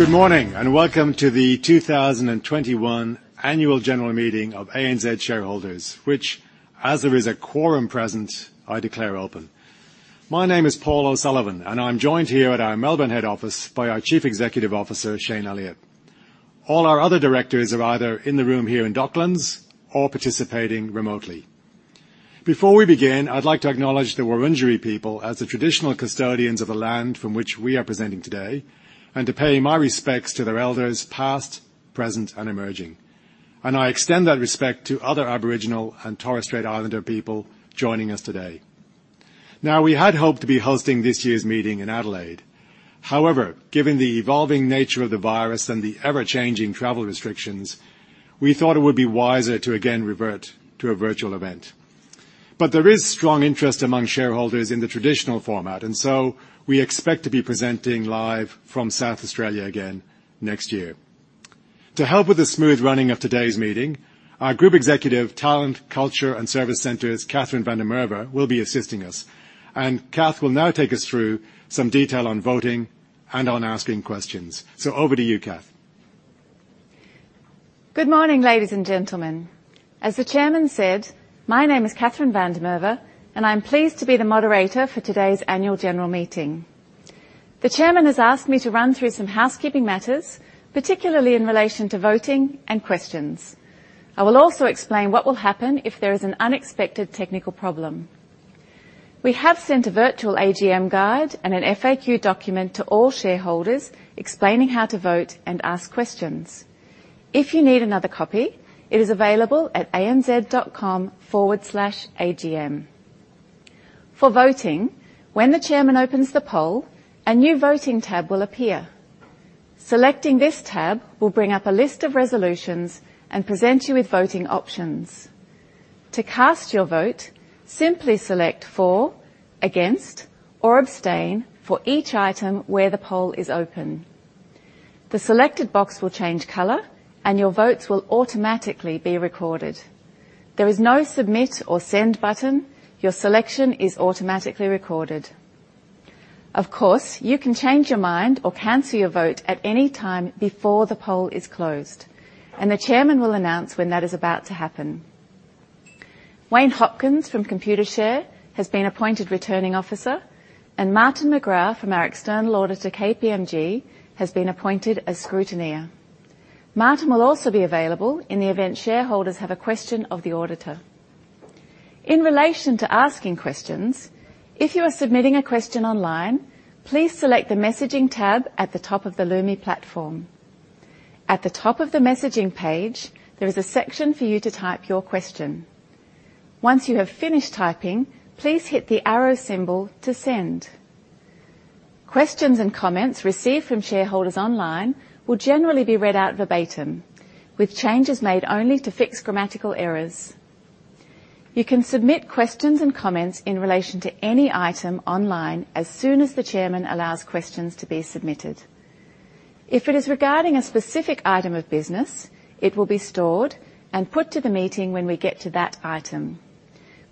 Good morning, and Welcome to The 2021 Annual General Meeting of ANZ shareholders, which, as there is a quorum present, I declare open. My name is Paul O'Sullivan, and I'm joined here at our Melbourne head office by our CEO, Shayne Elliott. All our other directors are either in the room here in Docklands or participating remotely. Before we begin, I'd like to acknowledge the Wurundjeri people as the traditional custodians of the land from which we are presenting today, and to pay my respects to their elders past, present, and emerging. I extend that respect to other Aboriginal and Torres Strait Islander people joining us today. Now, we had hoped to be hosting this year's meeting in Adelaide. However, given the evolving nature of the virus and the ever-changing travel restrictions, we thought it would be wiser to again revert to a virtual event. There is strong interest among shareholders in the traditional format, and so we expect to be presenting live from South Australia again next year. To help with the smooth running of today's meeting, our Group Executive, Talent, Culture, and Service Centres' Kathryn van der Merwe will be assisting us, and Cath will now take us through some detail on voting and on asking questions. Over to you, Kathryn. Good morning, ladies and gentlemen. As the chairman said, my name is Kathryn van der Merwe, and I'm pleased to be the moderator for today's annual general meeting. The chairman has asked me to run through some housekeeping matters, particularly in relation to voting and questions. I will also explain what will happen if there is an unexpected technical problem. We have sent a virtual AGM guide and an FAQ document to all shareholders explaining how to vote and ask questions. If you need another copy, it is available at anz.com/agm. For voting, when the chairman opens the poll, a new Voting tab will appear. Selecting this tab will bring up a list of resolutions and present you with voting options. To cast your vote, simply select For, Against, or Abstain for each item where the poll is open. The selected box will change color, and your votes will automatically be recorded. There is no Submit or Send button. Your selection is automatically recorded. Of course, you can change your mind or cancel your vote at any time before the poll is closed, and the chairman will announce when that is about to happen. Wayne Hopkins from Computershare has been appointed Returning Officer, and Martin McGrath from our external auditor, KPMG, has been appointed as Scrutineer. Martin will also be available in the event shareholders have a question of the auditor. In relation to asking questions, if you are submitting a question online, please select the Messaging tab at the top of the Lumi platform. At the top of the Messaging page, there is a section for you to type your question. Once you have finished typing, please hit the arrow symbol to send. Questions and comments received from shareholders online will generally be read out verbatim, with changes made only to fix grammatical errors. You can submit questions and comments in relation to any item online as soon as the chairman allows questions to be submitted. If it is regarding a specific item of business, it will be stored and put to the meeting when we get to that item.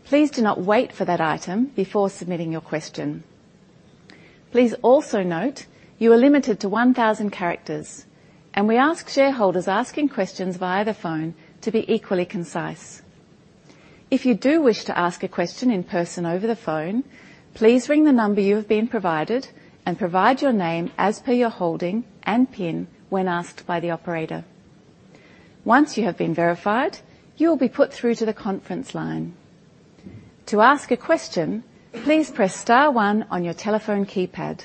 Please do not wait for that item before submitting your question. Please also note you are limited to 1000 characters, and we ask shareholders asking questions via the phone to be equally concise. If you do wish to ask a question in person over the phone, please ring the number you have been provided and provide your name as per your holding and PIN when asked by the operator. Once you have been verified, you will be put through to the conference line. To ask a question, please press star one on your telephone keypad.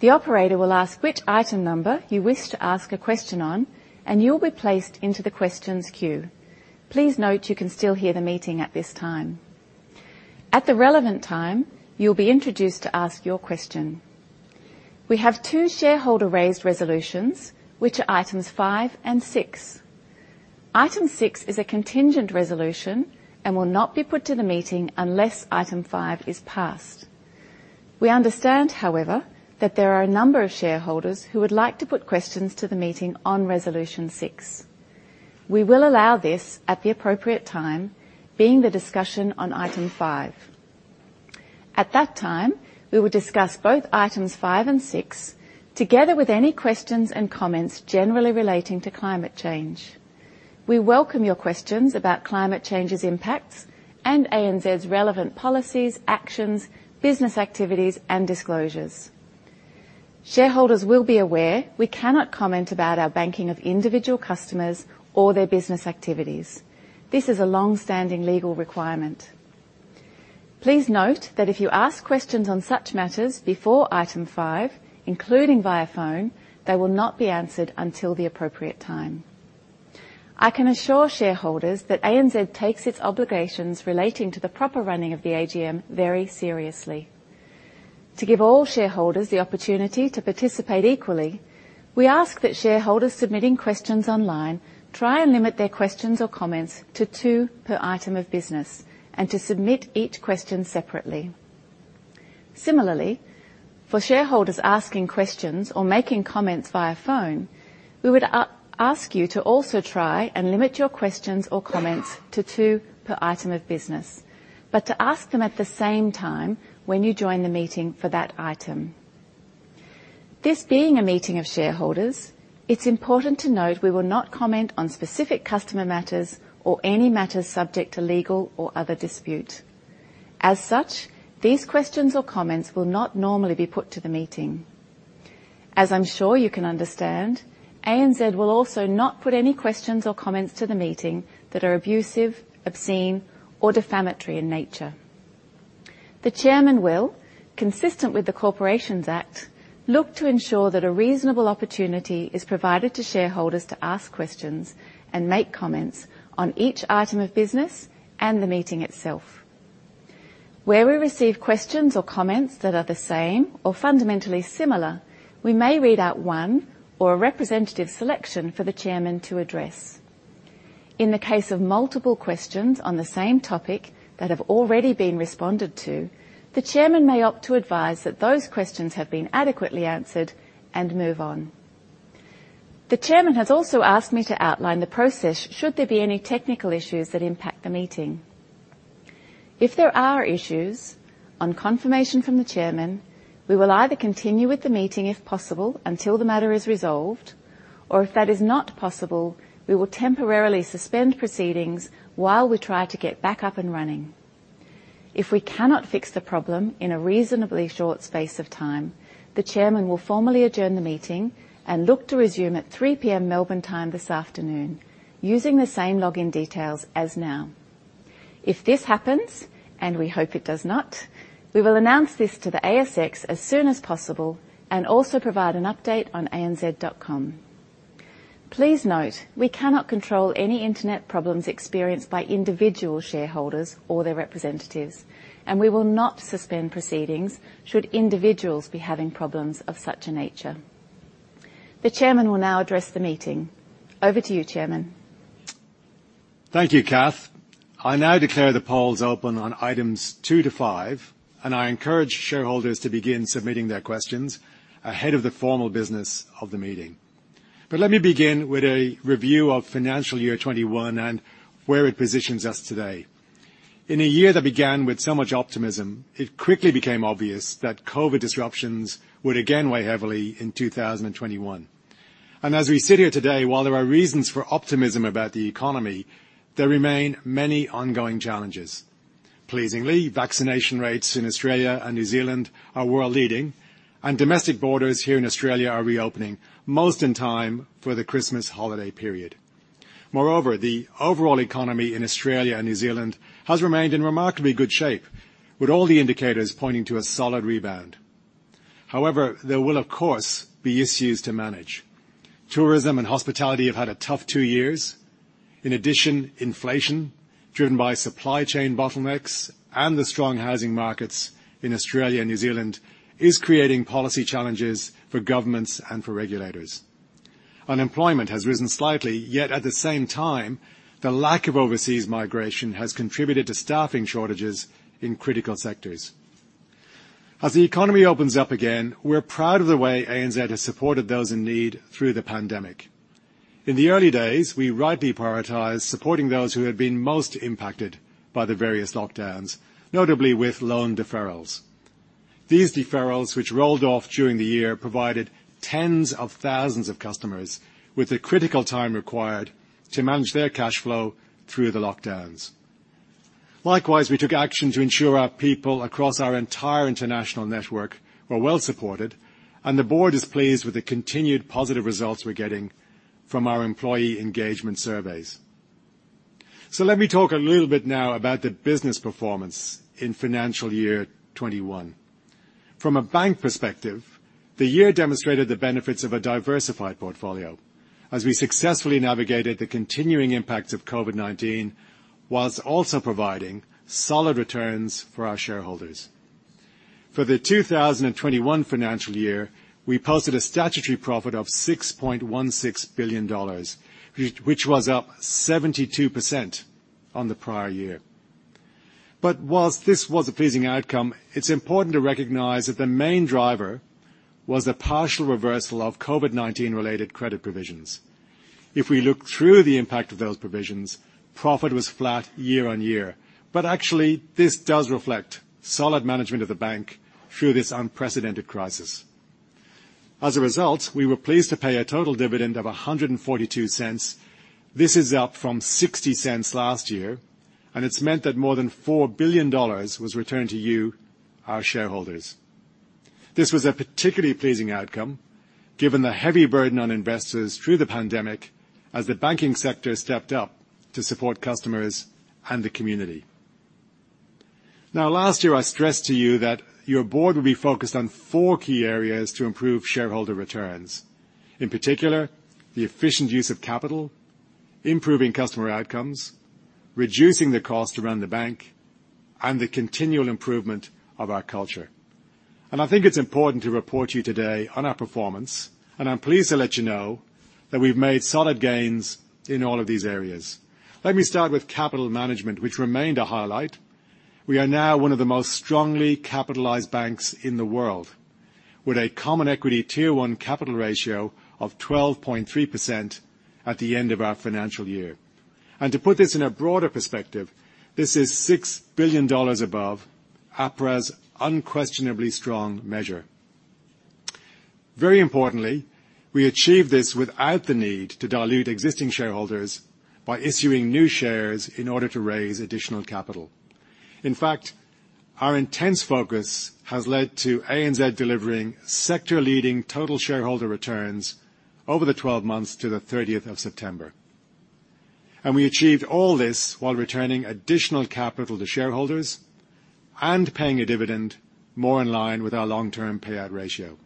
The operator will ask which item number you wish to ask a question on, and you'll be placed into the questions queue. Please note you can still hear the meeting at this time. At the relevant time, you'll be introduced to ask your question. We have two shareholder-raised resolutions, which are items five and six. Item six is a contingent resolution and will not be put to the meeting unless item five is passed. We understand, however, that there are a number of shareholders who would like to put questions to the meeting on resolution six. We will allow this at the appropriate time, being the discussion on item five. At that time, we will discuss both items five and six, together with any questions and comments generally relating to climate change. We welcome your questions about climate change's impacts and ANZ's relevant policies, actions, business activities, and disclosures. Shareholders will be aware we cannot comment about our banking of individual customers or their business activities. This is a long-standing legal requirement. Please note that if you ask questions on such matters before item five, including via phone, they will not be answered until the appropriate time. I can assure shareholders that ANZ takes its obligations relating to the proper running of the AGM very seriously. To give all shareholders the opportunity to participate equally, we ask that shareholders submitting questions online try and limit their questions or comments to two per item of business, and to submit each question separately. Similarly, for shareholders asking questions or making comments via phone, we would ask you to also try and limit your questions or comments to two per item of business, but to ask them at the same time when you join the meeting for that item. This being a meeting of shareholders, it's important to note we will not comment on specific customer matters or any matters subject to legal or other dispute. As such, these questions or comments will not normally be put to the meeting. As I'm sure you can understand, ANZ will also not put any questions or comments to the meeting that are abusive, obscene, or defamatory in nature. The chairman will, consistent with the Corporations Act, look to ensure that a reasonable opportunity is provided to shareholders to ask questions and make comments on each item of business and the meeting itself. Where we receive questions or comments that are the same or fundamentally similar, we may read out one or a representative selection for the chairman to address. In the case of multiple questions on the same topic that have already been responded to, the chairman may opt to advise that those questions have been adequately answered, and move on. The chairman has also asked me to outline the process should there be any technical issues that impact the meeting. If there are issues, on confirmation from the chairman, we will either continue with the meeting, if possible, until the matter is resolved. Or if that is not possible, we will temporarily suspend proceedings while we try to get back up and running. If we cannot fix the problem in a reasonably short space of time, the Chairman will formally adjourn the meeting and look to resume at 3 P.M. Melbourne time this afternoon, using the same login details as now. If this happens, and we hope it does not, we will announce this to the ASX as soon as possible, and also provide an update on anz.com. Please note, we cannot control any internet problems experienced by individual shareholders or their representatives, and we will not suspend proceedings should individuals be having problems of such a nature. The Chairman will now address the meeting. Over to you, Chairman. Thank you, Kathryn. I now declare the polls open on items two to five, and I encourage shareholders to begin submitting their questions ahead of the formal business of the meeting. Let me begin with a review of financial year 2021 and where it positions us today. In a year that began with so much optimism, it quickly became obvious that COVID disruptions would again weigh heavily in 2021. As we sit here today, while there are reasons for optimism about the economy, there remain many ongoing challenges. Pleasingly, vaccination rates in Australia and New Zealand are world leading, and domestic borders here in Australia are reopening, most in time for the Christmas holiday period. Moreover, the overall economy in Australia and New Zealand has remained in remarkably good shape, with all the indicators pointing to a solid rebound. However, there will of course be issues to manage. Tourism and hospitality have had a tough two years. In addition, inflation, driven by supply chain bottlenecks and the strong housing markets in Australia and New Zealand, is creating policy challenges for governments and for regulators. Unemployment has risen slightly, yet at the same time, the lack of overseas migration has contributed to staffing shortages in critical sectors. As the economy opens up again, we're proud of the way ANZ has supported those in need through the pandemic. In the early days, we rightly prioritized supporting those who had been most impacted by the various lockdowns, notably with loan deferrals. These deferrals, which rolled off during the year, provided tens of thousands of customers with the critical time required to manage their cash flow through the lockdowns. Likewise, we took action to ensure our people across our entire international network were well-supported, and the board is pleased with the continued positive results we're getting from our employee engagement surveys. Let me talk a little bit now about the business performance in financial year 2021. From a bank perspective, the year demonstrated the benefits of a diversified portfolio as we successfully navigated the continuing impacts of COVID-19, while also providing solid returns for our shareholders. For the 2021 financial year, we posted a statutory profit of 6.16 billion dollars, which was up 72% on the prior year. While this was a pleasing outcome, it's important to recognize that the main driver was a partial reversal of COVID-19-related credit provisions. If we look through the impact of those provisions, profit was flat year-on-year. Actually, this does reflect solid management of the bank through this unprecedented crisis. As a result, we were pleased to pay a total dividend of 1.42. This is up from 0.60 last year, and it's meant that more than 4 billion dollars was returned to you, our shareholders. This was a particularly pleasing outcome given the heavy burden on investors through the pandemic as the banking sector stepped up to support customers and the community. Now last year, I stressed to you that your board will be focused on four key areas to improve shareholder returns. In particular, the efficient use of capital, improving customer outcomes, reducing the cost to run the bank, and the continual improvement of our culture. I think it's important to report to you today on our performance, and I'm pleased to let you know that we've made solid gains in all of these areas. Let me start with capital management, which remained a highlight. We are now one of the most strongly capitalized banks in the world, with a Common Equity Tier 1 capital ratio of 12.3% at the end of our financial year. To put this in a broader perspective, this is 6 billion dollars above APRA's unquestionably strong measure. Very importantly, we achieved this without the need to dilute existing shareholders by issuing new shares in order to raise additional capital. In fact, our intense focus has led to ANZ delivering sector-leading total shareholder returns over the 12 months to the 13th of September. We achieved all this while returning additional capital to shareholders and paying a dividend more in line with our long-term payout ratio.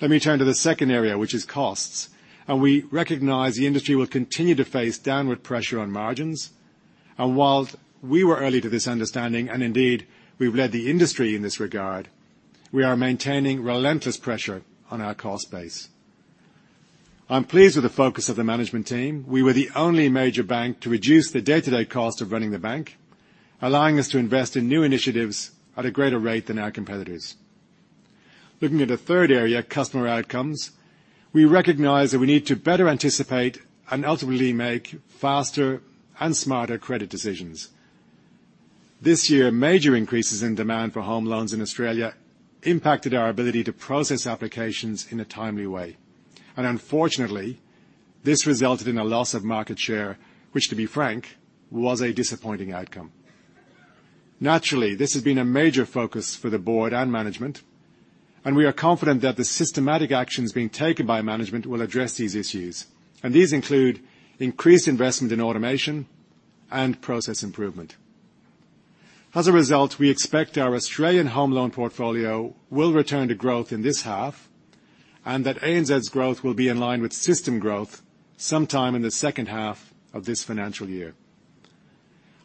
Let me turn to the second area, which is costs, and we recognize the industry will continue to face downward pressure on margins. While we were early to this understanding, and indeed we've led the industry in this regard, we are maintaining relentless pressure on our cost base. I'm pleased with the focus of the management team. We were the only major bank to reduce the day-to-day cost of running the bank, allowing us to invest in new initiatives at a greater rate than our competitors. Looking at a third area, customer outcomes, we recognize that we need to better anticipate and ultimately make faster and smarter credit decisions. This year, major increases in demand for home loans in Australia impacted our ability to process applications in a timely way. Unfortunately, this resulted in a loss of market share, which, to be frank, was a disappointing outcome. Naturally, this has been a major focus for the board and management, and we are confident that the systematic actions being taken by management will address these issues. These include increased investment in automation and process improvement. As a result, we expect our Australian home loan portfolio will return to growth in this half and that ANZ's growth will be in line with system growth sometime in the H2 of this financial year.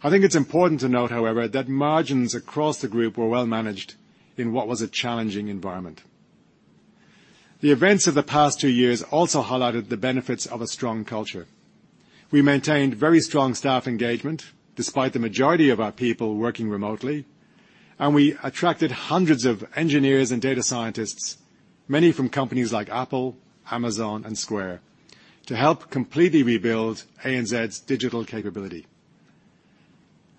I think it's important to note, however, that margins across the group were well managed in what was a challenging environment. The events of the past two years also highlighted the benefits of a strong culture. We maintained very strong staff engagement despite the majority of our people working remotely, and we attracted hundreds of engineers and data scientists, many from companies like Apple, Amazon, and Square, to help completely rebuild ANZ's digital capability.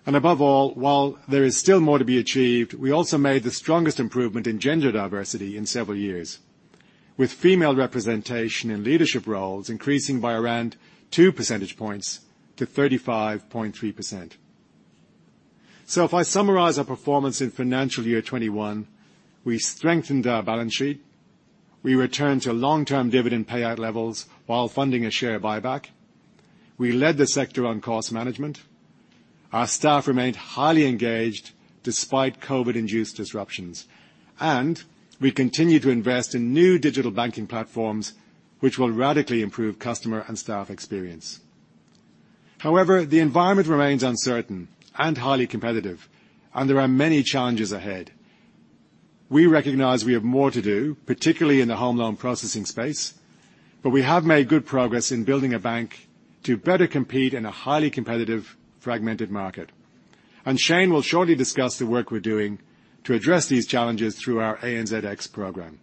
Above all, while there is still more to be achieved, we also made the strongest improvement in gender diversity in several years, with female representation in leadership roles increasing by around two percentage points to 35.3%. If I summarize our performance in financial year 2021, we strengthened our balance sheet, we returned to long-term dividend payout levels while funding a share buyback, we led the sector on cost management, our staff remained highly engaged despite COVID-induced disruptions, and we continued to invest in new digital banking platforms, which will radically improve customer and staff experience. However, the environment remains uncertain and highly competitive, and there are many challenges ahead. We recognize we have more to do, particularly in the home loan processing space, but we have made good progress in building a bank to better compete in a highly competitive, fragmented market. Shayne will shortly discuss the work we're doing to address these challenges through our ANZx program.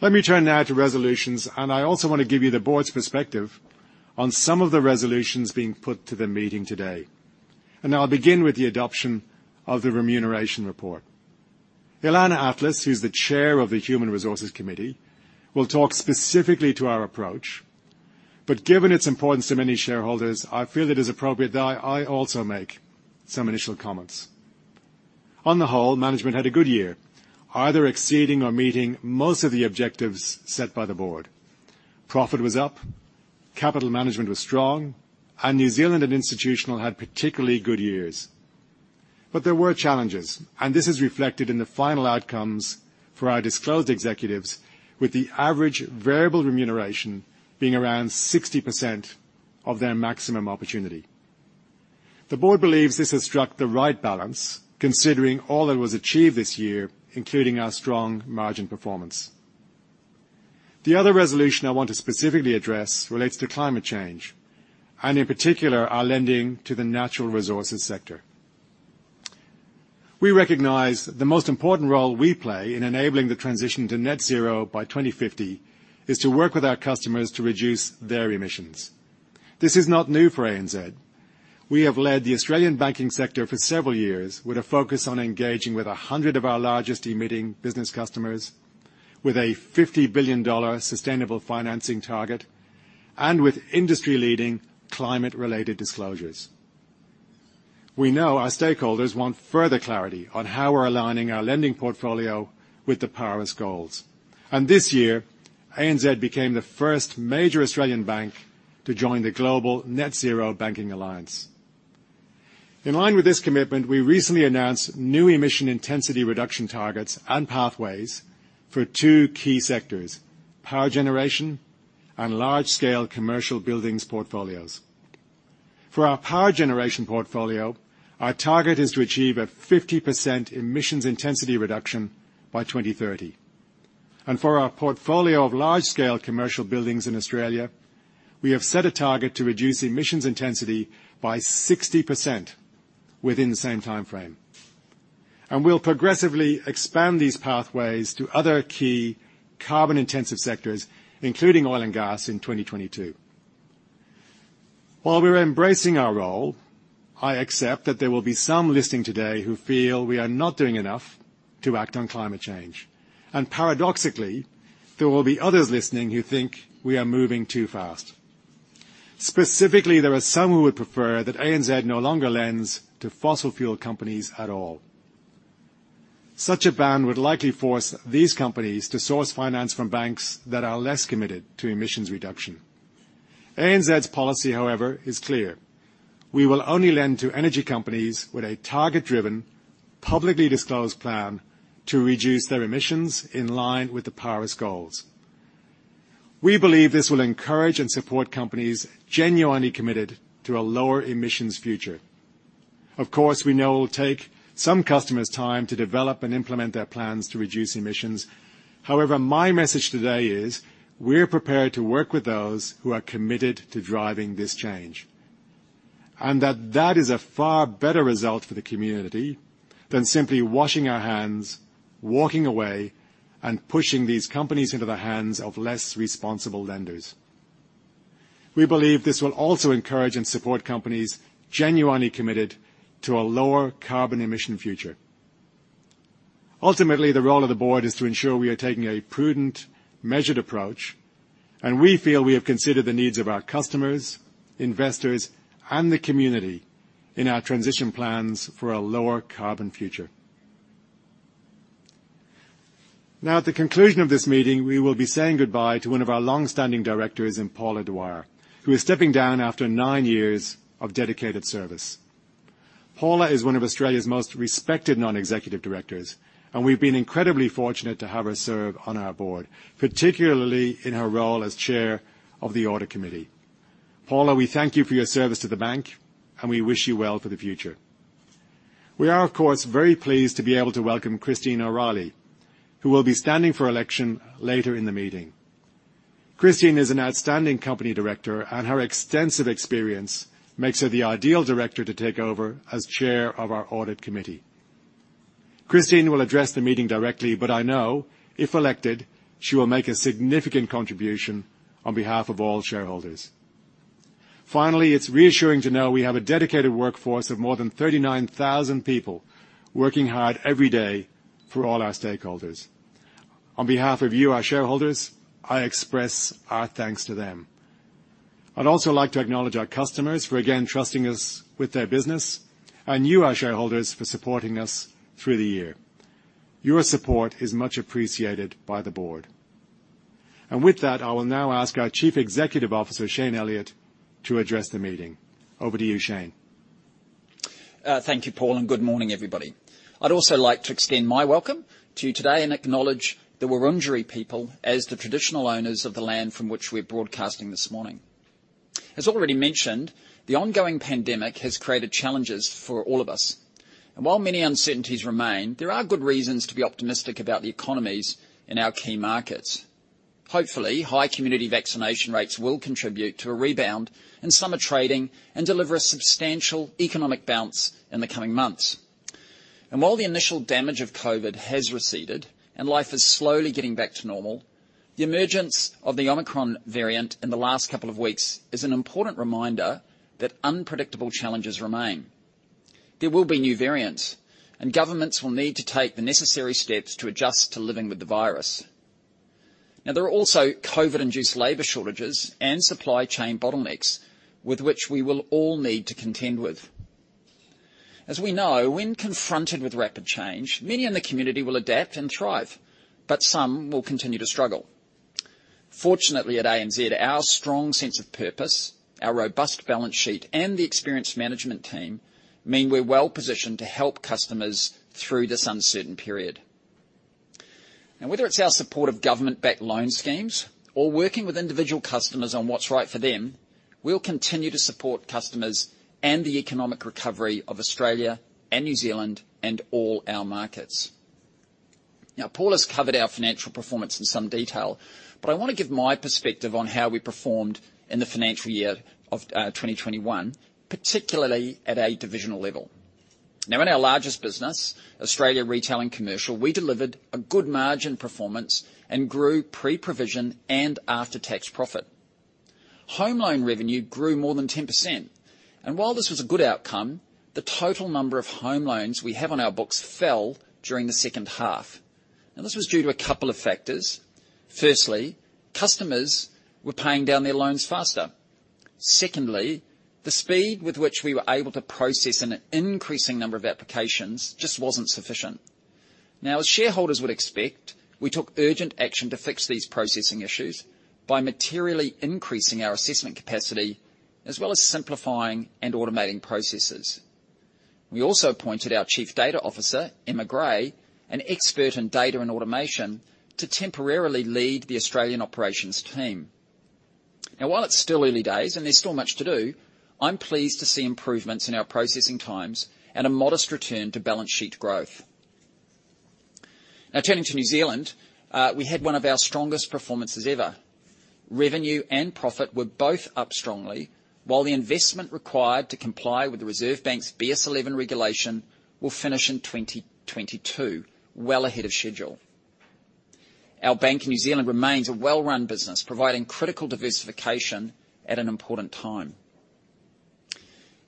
Let me turn now to resolutions, and I also want to give you the board's perspective on some of the resolutions being put to the meeting today. I'll begin with the adoption of the remuneration report. Ilana Atlas, who's the chair of the Human Resources Committee, will talk specifically to our approach. Given its importance to many shareholders, I feel it is appropriate that I also make some initial comments. On the whole, management had a good year, either exceeding or meeting most of the objectives set by the board. Profit was up, capital management was strong, and New Zealand and Institutional had particularly good years. There were challenges, and this is reflected in the final outcomes for our disclosed executives with the average variable remuneration being around 60% of their maximum opportunity. The board believes this has struck the right balance, considering all that was achieved this year, including our strong margin performance. The other resolution I want to specifically address relates to climate change and, in particular, our lending to the natural resources sector. We recognize the most important role we play in enabling the transition to net zero by 2050 is to work with our customers to reduce their emissions. This is not new for ANZ. We have led the Australian banking sector for several years with a focus on engaging with 100 of our largest emitting business customers with an 50 billion dollar sustainable financing target and with industry-leading climate related disclosures. We know our stakeholders want further clarity on how we're aligning our lending portfolio with the Paris goals. This year, ANZ became the first major Australian bank to join the Global Net-Zero Banking Alliance. In line with this commitment, we recently announced new emission intensity reduction targets and pathways for two key sectors: power generation and large-scale commercial buildings portfolios. For our power generation portfolio, our target is to achieve a 50% emissions intensity reduction by 2030. For our portfolio of large-scale commercial buildings in Australia, we have set a target to reduce emissions intensity by 60% within the same time frame. We'll progressively expand these pathways to other key carbon-intensive sectors, including oil and gas in 2022. While we're embracing our role, I accept that there will be some listening today who feel we are not doing enough to act on climate change. Paradoxically, there will be others listening who think we are moving too fast. Specifically, there are some who would prefer that ANZ no longer lends to fossil fuel companies at all. Such a ban would likely force these companies to source finance from banks that are less committed to emissions reduction. ANZ's policy, however, is clear: We will only lend to energy companies with a target-driven, publicly disclosed plan to reduce their emissions in line with the Paris Goals. We believe this will encourage and support companies genuinely committed to a lower emissions future. Of course, we know it'll take some customers time to develop and implement their plans to reduce emissions. However, my message today is we're prepared to work with those who are committed to driving this change, and that is a far better result for the community than simply washing our hands, walking away, and pushing these companies into the hands of less responsible lenders. We believe this will also encourage and support companies genuinely committed to a lower carbon emission future. Ultimately, the role of the board is to ensure we are taking a prudent, measured approach, and we feel we have considered the needs of our customers, investors, and the community in our transition plans for a lower carbon future. Now, at the conclusion of this meeting, we will be saying goodbye to one of our long-standing directors in Paula Dwyer, who is stepping down after nine years of dedicated service. Paula is one of Australia's most respected non-executive directors, and we've been incredibly fortunate to have her serve on our board, particularly in her role as Chair of the Audit Committee. Paula, we thank you for your service to the bank, and we wish you well for the future. We are, of course, very pleased to be able to welcome Christine O'Reilly, who will be standing for election later in the meeting. Christine is an outstanding company director, and her extensive experience makes her the ideal director to take over as Chair of our Audit Committee. Christine will address the meeting directly, but I know, if elected, she will make a significant contribution on behalf of all shareholders. Finally, it's reassuring to know we have a dedicated workforce of more than 39,000 people working hard every day for all our stakeholders. On behalf of you, our shareholders, I express our thanks to them. I'd also like to acknowledge our customers for again trusting us with their business and you, our shareholders, for supporting us through the year. Your support is much appreciated by the board. With that, I will now ask our CEO, Shayne Elliott, to address the meeting. Over to you, Shayne. Thank you, Paul, and good morning, everybody. I'd also like to extend my welcome to you today and acknowledge the Wurundjeri people as the traditional owners of the land from which we're broadcasting this morning. As already mentioned, the ongoing pandemic has created challenges for all of us. While many uncertainties remain, there are good reasons to be optimistic about the economies in our key markets. Hopefully, high community vaccination rates will contribute to a rebound in summer trading and deliver a substantial economic bounce in the coming months. While the initial damage of COVID has receded and life is slowly getting back to normal, the emergence of the Omicron variant in the last couple of weeks is an important reminder that unpredictable challenges remain. There will be new variants, and governments will need to take the necessary steps to adjust to living with the virus. Now, there are also COVID-induced labor shortages and supply chain bottlenecks with which we will all need to contend with. As we know, when confronted with rapid change, many in the community will adapt and thrive, but some will continue to struggle. Fortunately, at ANZ, our strong sense of purpose, our robust balance sheet, and the experienced management team mean we're well-positioned to help customers through this uncertain period. Now, whether it's our support of government-backed loan schemes or working with individual customers on what's right for them, we'll continue to support customers and the economic recovery of Australia and New Zealand and all our markets. Now, Paul has covered our financial performance in some detail, but I want to give my perspective on how we performed in the financial year of 2021, particularly at a divisional level. Now, in our largest business, Australia Retail and Commercial, we delivered a good margin performance and grew pre-provision and after-tax profit. Home loan revenue grew more than 10%, and while this was a good outcome, the total number of home loans we have on our books fell during the H2. Now, this was due to a couple of factors. Firstly, customers were paying down their loans faster. Secondly, the speed with which we were able to process an increasing number of applications just wasn't sufficient. Now, as shareholders would expect, we took urgent action to fix these processing issues by materially increasing our assessment capacity as well as simplifying and automating processes. We also appointed our Chief Data Officer, Emma Gray, an expert in data and automation, to temporarily lead the Australian operations team. Now, while it's still early days and there's still much to do, I'm pleased to see improvements in our processing times and a modest return to balance sheet growth. Turning to New Zealand, we had one of our strongest performances ever. Revenue and profit were both up strongly, while the investment required to comply with the Reserve Bank's BS11 regulation will finish in 2022, well ahead of schedule. Our bank in New Zealand remains a well-run business, providing critical diversification at an important time.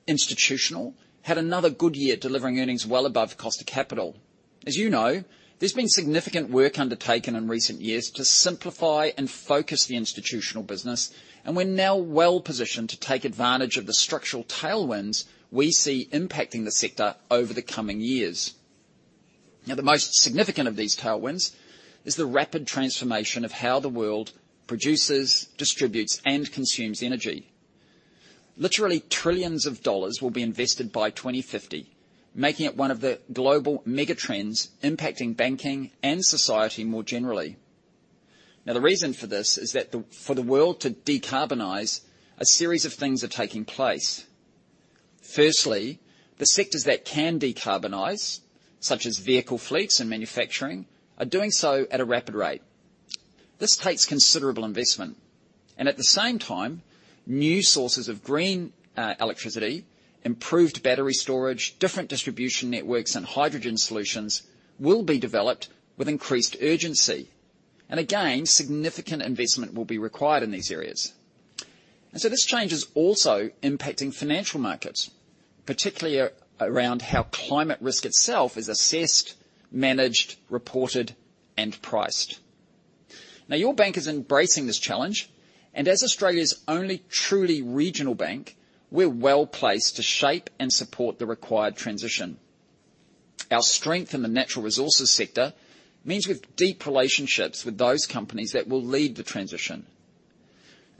Institutional had another good year, delivering earnings well above the cost of capital. As you know, there's been significant work undertaken in recent years to simplify and focus the institutional business, and we're now well-positioned to take advantage of the structural tailwinds we see impacting the sector over the coming years. The most significant of these tailwinds is the rapid transformation of how the world produces, distributes, and consumes energy. Literally trillions of dollars will be invested by 2050, making it one of the global mega trends impacting banking and society more generally. The reason for this is that for the world to decarbonize, a series of things are taking place. Firstly, the sectors that can decarbonize, such as vehicle fleets and manufacturing, are doing so at a rapid rate. This takes considerable investment and at the same time, new sources of green electricity, improved battery storage, different distribution networks, and hydrogen solutions will be developed with increased urgency. Again, significant investment will be required in these areas. This change is also impacting financial markets, particularly around how climate risk itself is assessed, managed, reported, and priced. Now, your bank is embracing this challenge, and as Australia's only truly regional bank, we're well-placed to shape and support the required transition. Our strength in the natural resources sector means we have deep relationships with those companies that will lead the transition.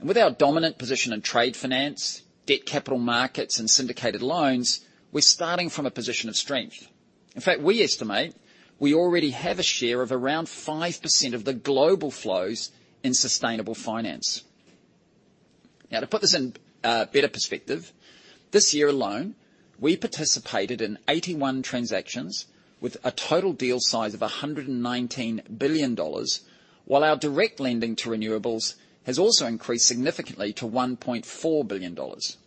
With our dominant position in trade finance, debt capital markets, and syndicated loans, we're starting from a position of strength. In fact, we estimate we already have a share of around 5% of the global flows in sustainable finance. To put this in better perspective, this year alone, we participated in 81 transactions with a total deal size of 119 billion dollars, while our direct lending to renewables has also increased significantly to 1.4 billion dollars.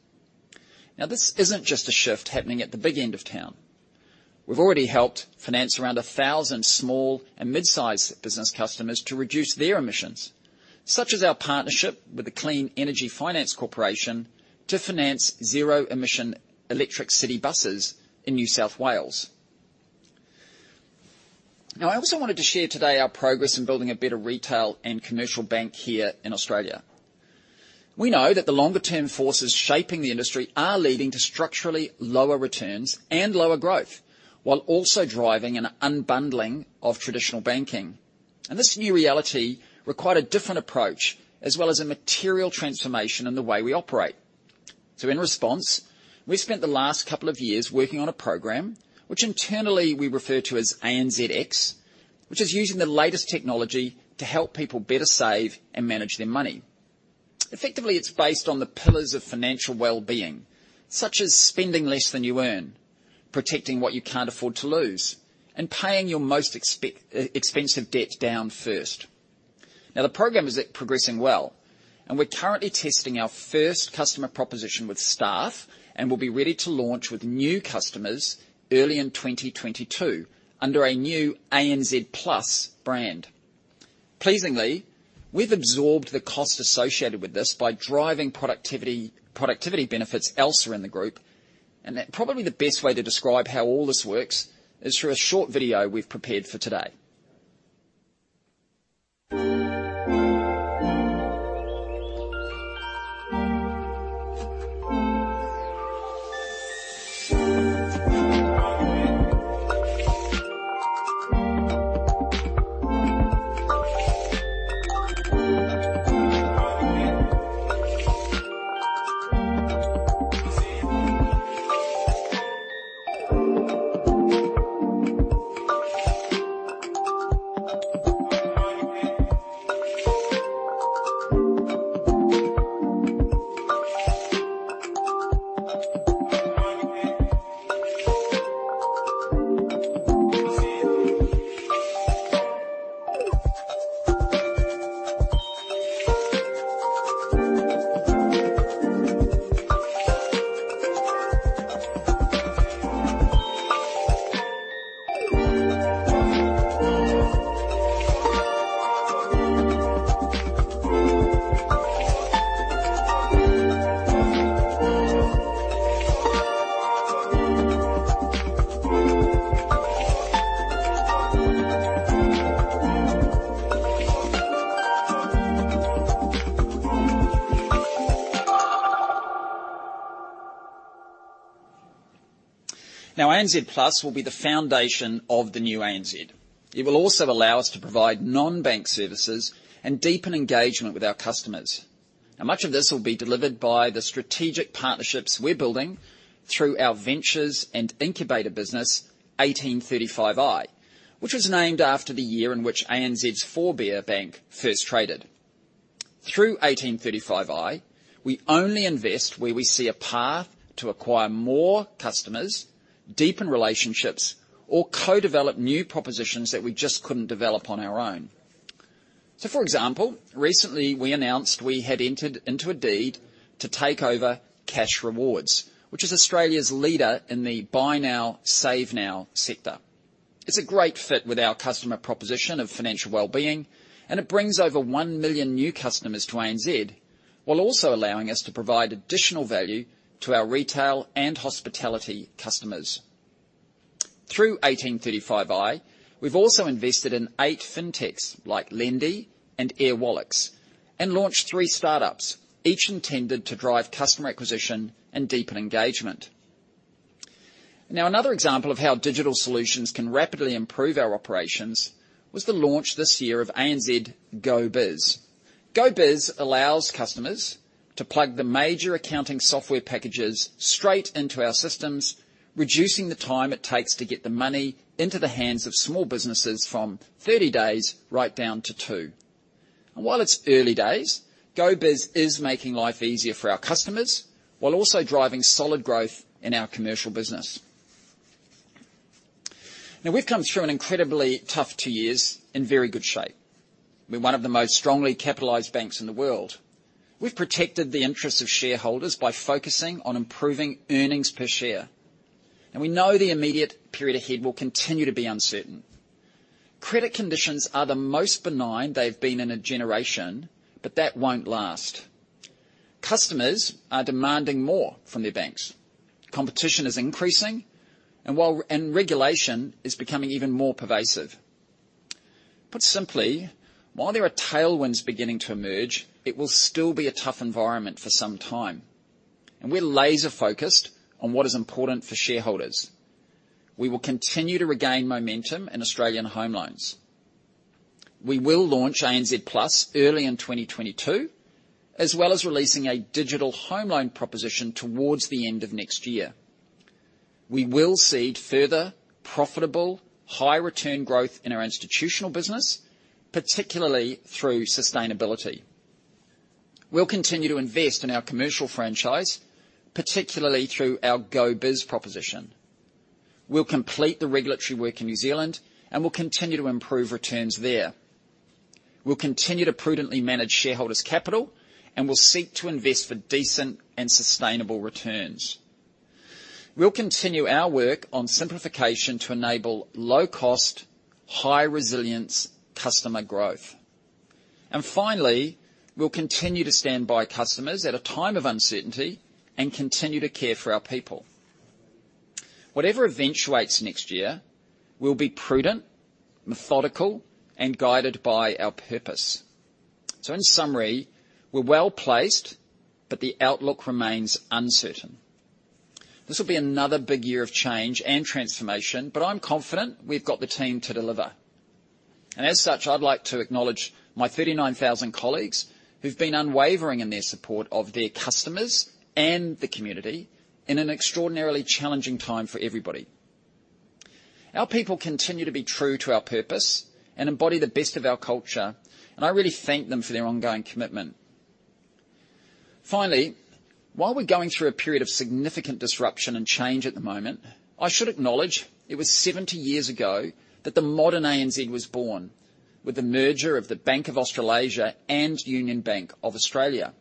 Now, this isn't just a shift happening at the big end of town. We've already helped finance around 1,000 small and mid-sized business customers to reduce their emissions, such as our partnership with the Clean Energy Finance Corporation to finance zero-emission electric city buses in New South Wales. Now, I also wanted to share today our progress in building a better retail and commercial bank here in Australia. We know that the longer term forces shaping the industry are leading to structurally lower returns and lower growth, while also driving an unbundling of traditional banking. This new reality required a different approach as well as a material transformation in the way we operate. In response, we spent the last couple of years working on a program which internally we refer to as ANZx, which is using the latest technology to help people better save and manage their money. Effectively, it's based on the pillars of financial well-being, such as spending less than you earn, protecting what you can't afford to lose, and paying your most expensive debt down first. Now, the program is progressing well, and we're currently testing our first customer proposition with staff, and will be ready to launch with new customers early in 2022 under our new ANZ Plus brand. Pleasingly, we've absorbed the cost associated with this by driving productivity benefits elsewhere in the group, and that is probably the best way to describe how all this works is through a short video we've prepared for today. Now, ANZ Plus will be the foundation of the new ANZ. It will also allow us to provide non-bank services and deepen engagement with our customers. Much of this will be delivered by the strategic partnerships we're building through our ventures and incubator business, 1835i, which was named after the year in which ANZ's forebear bank first traded. Through 1835i, we only invest where we see a path to acquire more customers, deepen relationships, or co-develop new propositions that we just couldn't develop on our own. For example, recently we announced we had entered into a deed to take over Cashrewards, which is Australia's leader in the buy now, save now sector. It's a great fit with our customer proposition of financial well-being, and it brings over one million new customers to ANZ, while also allowing us to provide additional value to our retail and hospitality customers. Through 1835i, we've also invested in eight fintechs, like Lendi and Airwallex, and launched three startups, each intended to drive customer acquisition and deepen engagement. Now, another example of how digital solutions can rapidly improve our operations was the launch this year of ANZ GoBiz. GoBiz allows customers to plug the major accounting software packages straight into our systems, reducing the time it takes to get the money into the hands of small businesses from 30 days right down to two. While it's early days, GoBiz is making life easier for our customers while also driving solid growth in our commercial business. Now, we've come through an incredibly tough two years in very good shape. We're one of the most strongly capitalized banks in the world. We've protected the interests of shareholders by focusing on improving earnings per share. We know the immediate period ahead will continue to be uncertain. Credit conditions are the most benign they've been in a generation, but that won't last. Customers are demanding more from their banks. Competition is increasing, and regulation is becoming even more pervasive. Put simply, while there are tailwinds beginning to emerge, it will still be a tough environment for some time. We're laser-focused on what is important for shareholders. We will continue to regain momentum in Australian home loans. We will launch ANZ Plus early in 2022, as well as releasing a digital home loan proposition towards the end of next year. We will seed further profitable, high return growth in our institutional business, particularly through sustainability. We'll continue to invest in our commercial franchise, particularly through our GoBiz proposition. We'll complete the regulatory work in New Zealand, and we'll continue to improve returns there. We'll continue to prudently manage shareholders' capital, and we'll seek to invest for decent and sustainable returns. We'll continue our work on simplification to enable low-cost, high-resilience customer growth. Finally, we'll continue to stand by customers at a time of uncertainty and continue to care for our people. Whatever eventuates next year, we'll be prudent, methodical, and guided by our purpose. In summary, we're well-placed, but the outlook remains uncertain. This will be another big year of change and transformation, but I'm confident we've got the team to deliver. As such, I'd like to acknowledge my 39,000 colleagues who've been unwavering in their support of their customers and the community in an extraordinarily challenging time for everybody. Our people continue to be true to our purpose and embody the best of our culture, and I really thank them for their ongoing commitment. Finally, while we're going through a period of significant disruption and change at the moment, I should acknowledge it was 70 years ago that the modern ANZ was born, with the merger of the Bank of Australasia and Union Bank of Australia.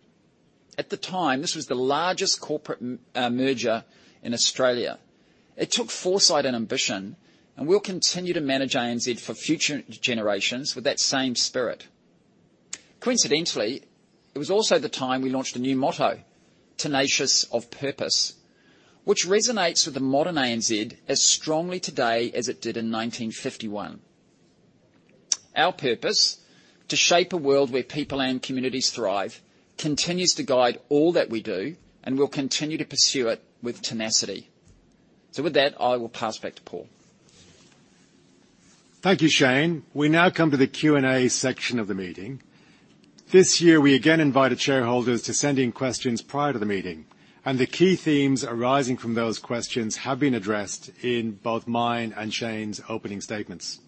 At the time, this was the largest corporate merger in Australia. It took foresight and ambition, and we'll continue to manage ANZ for future generations with that same spirit. Coincidentally, it was also the time we launched a new motto, "Tenacious of Purpose," which resonates with the modern ANZ as strongly today as it did in 1951. Our purpose, to shape a world where people and communities thrive, continues to guide all that we do, and we'll continue to pursue it with tenacity. With that, I will pass it back to Paul. Thank you, Shayne. We now come to the Q&A section of the meeting. This year, we again invited shareholders to send in questions prior to the meeting, and the key themes arising from those questions have been addressed in both mine and Shayne's opening statements.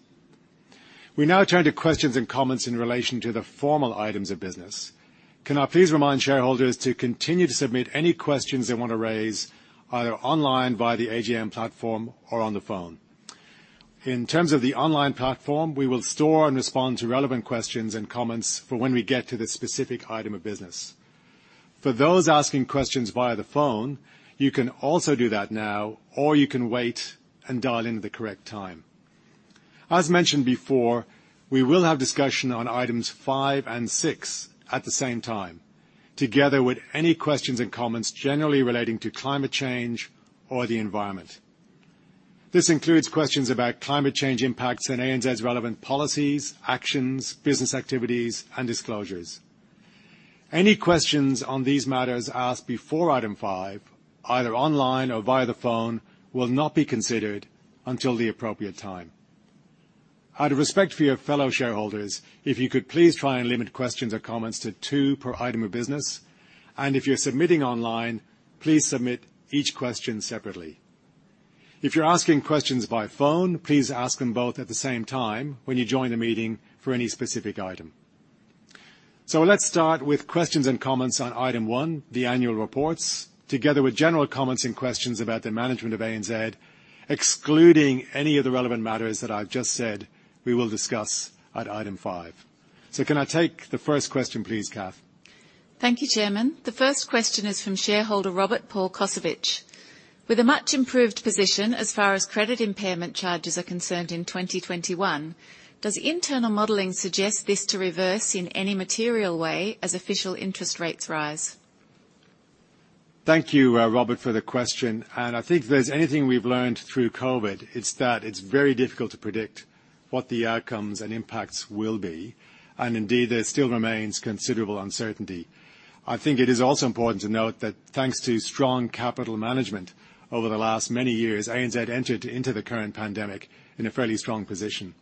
We now turn to questions and comments in relation to the formal items of business. Can I please remind shareholders to continue to submit any questions they want to raise either online via the AGM platform or on the phone? In terms of the online platform, we will store and respond to relevant questions and comments for when we get to the specific item of business. For those asking questions via the phone, you can also do that now, or you can wait and dial in at the correct time. As mentioned before, we will have discussion on items five and six at the same time, together with any questions and comments generally relating to climate change or the environment. This includes questions about climate change impacts on ANZ's relevant policies, actions, business activities, and disclosures. Any questions on these matters asked before item five, either online or via the phone, will not be considered until the appropriate time. Out of respect for your fellow shareholders, if you could please try and limit questions or comments to two per item of business, and if you're submitting online, please submit each question separately. If you're asking questions by phone, please ask them both at the same time when you join the meeting for any specific item. Let's start with questions and comments on item one, the annual reports, together with general comments and questions about the management of ANZ, excluding any of the relevant matters that I've just said we will discuss at item five. Can I take the first question, please, Kathyryn. Thank you, Chairman. The first question is from shareholder Robert Paul Kosovich. With a much improved position as far as credit impairment charges are concerned in 2021, does internal modeling suggest this to reverse in any material way as official interest rates rise? Thank you, Robert, for the question. I think if there's anything we've learned through COVID, it's that it's very difficult to predict what the outcomes and impacts will be. Indeed, there still remains considerable uncertainty. I think it is also important to note that thanks to strong capital management over the last many years, ANZ entered into the current pandemic in a fairly strong position.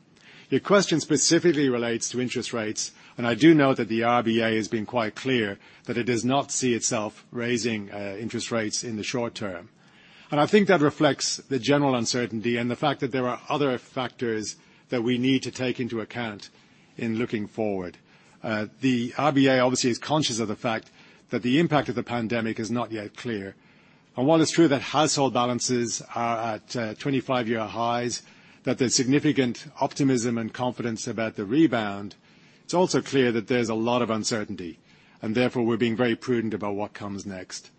Your question specifically relates to interest rates, and I do know that the RBA has been quite clear that it does not see itself raising interest rates in the short term. I think that reflects the general uncertainty and the fact that there are other factors that we need to take into account in looking forward. The RBA, obviously, is conscious of the fact that the impact of the pandemic is not yet clear. While it's true that household balances are at 25-year highs, that there's significant optimism and confidence about the rebound, it's also clear that there's a lot of uncertainty. Therefore, we're being very prudent about what comes next.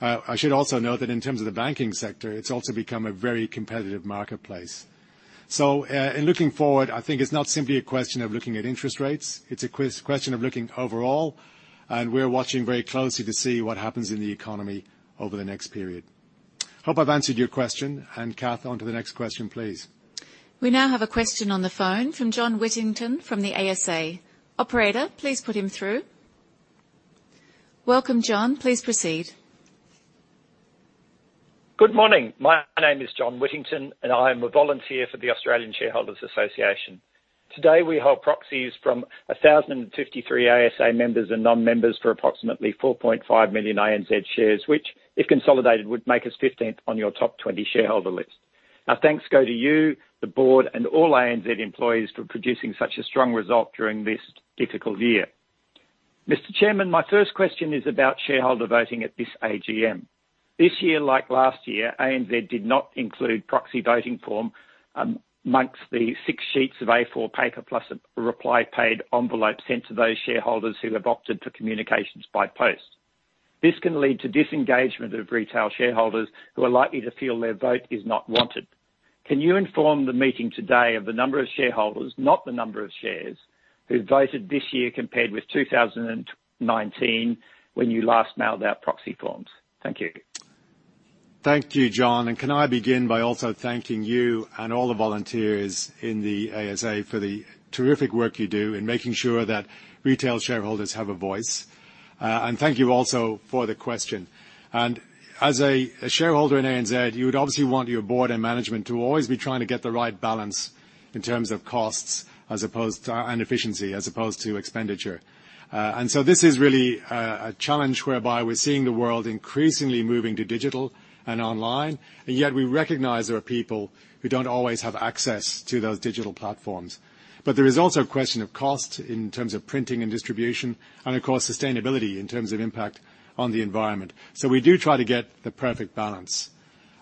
I should also note that in terms of the banking sector, it's also become a very competitive marketplace. In looking forward, I think it's not simply a question of looking at interest rates, it's a question of looking overall, and we're watching very closely to see what happens in the economy over the next period. Hope I've answered your question. Kathryn, on to the next question, please. We now have a question on the phone from John Whittington from the ASA. Operator, please put him through. Welcome, John. Please proceed. Good morning. My name is John Whittington, and I am a volunteer for the Australian Shareholders' Association. Today, we hold proxies from 1,053 ASA members and non-members for approximately 4.5 million ANZ shares, which, if consolidated, would make us fifteenth on your top 20 shareholder list. Our thanks go to you, the board, and all ANZ employees for producing such a strong result during this difficult year. Mr. Chairman, my first question is about shareholder voting at this AGM. This year, like last year, ANZ did not include proxy voting form amongst the six sheets of A4 paper, plus a reply paid envelope sent to those shareholders who have opted for communications by post. This can lead to disengagement of retail shareholders who are likely to feel their vote is not wanted. Can you inform the meeting today of the number of shareholders, not the number of shares, who voted this year compared with 2019 when you last mailed out proxy forms? Thank you. Thank you, John. Can I begin by also thanking you and all the volunteers in the ASA for the terrific work you do in making sure that retail shareholders have a voice. Thank you also for the question. As a shareholder in ANZ, you would obviously want your board and management to always be trying to get the right balance in terms of costs as opposed to efficiency as opposed to expenditure. This is really a challenge whereby we're seeing the world increasingly moving to digital and online, and yet we recognize there are people who don't always have access to those digital platforms. There is also a question of cost in terms of printing and distribution, and of course, sustainability in terms of impact on the environment. We do try to get the perfect balance.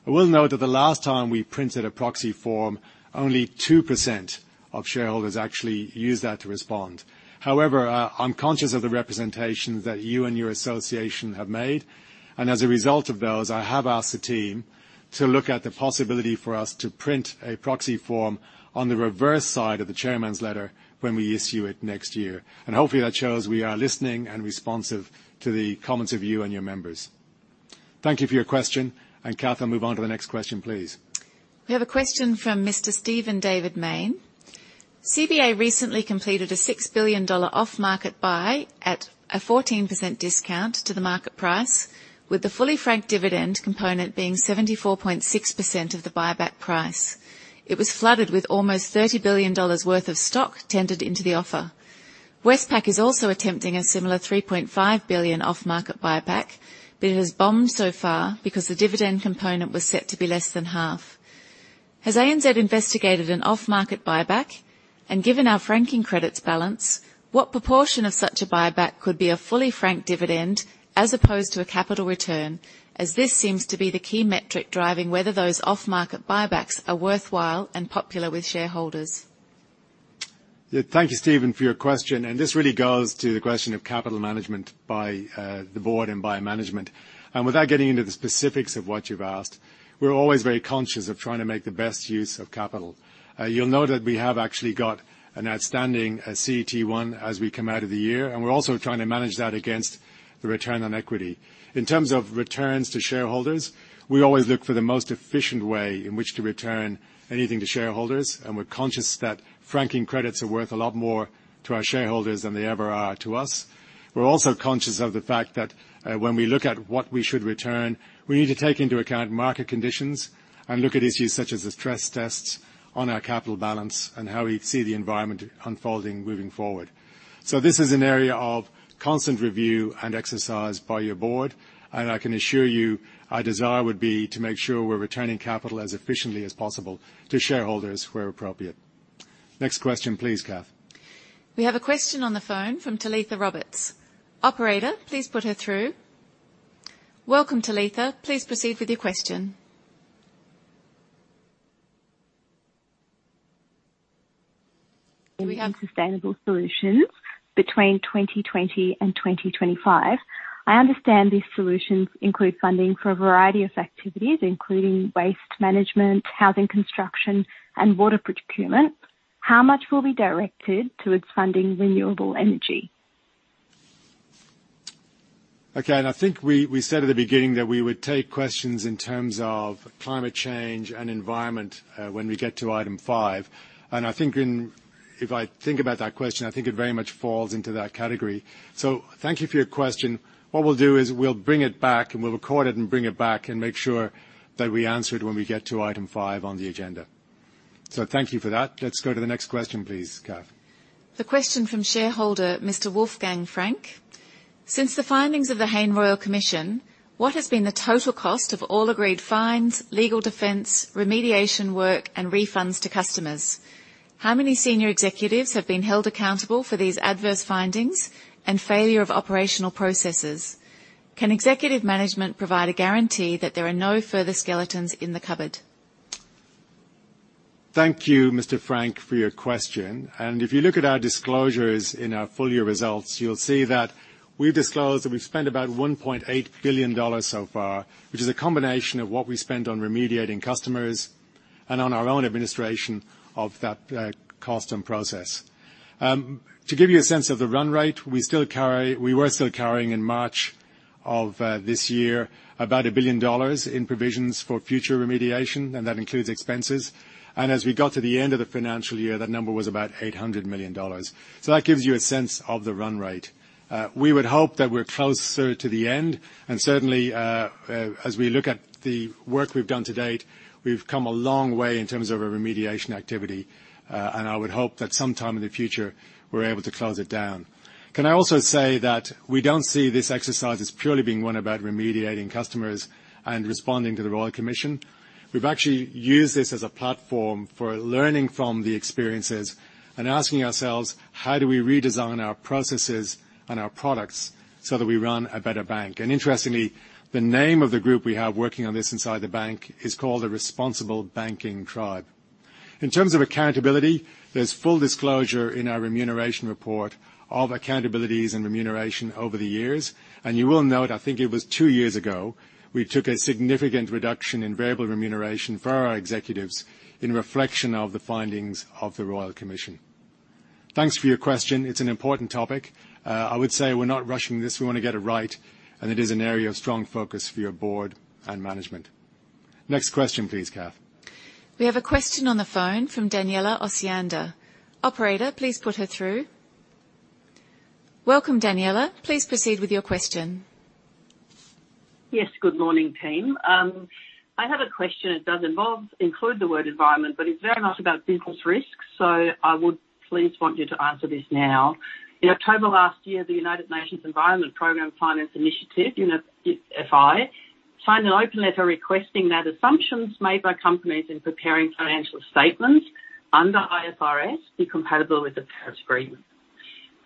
I will note that the last time we printed a proxy form, only 2% of shareholders actually used that to respond. However, I'm conscious of the representations that you and your association have made, and as a result of those, I have asked the team to look at the possibility for us to print a proxy form on the reverse side of the chairman's letter when we issue it next year. Hopefully, that shows we are listening and responsive to the comments of you and your members. Thank you for your question. Kathryn, move on to the next question, please. We have a question from Mr. Stephen David Mayne. CBA recently completed an 6 billion dollar off-market buyback at a 14% discount to the market price, with the fully franked dividend component being 74.6% of the buyback price. It was flooded with almost AUD 30 billion worth of stock tendered into the offer. Westpac is also attempting a similar AUD 3.5 billion off-market buyback, but it has bombed so far because the dividend component was set to be less than half. Has ANZ investigated an off-market buyback? Given our franking credits balance, what proportion of such a buyback could be a fully franked dividend as opposed to a capital return, as this seems to be the key metric driving whether those off-market buybacks are worthwhile and popular with shareholders? Thank you, Stephen, for your question. This really goes to the question of capital management by the board and by management. Without getting into the specifics of what you've asked, we're always very conscious of trying to make the best use of capital. You'll know that we have actually got an outstanding CET1 as we come out of the year, and we're also trying to manage that against the return on equity. In terms of returns to shareholders, we always look for the most efficient way in which to return anything to shareholders, and we're conscious that franking credits are worth a lot more to our shareholders than they ever are to us. We're also conscious of the fact that, when we look at what we should return, we need to take into account market conditions and look at issues such as the stress tests on our capital balance and how we see the environment unfolding moving forward. This is an area of constant review and exercise by your board, and I can assure you our desire would be to make sure we're returning capital as efficiently as possible to shareholders where appropriate. Next question please, Kathryn. We have a question on the phone from Talitha Roberts. Operator, please put her through. Welcome, Talitha. Please proceed with your question. Sustainable solutions between 2020 and 2025. I understand these solutions include funding for a variety of activities, including waste management, housing, construction, and water procurement. How much will be directed towards funding renewable energy? Okay. I think we said at the beginning that we would take questions in terms of climate change and environment, when we get to item five. I think if I think about that question, I think it very much falls into that category. Thank you for your question. What we'll do is we'll bring it back and we'll record it and bring it back and make sure that we answer it when we get to item five on the agenda. Thank you for that. Let's go to the next question, please, Kathryn. The question from shareholder, Mr. Wolfgang Frank. Since the findings of the Hayne Royal Commission, what has been the total cost of all agreed fines, legal defense, remediation work, and refunds to customers? How many senior executives have been held accountable for these adverse findings and failure of operational processes? Can executive management provide a guarantee that there are no further skeletons in the cupboard? Thank you, Mr. Frank, for your question. If you look at our disclosures in our full year results, you'll see that we've disclosed that we've spent about 1.8 billion dollars so far, which is a combination of what we spent on remediating customers and on our own administration of that, cost and process. To give you a sense of the run rate, we were still carrying in March of this year about 1 billion dollars in provisions for future remediation, and that includes expenses. As we got to the end of the financial year, that number was about 800 million dollars. That gives you a sense of the run rate. We would hope that we're closer to the end. Certainly, as we look at the work we've done to date, we've come a long way in terms of a remediation activity. I would hope that sometime in the future, we're able to close it down. Can I also say that we don't see this exercise as purely being one about remediating customers and responding to the Royal Commission. We've actually used this as a platform for learning from the experiences and asking ourselves, how do we redesign our processes and our products so that we run a better bank? Interestingly, the name of the group we have working on this inside the bank is called the Responsible Banking Tribe. In terms of accountability, there's full disclosure in our remuneration report of accountabilities and remuneration over the years. You will note, I think it was two years ago, we took a significant reduction in variable remuneration for our executives in reflection of the findings of the Royal Commission. Thanks for your question. It's an important topic. I would say we're not rushing this. We wanna get it right, and it is an area of strong focus for your board and management. Next question, please, Kathryn. We have a question on the phone from Danielle Osiander. Operator, please put her through. Welcome, Daniella. Please proceed with your question. Yes. Good morning, team. I have a question. It does include the word environment, but it's very much about business risks. I would please want you to answer this now. In October last year, the United Nations Environment Programme Finance Initiative, UNEP FI, signed an open letter requesting that assumptions made by companies in preparing financial statements under IFRS be compatible with the Paris Agreement.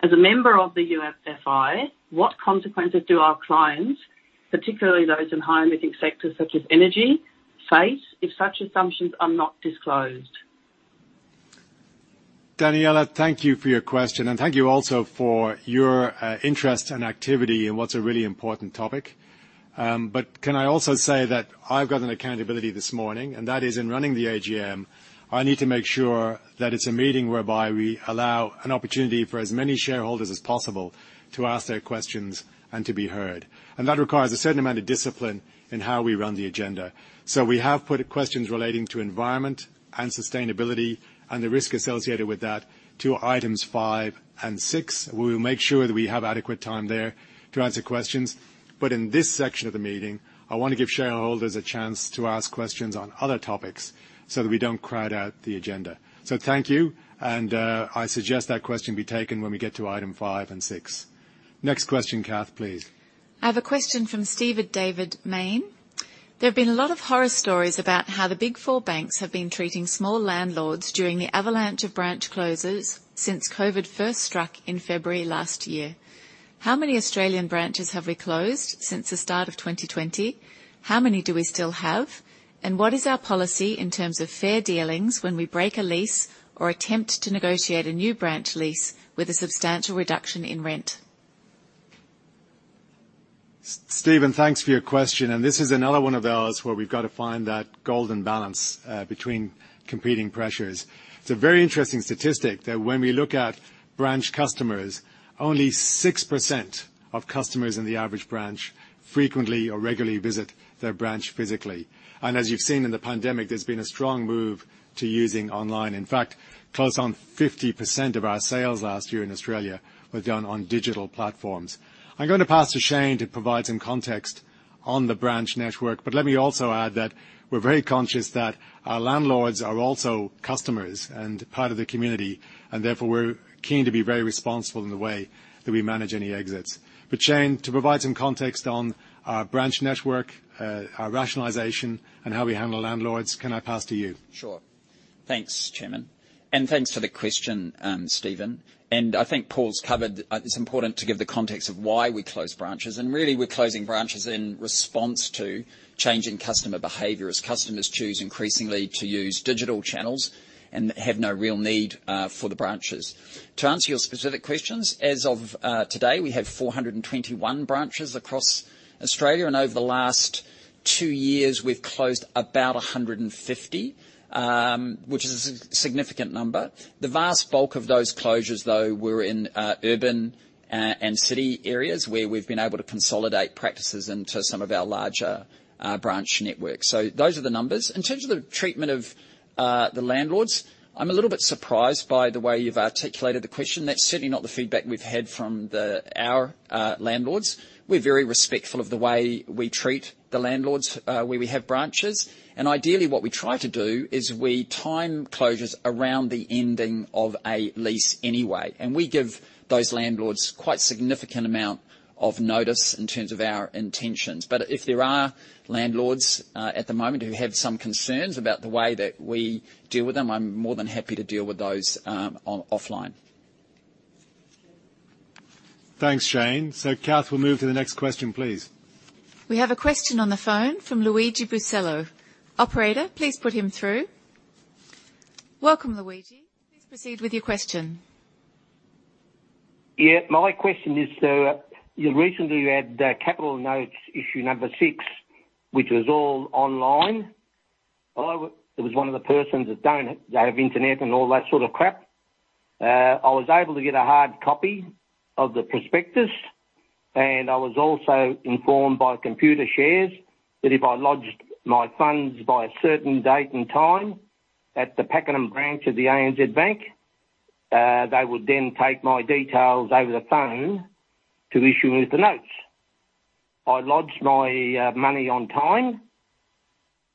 As a member of the UNEP FI, what consequences do our clients, particularly those in high emitting sectors such as energy, face if such assumptions are not disclosed? Daniella, thank you for your question. Thank you also for your interest and activity in what's a really important topic. Can I also say that I've got an accountability this morning, and that is in running the AGM, I need to make sure that it's a meeting whereby we allow an opportunity for as many shareholders as possible to ask their questions and to be heard. That requires a certain amount of discipline in how we run the agenda. We have put questions relating to environment and sustainability and the risk associated with that to items five and six. We will make sure that we have adequate time there to answer questions. In this section of the meeting, I wanna give shareholders a chance to ask questions on other topics so that we don't crowd out the agenda. Thank you, and, I suggest that question be taken when we get to item five and six. Next question, Kathryn, please. I have a question from Stephen David Mayne. There have been a lot of horror stories about how the big four banks have been treating small landlords during the avalanche of branch closures since COVID first struck in February last year. How many Australian branches have we closed since the start of 2020? How many do we still have? And what is our policy in terms of fair dealings when we break a lease or attempt to negotiate a new branch lease with a substantial reduction in rent? Stephen, thanks for your question. This is another one of those where we've got to find that golden balance between competing pressures. It's a very interesting statistic that when we look at branch customers, only 6% of customers in the average branch frequently or regularly visit their branch physically. As you've seen in the pandemic, there's been a strong move to using online. In fact, close on 50% of our sales last year in Australia were done on digital platforms. I'm going to pass to Shayne to provide some context on the branch network. Let me also add that we're very conscious that our landlords are also customers and part of the community. Therefore, we're keen to be very responsible in the way that we manage any exits. Shayne, to provide some context on our branch network, our rationalization, and how we handle landlords, can I pass to you? Sure. Thanks, Chairman. Thanks for the question, Stephen. I think Paul's covered it's important to give the context of why we close branches, and really, we're closing branches in response to changing customer behavior as customers choose increasingly to use digital channels and have no real need for the branches. To answer your specific questions, as of today, we have 421 branches across Australia. Over the last two years, we've closed about 150, which is a significant number. The vast bulk of those closures, though, were in urban and city areas where we've been able to consolidate practices into some of our larger branch networks. Those are the numbers. In terms of the treatment of the landlords, I'm a little bit surprised by the way you've articulated the question. That's certainly not the feedback we've had from our landlords. We're very respectful of the way we treat the landlords where we have branches. Ideally, what we try to do is we time closures around the ending of a lease anyway. We give those landlords quite significant amount of notice in terms of our intentions. If there are landlords at the moment who have some concerns about the way that we deal with them, I'm more than happy to deal with those offline. Thanks, Shayne. Kathryn, we'll move to the next question, please. We have a question on the phone from Luigi Bucello. Operator, please put him through. Welcome, Luigi. Please proceed with your question. Yeah. My question is, you recently had Capital Notes Issue number six, which was all online. I was one of the persons that don't have internet and all that sort of crap. I was able to get a hard copy of the prospectus, and I was also informed by Computershare that if I lodged my funds by a certain date and time at the Pakenham branch of the ANZ Bank, they would then take my details over the phone to issue me with the notes. I lodged my money on time,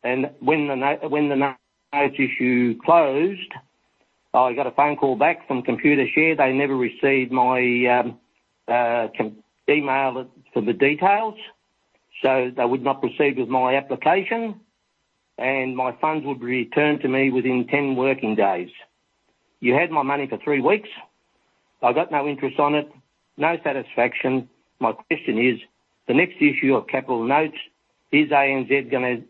and when the note issue closed, I got a phone call back from Computershare. They never received my email for the details, so they would not proceed with my application, and my funds would be returned to me within 10 working days. You had my money for three weeks. I got no interest on it, no satisfaction. My question is, the next issue of Capital Notes, is ANZ gonna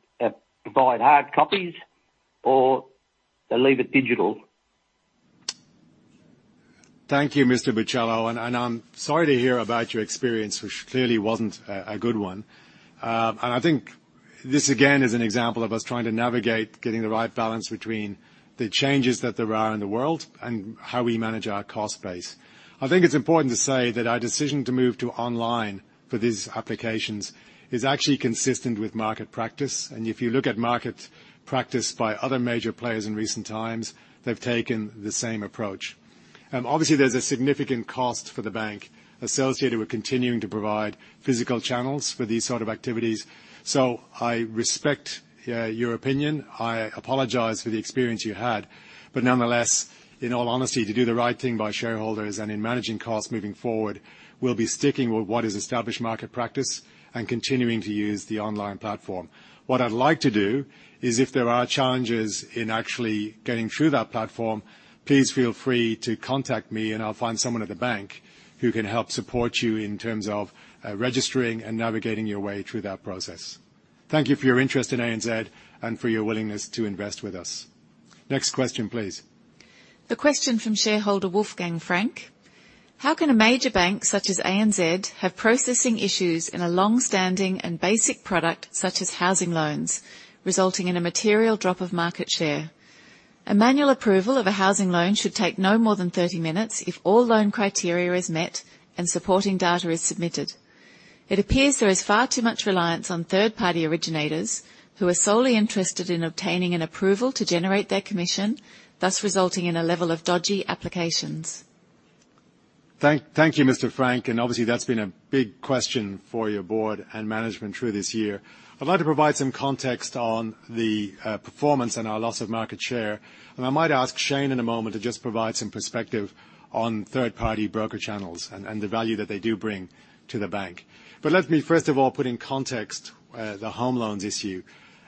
provide hard copies or they leave it digital? Thank you, Mr. Bucello. I'm sorry to hear about your experience, which clearly wasn't a good one. I think this, again, is an example of us trying to navigate getting the right balance between the changes that there are in the world and how we manage our cost base. I think it's important to say that our decision to move to online for these applications is actually consistent with market practice. If you look at market practice by other major players in recent times, they've taken the same approach. Obviously, there's a significant cost for the bank associated with continuing to provide physical channels for these sort of activities. I respect your opinion. I apologize for the experience you had, but nonetheless, in all honesty, to do the right thing by shareholders and in managing costs moving forward, we'll be sticking with what is established market practice and continuing to use the online platform. What I'd like to do is if there are challenges in actually getting through that platform, please feel free to contact me, and I'll find someone at the bank who can help support you in terms of registering and navigating your way through that process. Thank you for your interest in ANZ and for your willingness to invest with us. Next question, please. The question from shareholder Wolfgang Frank. How can a major bank such as ANZ have processing issues in a long-standing and basic product such as housing loans, resulting in a material drop of market share? A manual approval of a housing loan should take no more than 30 minutes if all loan criteria is met and supporting data is submitted. It appears there is far too much reliance on third-party originators who are solely interested in obtaining an approval to generate their commission, thus resulting in a level of dodgy applications. Thank you, Mr. Frank. Obviously, that's been a big question for your board and management through this year. I'd like to provide some context on the performance and our loss of market share. I might ask Shayne in a moment to just provide some perspective on third-party broker channels and the value that they do bring to the bank. Let me, first of all, put in context the home loans issue.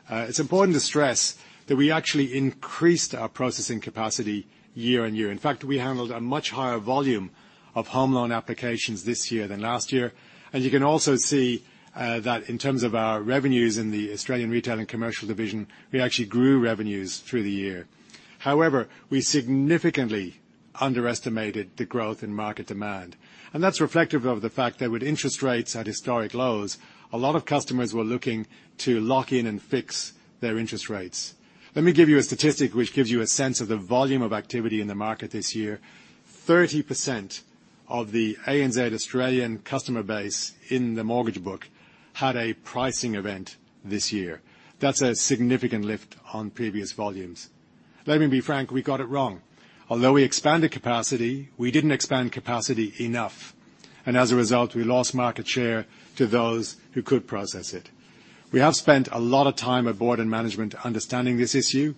It's important to stress that we actually increased our processing capacity year on year. In fact, we handled a much higher volume of home loan applications this year than last year. You can also see that in terms of our revenues in the Australian Retail and Commercial Division, we actually grew revenues through the year. However, we significantly underestimated the growth in market demand, and that's reflective of the fact that with interest rates at historic lows, a lot of customers were looking to lock in and fix their interest rates. Let me give you a statistic which gives you a sense of the volume of activity in the market this year. 30% of the ANZ Australian customer base in the mortgage book had a pricing event this year. That's a significant lift on previous volumes. Let me be frank, we got it wrong. Although we expanded capacity, we didn't expand capacity enough. As a result, we lost market share to those who could process it. We have spent a lot of time at board and management understanding this issue.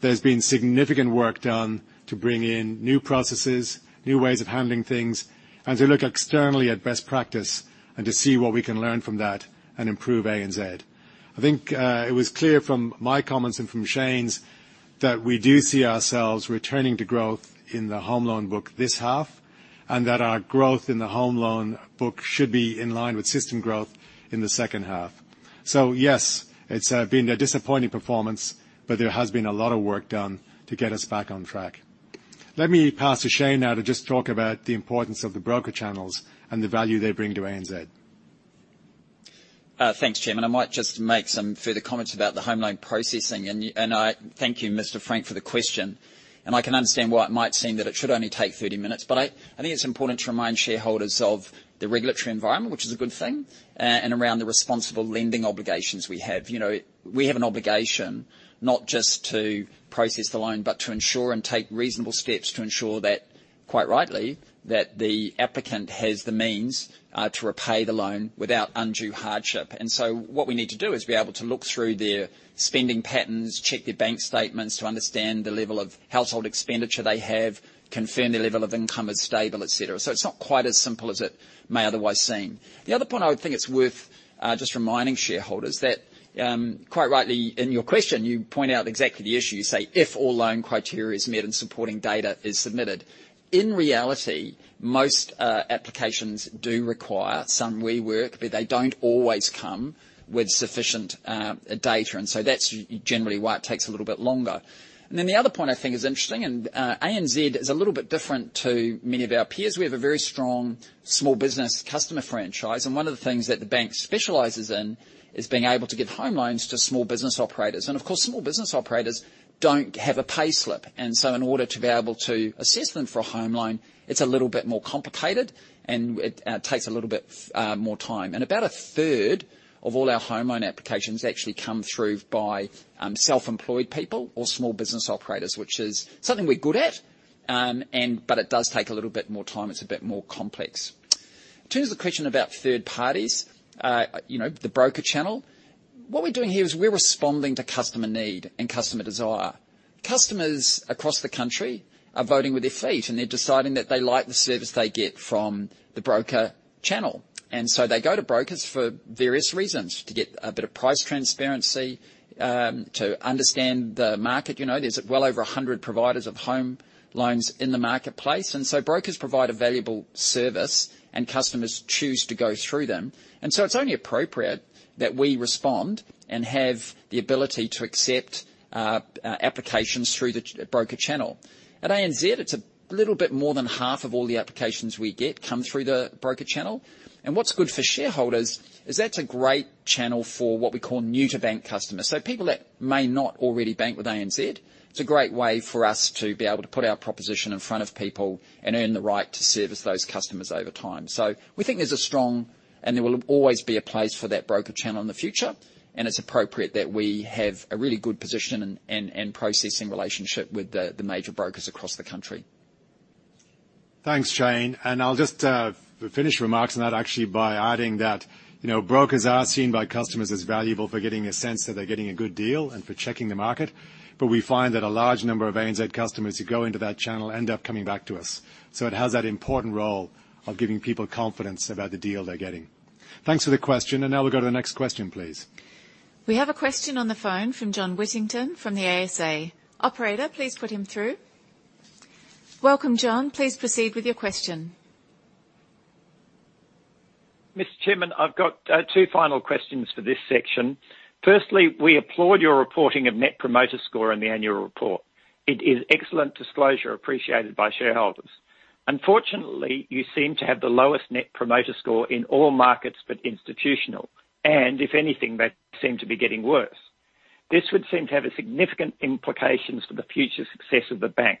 There's been significant work done to bring in new processes, new ways of handling things, and to look externally at best practice and to see what we can learn from that and improve ANZ. I think it was clear from my comments and from Shayne's that we do see ourselves returning to growth in the home loan book this half, and that our growth in the home loan book should be in line with system growth in the second half. Yes, it's been a disappointing performance, but there has been a lot of work done to get us back on track. Let me pass to Shayne now to just talk about the importance of the broker channels and the value they bring to ANZ. Thanks, Chairman. I might just make some further comments about the home loan processing and I thank you, Mr. Frank, for the question. I can understand why it might seem that it should only take 30 minutes, but I think it's important to remind shareholders of the regulatory environment, which is a good thing, and around the responsible lending obligations we have. You know, we have an obligation not just to process the loan, but to ensure and take reasonable steps to ensure that, quite rightly, that the applicant has the means to repay the loan without undue hardship. What we need to do is be able to look through their spending patterns, check their bank statements to understand the level of household expenditure they have, confirm their level of income is stable, et cetera. It's not quite as simple as it may otherwise seem. The other point I would think it's worth just reminding shareholders that quite rightly in your question, you point out exactly the issue. You say, "If all loan criteria is met and supporting data is submitted." In reality, most applications do require some rework, but they don't always come with sufficient data, and so that's generally why it takes a little bit longer. Then the other point I think is interesting, and ANZ is a little bit different to many of our peers. We have a very strong small business customer franchise, and one of the things that the bank specializes in is being able to give home loans to small business operators. Of course, small business operators don't have a payslip. In order to be able to assess them for a home loan, it's a little bit more complicated, and it takes a little bit more time. About a 1/3 of all our home loan applications actually come through by self-employed people or small business operators, which is something we're good at. It does take a little bit more time. It's a bit more complex. In terms of the question about third parties, you know, the broker channel, what we're doing here is we're responding to customer need and customer desire. Customers across the country are voting with their feet, and they're deciding that they like the service they get from the broker channel. They go to brokers for various reasons, to get a bit of price transparency, to understand the market. You know, there's well over 100 providers of home loans in the marketplace, and so brokers provide a valuable service, and customers choose to go through them. It's only appropriate that we respond and have the ability to accept applications through the broker channel. At ANZ, it's a little bit more than half of all the applications we get come through the broker channel. What's good for shareholders is that's a great channel for what we call new to bank customers, so people that may not already bank with ANZ. It's a great way for us to be able to put our proposition in front of people and earn the right to service those customers over time. We think there's a strong, and there will always be a place for that broker channel in the future, and it's appropriate that we have a really good position and processing relationship with the major brokers across the country. Thanks, Shayne. I'll just finish remarks on that actually by adding that, you know, brokers are seen by customers as valuable for getting a sense that they're getting a good deal and for checking the market. We find that a large number of ANZ customers who go into that channel end up coming back to us. It has that important role of giving people confidence about the deal they're getting. Thanks for the question. Now we'll go to the next question, please. We have a question on the phone from John Whittington from the ASA. Operator, please put him through. Welcome, John. Please proceed with your question. Mr. Chairman, I've got two final questions for this section. Firstly, we applaud your reporting of Net Promoter Score in the annual report. It is excellent disclosure appreciated by shareholders. Unfortunately, you seem to have the lowest Net Promoter Score in all markets but institutional, and if anything, that seemed to be getting worse. This would seem to have a significant implications for the future success of the bank.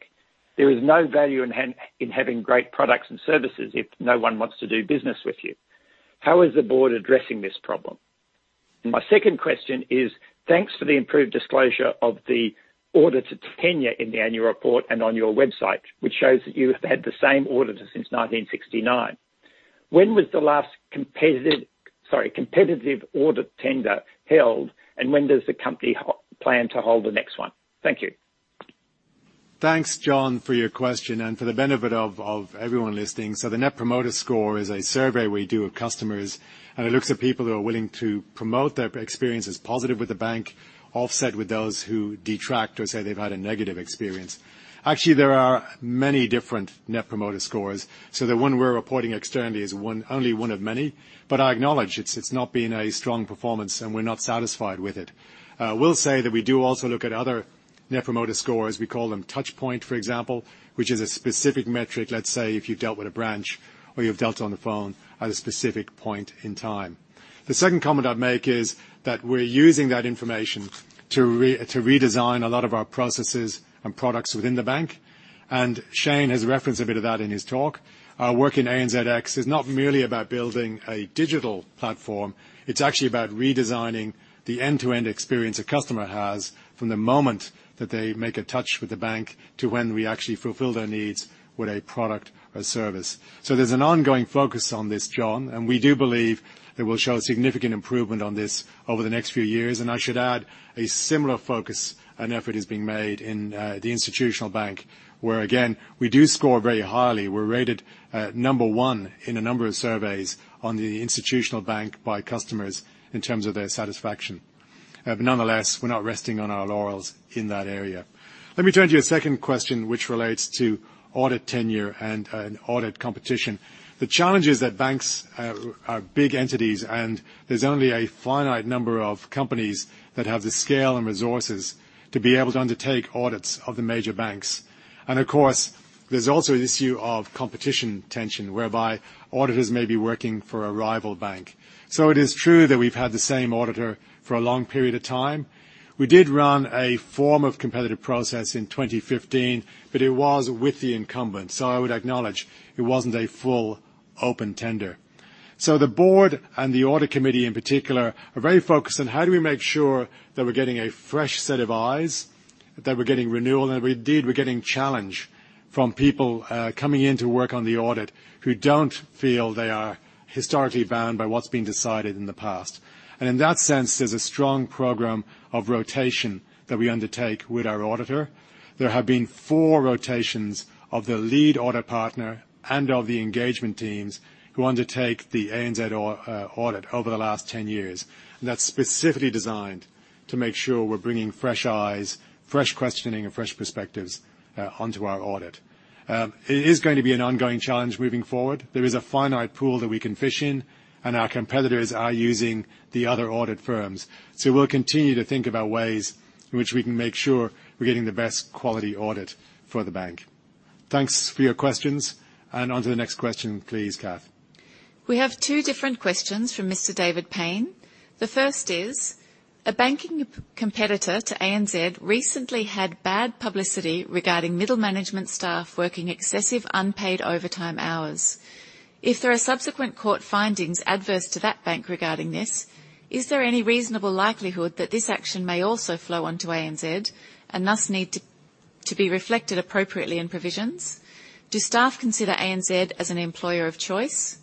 There is no value in having great products and services if no one wants to do business with you. How is the board addressing this problem? My second question is thanks for the improved disclosure of the auditor tenure in the annual report and on your website, which shows that you have had the same auditor since 1969. When was the last competitive audit tender held, and when does the company plan to hold the next one? Thank you. Thanks, John, for your question and for the benefit of everyone listening. The net promoter score is a survey we do with customers, and it looks at people who are willing to promote their experiences positive with the bank, offset with those who detract or say they've had a negative experience. Actually, there are many different net promoter scores, so the one we're reporting externally is one, only one of many. I acknowledge it's not been a strong performance, and we're not satisfied with it. We'll say that we do also look at other net promoter scores. We call them touch point, for example, which is a specific metric, let's say, if you've dealt with a branch or you've dealt on the phone at a specific point in time. The second comment I'd make is that we're using that information to redesign a lot of our processes and products within the bank, and Shayne has referenced a bit of that in his talk. Our work in ANZx is not merely about building a digital platform. It's actually about redesigning the end-to-end experience a customer has from the moment that they make a touch with the bank to when we actually fulfill their needs with a product or service. So there's an ongoing focus on this, John, and we do believe it will show a significant improvement on this over the next few years. I should add a similar focus and effort is being made in the institutional bank, where again, we do score very highly. We're rated number one in a number of surveys on the institutional bank by customers in terms of their satisfaction. Nonetheless, we're not resting on our laurels in that area. Let me turn to your second question, which relates to audit tenure and audit competition. The challenge is that banks are big entities, and there's only a finite number of companies that have the scale and resources to be able to undertake audits of the major banks. Of course, there's also the issue of competition tension, whereby auditors may be working for a rival bank. It is true that we've had the same auditor for a long period of time. We did run a form of competitive process in 2015, but it was with the incumbent, so I would acknowledge it wasn't a full open tender. The board and the audit committee in particular are very focused on how do we make sure that we're getting a fresh set of eyes, that we're getting renewal, and indeed, we're getting challenge from people coming in to work on the audit who don't feel they are historically bound by what's been decided in the past. In that sense, there's a strong program of rotation that we undertake with our auditor. There have been four rotations of the lead audit partner and of the engagement teams who undertake the ANZ audit over the last 10 years. That's specifically designed to make sure we're bringing fresh eyes, fresh questioning, and fresh perspectives onto our audit. It is going to be an ongoing challenge moving forward. There is a finite pool that we can fish in, and our competitors are using the other audit firms. We'll continue to think about ways in which we can make sure we're getting the best quality audit for the bank. Thanks for your questions. Onto the next question, please, Kathryn. We have two different questions from Mr. David Payne. The first is, a banking competitor to ANZ recently had bad publicity regarding middle management staff working excessive unpaid overtime hours. If there are subsequent court findings adverse to that bank regarding this, is there any reasonable likelihood that this action may also flow onto ANZ, and thus need to be reflected appropriately in provisions? Do staff consider ANZ as an employer of choice?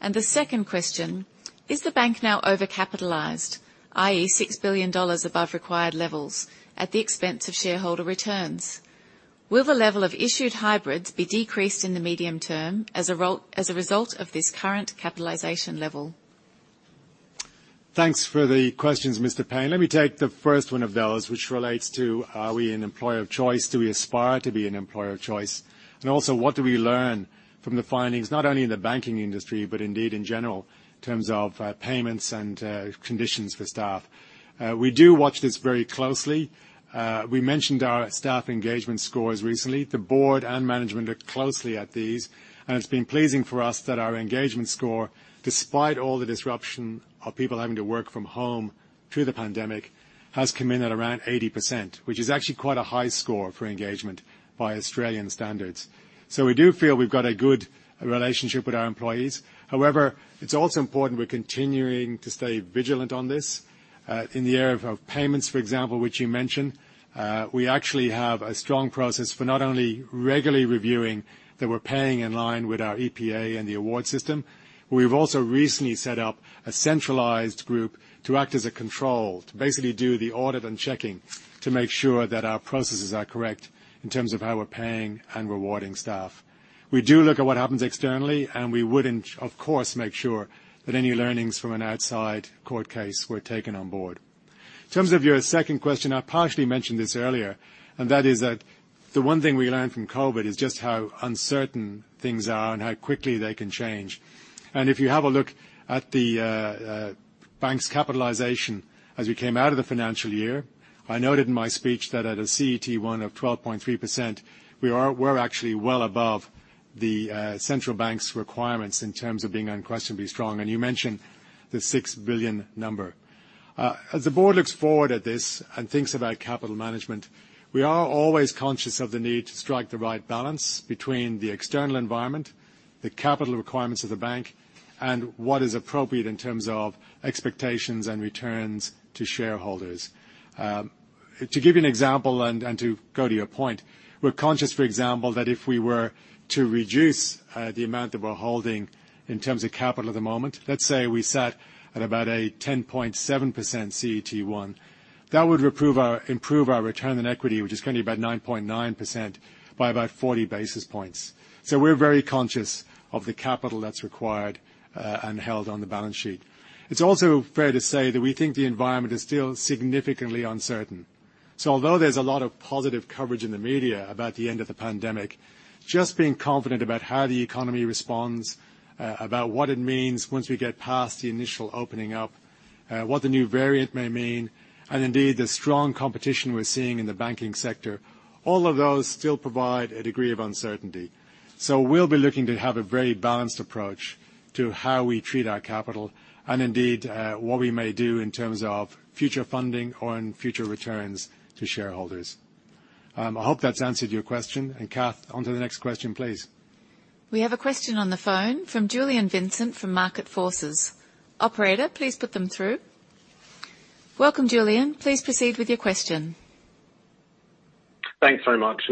And the second question, is the bank now overcapitalized, i.e., AUD 6 billion above required levels at the expense of shareholder returns? Will the level of issued hybrids be decreased in the medium term as a result of this current capitalization level? Thanks for the questions, Mr. Payne. Let me take the first one of those, which relates to, are we an employer of choice? Do we aspire to be an employer of choice? And also, what do we learn from the findings, not only in the banking industry, but indeed in general, in terms of, payments and, conditions for staff? We do watch this very closely. We mentioned our staff engagement scores recently. The Board and Management are closely attuned to these, and it's been pleasing for us that our engagement score, despite all the disruption of people having to work from home through the pandemic, has come in at around 80%, which is actually quite a high score for engagement by Australian standards. We do feel we've got a good relationship with our employees. However, it's also important we're continuing to stay vigilant on this. In the area of payments, for example, which you mentioned, we actually have a strong process for not only regularly reviewing that we're paying in line with our EBA and the award system, we've also recently set up a centralized group to act as a control, to basically do the audit and checking to make sure that our processes are correct in terms of how we're paying and rewarding staff. We do look at what happens externally, and we would, of course, make sure that any learnings from an outside court case were taken on board. In terms of your second question, I partially mentioned this earlier, and that is that the one thing we learned from COVID is just how uncertain things are and how quickly they can change. If you have a look at the bank's capitalization as we came out of the financial year, I noted in my speech that at a CET1 of 12.3%, we're actually well above the central bank's requirements in terms of being unquestionably strong, and you mentioned the 6 billion number. As the board looks forward at this and thinks about capital management, we are always conscious of the need to strike the right balance between the external environment, the capital requirements of the bank, and what is appropriate in terms of expectations and returns to shareholders. To give you an example and to go to your point, we're conscious, for example, that if we were to reduce the amount that we're holding in terms of capital at the moment, let's say we sat at about a 10.7% CET1, that would improve our return on equity, which is currently about 9.9% by about 40 basis points. We're very conscious of the capital that's required and held on the balance sheet. It's also fair to say that we think the environment is still significantly uncertain. Although there's a lot of positive coverage in the media about the end of the pandemic, just being confident about how the economy responds, about what it means once we get past the initial opening up, what the new variant may mean, and indeed the strong competition we're seeing in the banking sector, all of those still provide a degree of uncertainty. We'll be looking to have a very balanced approach to how we treat our capital and indeed, what we may do in terms of future funding or in future returns to shareholders. I hope that's answered your question. Kathryn, onto the next question, please. We have a question on the phone from Julien Vincent from Market Forces. Operator, please put them through. Welcome, Julien. Please proceed with your question. Thanks very much.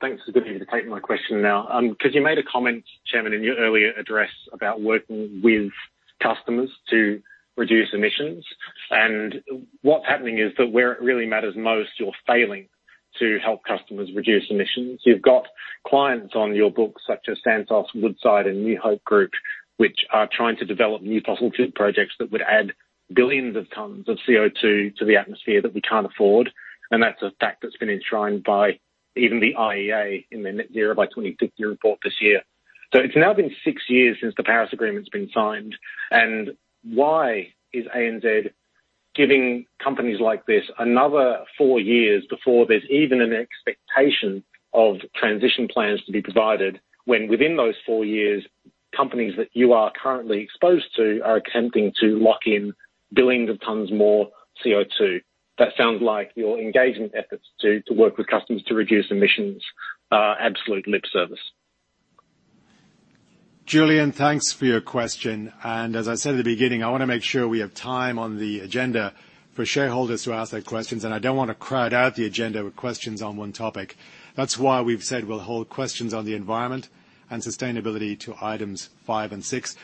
Thanks for being able to take my question now. 'Cause you made a comment, Chairman, in your earlier address about working with customers to reduce emissions. What's happening is that where it really matters most, you're failing to help customers reduce emissions. You've got clients on your books such as Santos, Woodside, and New Hope Group, which are trying to develop new fossil fuel projects that would add billions of tons of CO2 to the atmosphere that we can't afford, and that's a fact that's been enshrined by even the IEA in their Net Zero by 2050 report this year. It's now been six years since the Paris Agreement's been signed. Why is ANZ giving companies like this another four years before there's even an expectation of transition plans to be provided when within those four years, companies that you are currently exposed to are attempting to lock in billions of tons more CO2? That sounds like your engagement efforts to work with customers to reduce emissions are absolute lip service. Julien, thanks for your question. As I said at the beginning, I wanna make sure we have time on the agenda for shareholders to ask their questions, and I don't wanna crowd out the agenda with questions on one topic. That's why we've said we'll hold questions on the environment and sustainability to items five and six.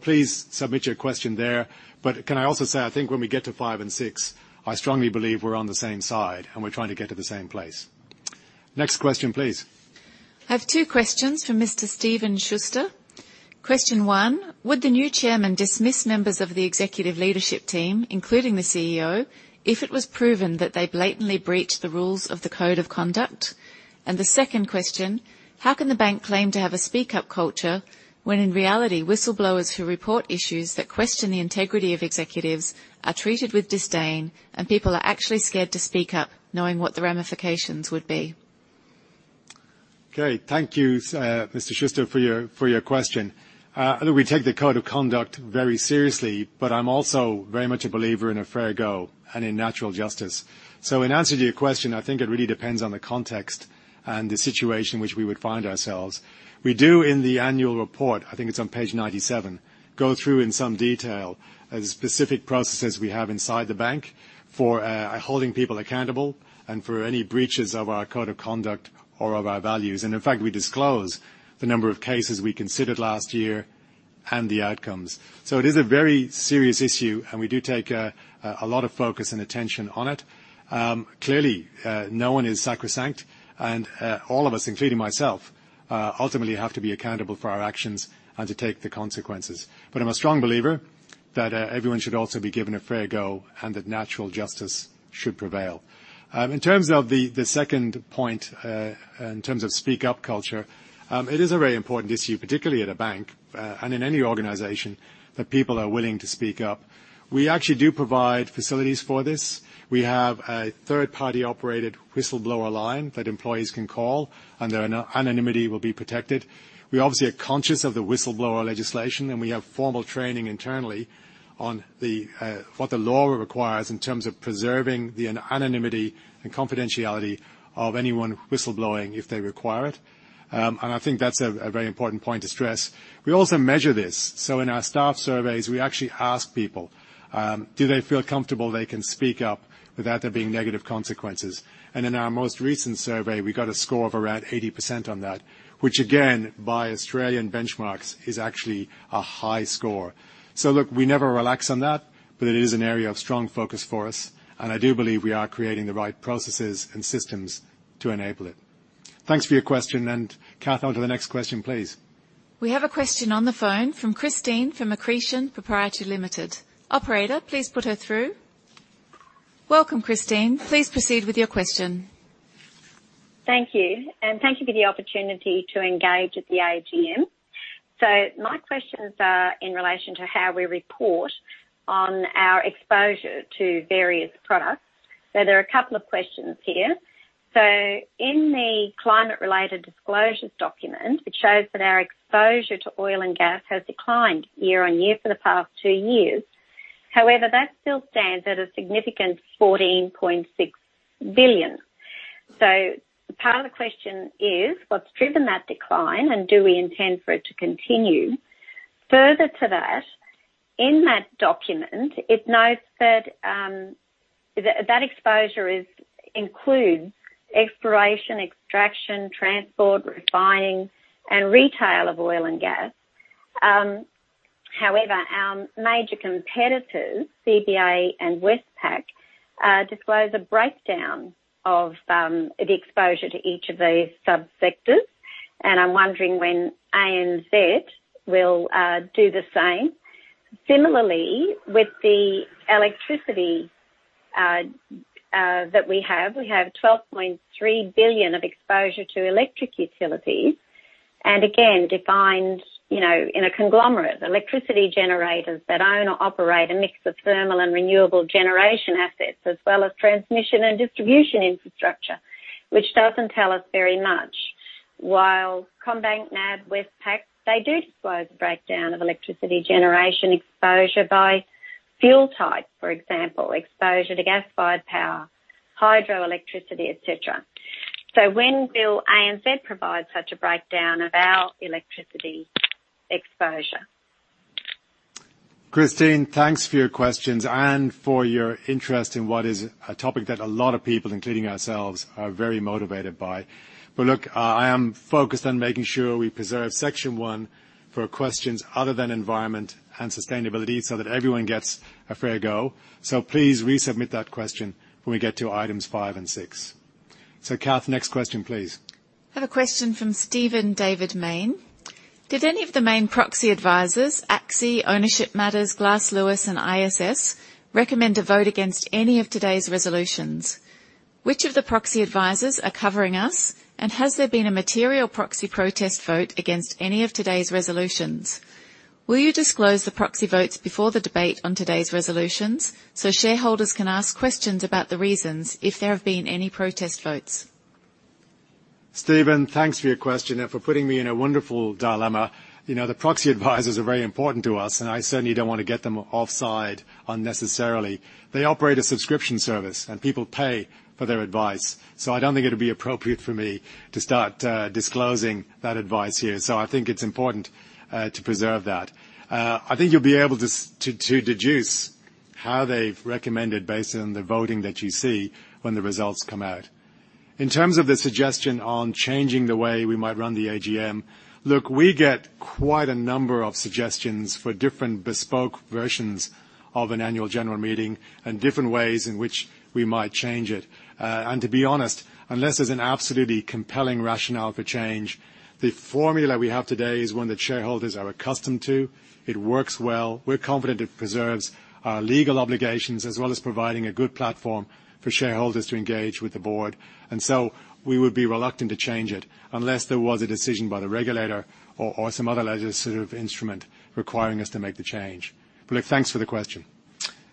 Please submit your question there. Can I also say, I think when we get to five and six, I strongly believe we're on the same side, and we're trying to get to the same place. Next question, please. I have two questions for Mr. Stephen Schuster. Question one, would the new chairman dismiss members of the executive leadership team, including the CEO, if it was proven that they blatantly breached the rules of the code of conduct? The second question, how can the bank claim to have a speak-up culture when in reality, whistleblowers who report issues that question the integrity of executives are treated with disdain, and people are actually scared to speak up knowing what the ramifications would be? Okay. Thank you, Mr. Schuster, for your question. Look, we take the code of conduct very seriously, but I'm also very much a believer in a fair go and in natural justice. In answer to your question, I think it really depends on the context and the situation which we would find ourselves. We do, in the annual report, I think it's on page 97, go through in some detail the specific processes we have inside the bank for holding people accountable and for any breaches of our code of conduct or of our values. In fact, we disclose the number of cases we considered last year and the outcomes. It is a very serious issue, and we do take a lot of focus and attention on it. Clearly, no one is sacrosanct, and all of us, including myself, ultimately have to be accountable for our actions and to take the consequences. I'm a strong believer that everyone should also be given a fair go and that natural justice should prevail. In terms of the second point, in terms of speak-up culture, it is a very important issue, particularly at a bank, and in any organization that people are willing to speak up. We actually do provide facilities for this. We have a third-party operated whistleblower line that employees can call, and their anonymity will be protected. We obviously are conscious of the whistleblower legislation, and we have formal training internally on what the law requires in terms of preserving the anonymity and confidentiality of anyone whistleblowing if they require it. I think that's a very important point to stress. We also measure this. In our staff surveys, we actually ask people, do they feel comfortable they can speak up without there being negative consequences? In our most recent survey, we got a score of around 80% on that, which again, by Australian benchmarks, is actually a high score. Look, we never relax on that, but it is an area of strong focus for us, and I do believe we are creating the right processes and systems to enable it. Thanks for your question. Kathryn, on to the next question, please. We have a question on the phone from Christine from Accretion Proprietary Limited. Operator, please put her through. Welcome, Christine. Please proceed with your question. Thank you, and thank you for the opportunity to engage at the AGM. My questions are in relation to how we report on our exposure to various products. There are a couple of questions here. In the climate-related disclosures document, it shows that our exposure to oil and gas has declined year on year for the past two years. However, that still stands at a significant 14.6 billion. Part of the question is, what's driven that decline, and do we intend for it to continue? Further to that, in that document, it notes that that exposure includes exploration, extraction, transport, refining, and retail of oil and gas. However, our major competitors, CBA and Westpac, disclose a breakdown of the exposure to each of these subsectors. I'm wondering when ANZ will do the same. Similarly, with the electricity, that we have, we have 12.3 billion of exposure to electric utilities, and again, defined, you know, in a conglomerate, electricity generators that own or operate a mix of thermal and renewable generation assets, as well as transmission and distribution infrastructure, which doesn't tell us very much. While CommBank, NAB, Westpac, they do disclose a breakdown of electricity generation exposure by fuel type, for example, exposure to gas-fired power, hydroelectricity, et cetera. When will ANZ provide such a breakdown of our electricity exposure? Christine, thanks for your questions and for your interest in what is a topic that a lot of people, including ourselves, are very motivated by. Look, I am focused on making sure we preserve section one for questions other than environment and sustainability so that everyone gets a fair go. Kathryn, next question, please. I have a question from Stephen David Mayne. Did any of the main proxy advisors, ACSI, Ownership Matters, Glass Lewis, and ISS, recommend a vote against any of today's resolutions? Which of the proxy advisors are covering us, and has there been a material proxy protest vote against any of today's resolutions? Will you disclose the proxy votes before the debate on today's resolutions so shareholders can ask questions about the reasons if there have been any protest votes? Stephen, thanks for your question and for putting me in a wonderful dilemma. You know, the proxy advisors are very important to us, and I certainly don't wanna get them offside unnecessarily. They operate a subscription service, and people pay for their advice, so I don't think it'd be appropriate for me to start disclosing that advice here. So I think it's important to preserve that. I think you'll be able to deduce how they've recommended based on the voting that you see when the results come out. In terms of the suggestion on changing the way we might run the AGM, look, we get quite a number of suggestions for different bespoke versions of an annual general meeting and different ways in which we might change it. To be honest, unless there's an absolutely compelling rationale for change, the formula we have today is one that shareholders are accustomed to. It works well. We're confident it preserves our legal obligations, as well as providing a good platform for shareholders to engage with the board. We would be reluctant to change it unless there was a decision by the regulator or some other legislative instrument requiring us to make the change. Look, thanks for the question.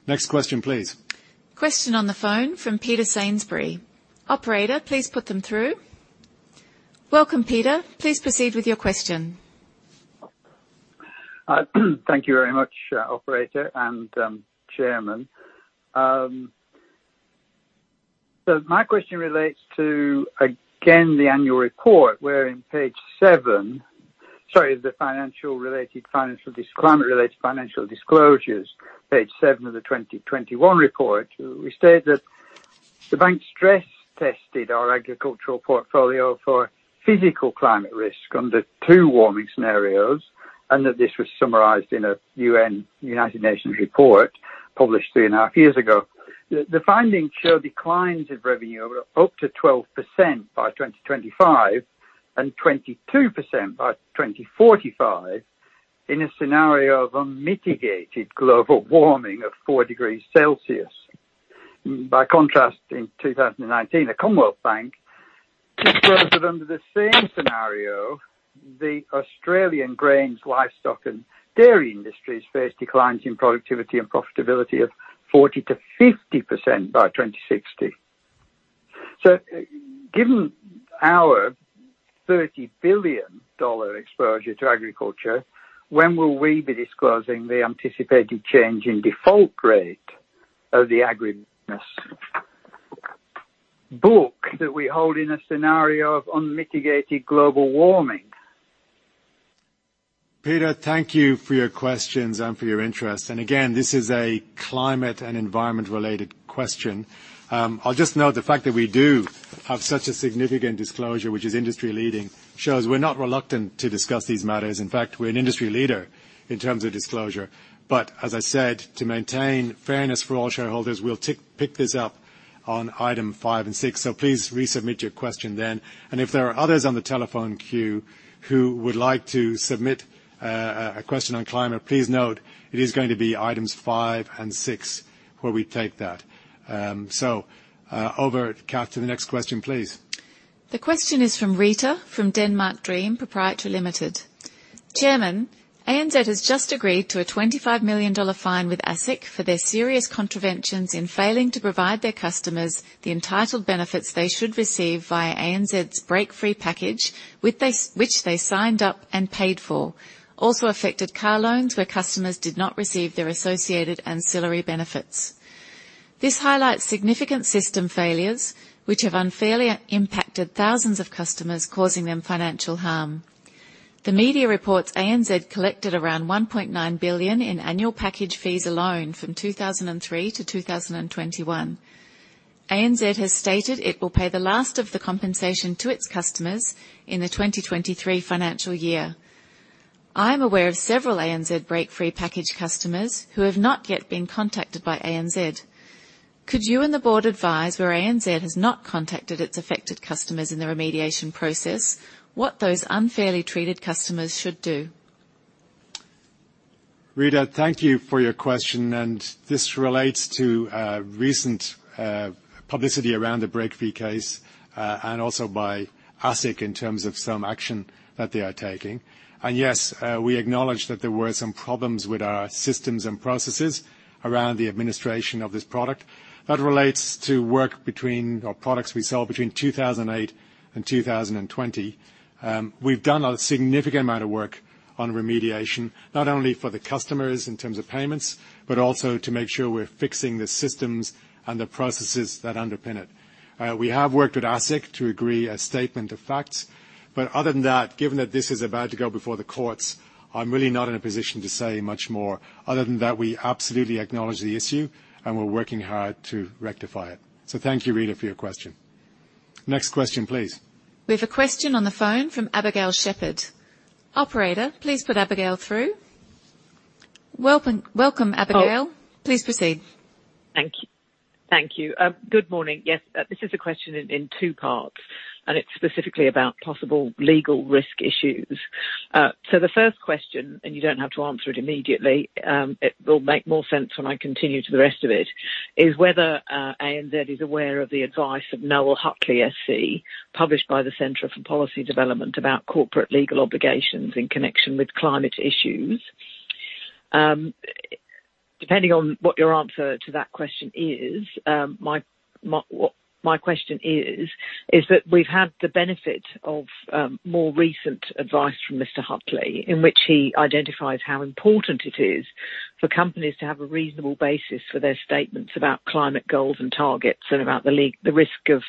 Next question, please. Question on the phone from Peter Sainsbury. Operator, please put them through. Welcome, Peter. Please proceed with your question. Thank you very much, operator and, chairman. My question relates to, again, the annual report, where in page seven, sorry, the climate related financial disclosures, page seven of the 2021 report, we state that the bank stress tested our agricultural portfolio for physical climate risk under two warming scenarios, and that this was summarized in a UN, United Nations report published three and a half years ago. The findings show declines of revenue of up to 12% by 2025 and 22% by 2045 in a scenario of unmitigated global warming of 4 degrees Celsius. By contrast, in 2019, at Commonwealth Bank, it's quoted under the same scenario, the Australian grains, livestock, and dairy industries face declines in productivity and profitability of 40% to 50% by 2060. Given our 30 billion dollar exposure to agriculture, when will we be disclosing the anticipated change in default rate of the agri book that we hold in a scenario of unmitigated global warming? Peter, thank you for your questions and for your interest. Again, this is a climate and environment-related question. I'll just note the fact that we do have such a significant disclosure, which is industry leading, shows we're not reluctant to discuss these matters. In fact, we're an industry leader in terms of disclosure. as I said, to maintain fairness for all shareholders, we'll pick this up on item five and six. please resubmit your question then. if there are others on the telephone queue who would like to submit a question on climate, please note it is going to be items five and six where we take that. over, Kath, to the next question, please. The question is from Rita, from Denmark Dream Proprietary Limited. Chairman, ANZ has just agreed to a AUD 25 million fine with ASIC for their serious contraventions in failing to provide their customers the entitled benefits they should receive via ANZ's BreakFree package, which they signed up and paid for. Also affected car loans where customers did not receive their associated ancillary benefits. This highlights significant system failures, which have unfairly impacted thousands of customers, causing them financial harm. The media reports ANZ collected around 1.9 billion in annual package fees alone from 2003 to 2021. ANZ has stated it will pay the last of the compensation to its customers in the 2023 financial year. I'm aware of several ANZ BreakFree package customers who have not yet been contacted by ANZ. Could you and the board advise, where ANZ has not contacted its affected customers in the remediation process, what those unfairly treated customers should do? Rita, thank you for your question, and this relates to recent publicity around the BreakFree case, and also by ASIC in terms of some action that they are taking. Yes, we acknowledge that there were some problems with our systems and processes around the administration of this product. That relates to products we sold between 2008 and 2020. We've done a significant amount of work on remediation, not only for the customers in terms of payments, but also to make sure we're fixing the systems and the processes that underpin it. We have worked with ASIC to agree a statement of facts, but other than that, given that this is about to go before the courts, I'm really not in a position to say much more other than that we absolutely acknowledge the issue, and we're working hard to rectify it. Thank you, Rita, for your question. Next question, please. We have a question on the phone from Abigail Shepherd. Operator, please put Abigail through. Welcome, welcome, Abigail. Please proceed. Thank you. Good morning. This is a question in two parts, and it's specifically about possible legal risk issues. The first question, and you don't have to answer it immediately, it will make more sense when I continue to the rest of it. Is whether ANZ is aware of the advice of Noel Hutley SC, published by the Centre for Policy Development about corporate legal obligations in connection with climate issues. Depending on what your answer to that question is, what my question is that we've had the benefit of more recent advice from Mr. Hutley. In which he identifies how important it is for companies to have a reasonable basis for their statements about climate goals and targets and about the risk of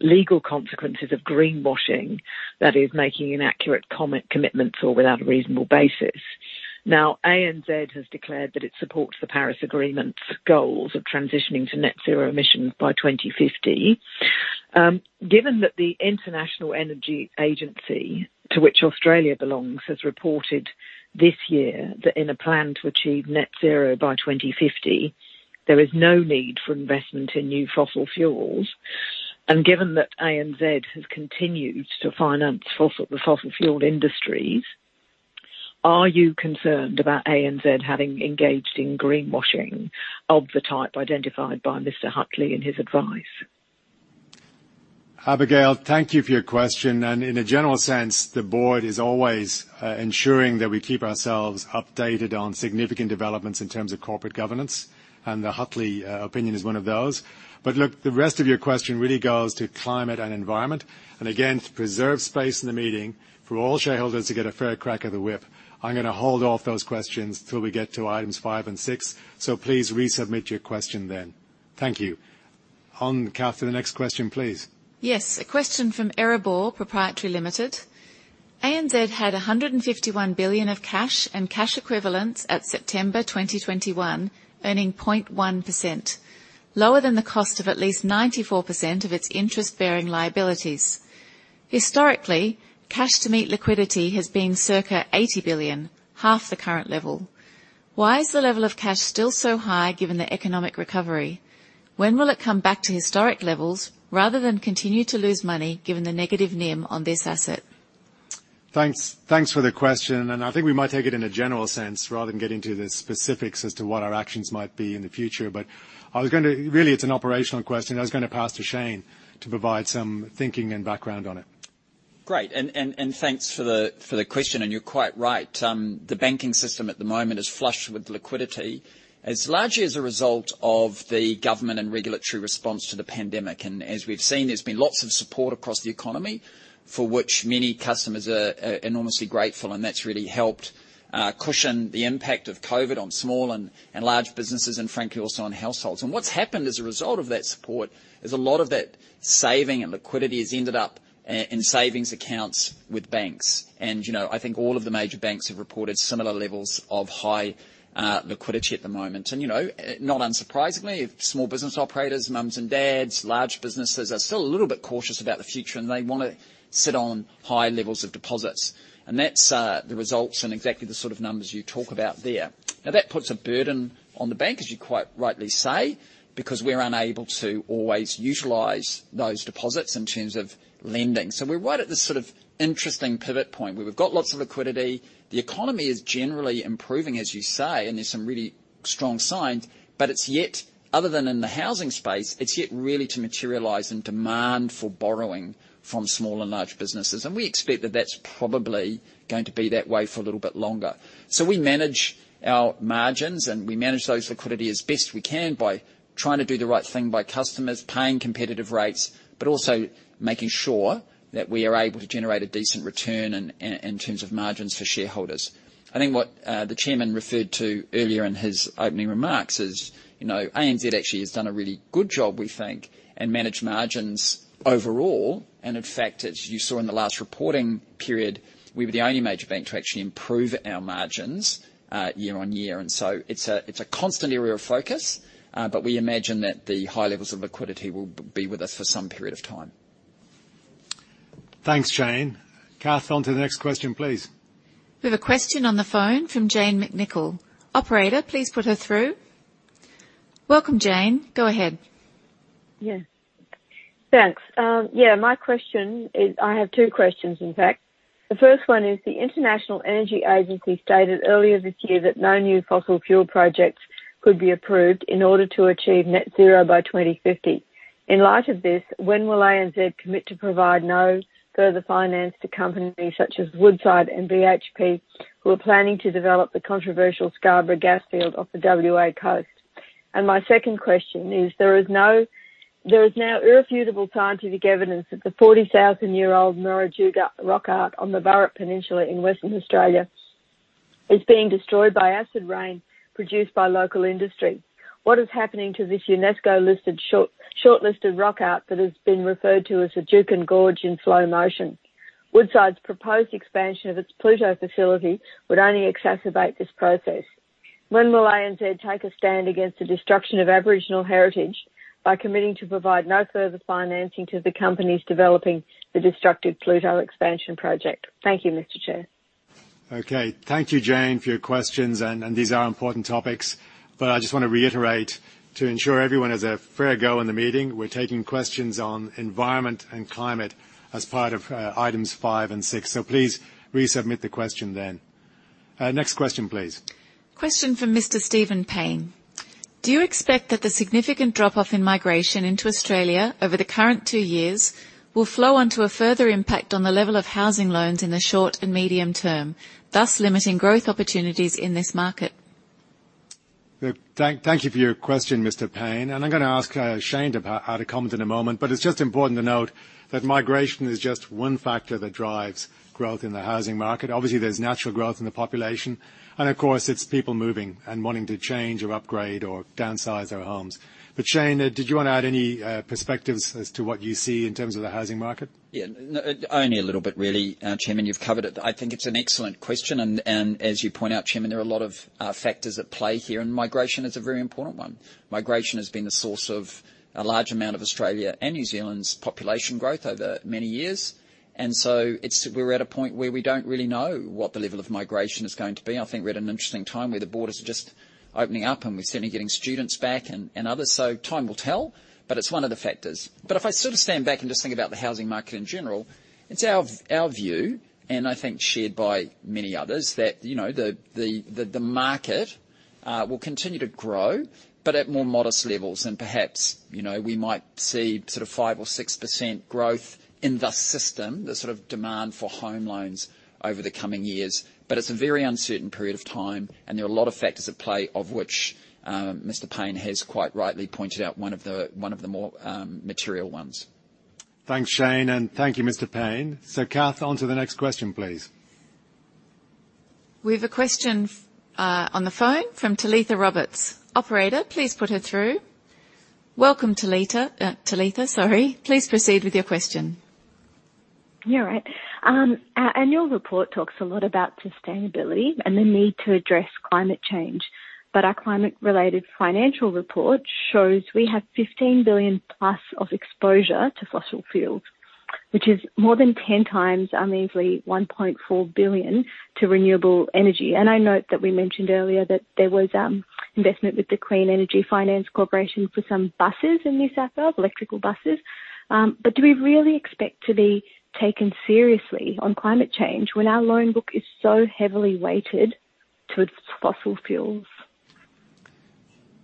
legal consequences of greenwashing, that is making inaccurate commitments or without a reasonable basis. Now, ANZ has declared that it supports the Paris Agreement's goals of transitioning to net zero emissions by 2050. Given that the International Energy Agency, to which Australia belongs, has reported this year that in a plan to achieve net zero by 2050, there is no need for investment in new fossil fuels. Given that ANZ has continued to finance the fossil fuel industries, are you concerned about ANZ having engaged in greenwashing of the type identified by Mr. Hutley in his advice? Abigail, thank you for your question. In a general sense, the board is always ensuring that we keep ourselves updated on significant developments in terms of corporate governance, and the Hutley opinion is one of those. Look, the rest of your question really goes to climate and environment. Again, to preserve space in the meeting for all shareholders to get a fair crack of the whip, I'm gonna hold off those questions till we get to items five and six. Please resubmit your question then. Thank you. On, Kathryn, to the next question, please. Yes. A question from Erebor Proprietary Limited. ANZ had 151 billion of cash and cash equivalents at September 2021, earning 0.1%, lower than the cost of at least 94% of its interest-bearing liabilities. Historically, cash to meet liquidity has been circa 80 billion, half the current level. Why is the level of cash still so high given the economic recovery? When will it come back to historic levels rather than continue to lose money, given the negative NIM on this asset? Thanks for the question, and I think we might take it in a general sense rather than getting to the specifics as to what our actions might be in the future. Really, it's an operational question. I was gonna pass to Shayne to provide some thinking and background on it. Great. Thanks for the question. You're quite right. The banking system at the moment is flush with liquidity. It's largely as a result of the government and regulatory response to the pandemic. As we've seen, there's been lots of support across the economy for which many customers are enormously grateful, and that's really helped cushion the impact of COVID on small and large businesses, and frankly, also on households. What's happened as a result of that support is a lot of that saving and liquidity has ended up in savings accounts with banks. You know, I think all of the major banks have reported similar levels of high liquidity at the moment. You know, not unsurprisingly, small business operators, moms and dads, large businesses are still a little bit cautious about the future, and they wanna sit on high levels of deposits. That's the results and exactly the sort of numbers you talk about there. Now, that puts a burden on the bank, as you quite rightly say, because we're unable to always utilize those deposits in terms of lending. We're right at this sort of interesting pivot point where we've got lots of liquidity. The economy is generally improving, as you say, and there's some really strong signs. It's yet, other than in the housing space, it's yet really to materialize and demand for borrowing from small and large businesses. We expect that that's probably going to be that way for a little bit longer. We manage our margins, and we manage that liquidity as best we can by trying to do the right thing by customers, paying competitive rates, but also making sure that we are able to generate a decent return in terms of margins for shareholders. I think what the chairman referred to earlier in his opening remarks is, you know, ANZ actually has done a really good job, we think, in managing margins overall. In fact, as you saw in the last reporting period, we were the only major bank to actually improve our margins year-over-year. It's a constant area of focus, but we imagine that the high levels of liquidity will be with us for some period of time. Thanks, Shayne. Kathryn, on to the next question, please. We have a question on the phone from Jane McNicol. Operator, please put her through. Welcome, Jane. Go ahead. I have two questions, in fact. The first one is, the International Energy Agency stated earlier this year that no new fossil fuel projects could be approved in order to achieve net zero by 2050. In light of this, when will ANZ commit to provide no further finance to companies such as Woodside and BHP, who are planning to develop the controversial Scarborough gas field off the WA coast? My second question is, there is now irrefutable scientific evidence that the 40,000-year-old Murujuga rock art on the Burrup Peninsula in Western Australia is being destroyed by acid rain produced by local industry. What is happening to this UNESCO-listed shortlisted rock art that has been referred to as a Juukan Gorge in slow motion? Woodside's proposed expansion of its Pluto facility would only exacerbate this process. When will ANZ take a stand against the destruction of Aboriginal heritage? By committing to provide no further financing to the companies developing the destructive Pluto expansion project. Thank you, Mr. Chair. Okay. Thank you, Jane, for your questions. These are important topics, but I just want to reiterate to ensure everyone has a fair go in the meeting, we're taking questions on environment and climate as part of items five and six. Please resubmit the question then. Next question, please. Question from Mr. Stephen Payne. Do you expect that the significant drop-off in migration into Australia over the current two years will flow onto a further impact on the level of housing loans in the short and medium term, thus limiting growth opportunities in this market? Thank you for your question, Mr. Payne. I'm gonna ask Shayne about how to comment in a moment, but it's just important to note that migration is just one factor that drives growth in the housing market. Obviously, there's natural growth in the population, and of course, it's people moving and wanting to change or upgrade or downsize their homes. Shayne, did you wanna add any perspectives as to what you see in terms of the housing market? Yeah. Only a little bit, really, Chairman, you've covered it. I think it's an excellent question. As you point out, Chairman, there are a lot of factors at play here, and migration is a very important one. Migration has been the source of a large amount of Australia and New Zealand's population growth over many years. We're at a point where we don't really know what the level of migration is going to be. I think we're at an interesting time where the borders are just opening up, and we're certainly getting students back and others. Time will tell, but it's one of the factors. If I sort of stand back and just think about the housing market in general, it's our view, and I think shared by many others, that, you know, the market will continue to grow, but at more modest levels and perhaps, you know, we might see sort of 5% or 6% growth in the system, the sort of demand for home loans over the coming years. It's a very uncertain period of time, and there are a lot of factors at play, of which, Mr. Payne has quite rightly pointed out one of the more material ones. Thanks, Shayne, and thank you, Mr. Payne. Kathryn, on to the next question, please. We have a question on the phone from Talitha Roberts. Operator, please put her through. Welcome, Talitha. Talitha, sorry. Please proceed with your question. Yeah, all right. Our annual report talks a lot about sustainability and the need to address climate change, but our climate-related financial report shows we have 15 billion plus of exposure to fossil fuels, which is more than 10 times our measly 1.4 billion to renewable energy. I note that we mentioned earlier that there was investment with the Clean Energy Finance Corporation for some buses in New South Wales, electrical buses. Do we really expect to be taken seriously on climate change when our loan book is so heavily weighted towards fossil fuels?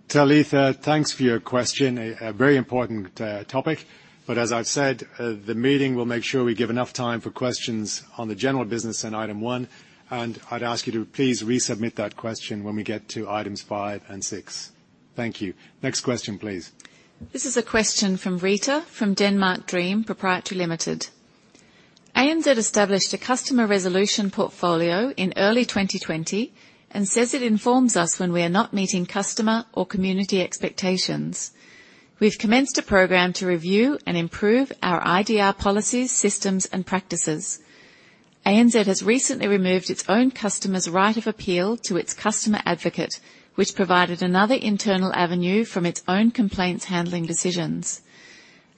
Talitha, thanks for your question. A very important topic. As I've said, the meeting will make sure we give enough time for questions on the general business in item one, and I'd ask you to please resubmit that question when we get to items five and six. Thank you. Next question, please. This is a question from Rita from Denmark Dream Proprietary Limited. ANZ established a customer resolution portfolio in early 2020 and says it informs us when we are not meeting customer or community expectations. We've commenced a program to review and improve our IDR policies, systems, and practices. ANZ has recently removed its own customer's right of appeal to its customer advocate, which provided another internal avenue from its own complaints handling decisions.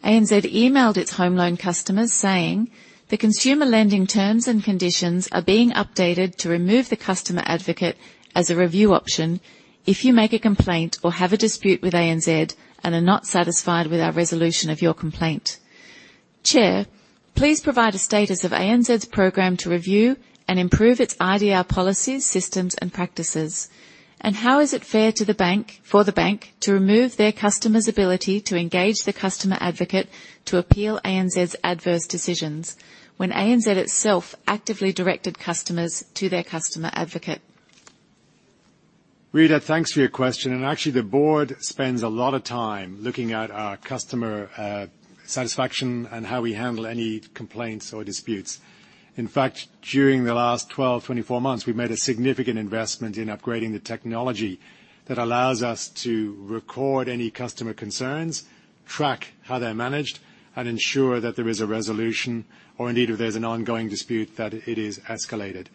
ANZ emailed its home loan customers saying, "The consumer lending terms and conditions are being updated to remove the customer advocate as a review option if you make a complaint or have a dispute with ANZ and are not satisfied with our resolution of your complaint." Chair, please provide a status of ANZ's program to review and improve its IDR policies, systems, and practices. How is it fair for the bank to remove their customer's ability to engage the customer advocate to appeal ANZ's adverse decisions when ANZ itself actively directed customers to their customer advocate? Rita, thanks for your question. Actually, the board spends a lot of time looking at our customer satisfaction and how we handle any complaints or disputes. In fact, during the last 12, 24 months, we made a significant investment in upgrading the technology that allows us to record any customer concerns, track how they're managed, and ensure that there is a resolution, or indeed, if there's an ongoing dispute, that it is escalated.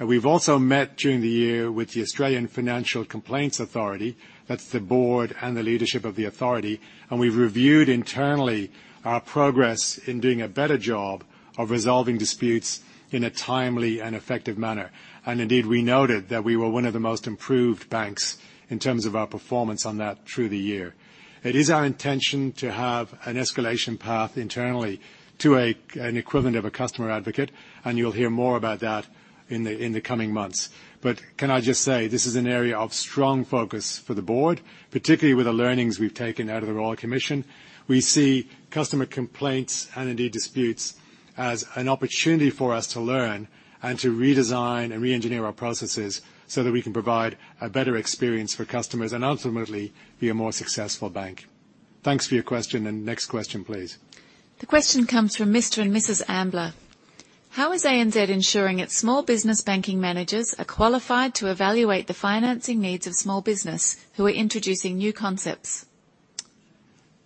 We've also met during the year with the Australian Financial Complaints Authority. That's the board and the leadership of the authority, and we've reviewed internally our progress in doing a better job of resolving disputes in a timely and effective manner. Indeed, we noted that we were one of the most improved banks in terms of our performance on that through the year. It is our intention to have an escalation path internally to an equivalent of a customer advocate, and you'll hear more about that in the coming months. But can I just say, this is an area of strong focus for the board, particularly with the learnings we've taken out of the Royal Commission. We see customer complaints and indeed disputes as an opportunity for us to learn and to redesign and reengineer our processes so that we can provide a better experience for customers and ultimately be a more successful bank. Thanks for your question. Next question, please. The question comes from Mr. and Mrs. Ambler. How is ANZ ensuring its small business banking managers are qualified to evaluate the financing needs of small business who are introducing new concepts?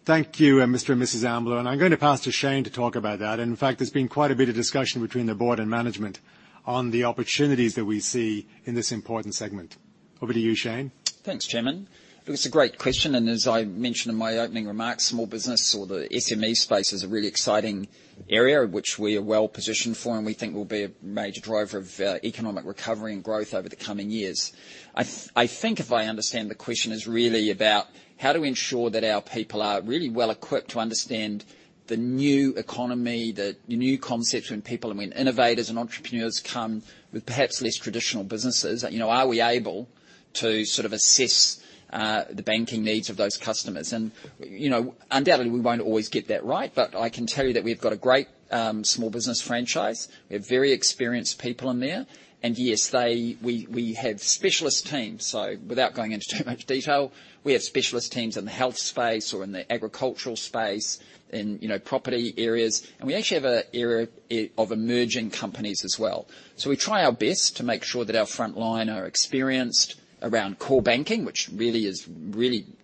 Thank you, Mr. and Mrs. Ambler, and I'm gonna pass to Shayne to talk about that. In fact, there's been quite a bit of discussion between the board and management on the opportunities that we see in this important segment. Over to you, Shayne. Thanks, Chairman. It's a great question, and as I mentioned in my opening remarks, small business or the SME space is a really exciting area which we are well-positioned for, and we think will be a major driver of economic recovery and growth over the coming years. I think if I understand the question is really about how to ensure that our people are really well-equipped to understand the new economy, the new concepts when people and when innovators and entrepreneurs come with perhaps less traditional businesses. You know, are we able to sort of assess the banking needs of those customers? And, you know, undoubtedly, we won't always get that right, but I can tell you that we've got a great small business franchise. We have very experienced people in there. And yes, we have specialist teams. Without going into too much detail, we have specialist teams in the health space or in the agricultural space, in, you know, property areas. We actually have an area of emerging companies as well. We try our best to make sure that our frontline are experienced around core banking, which really is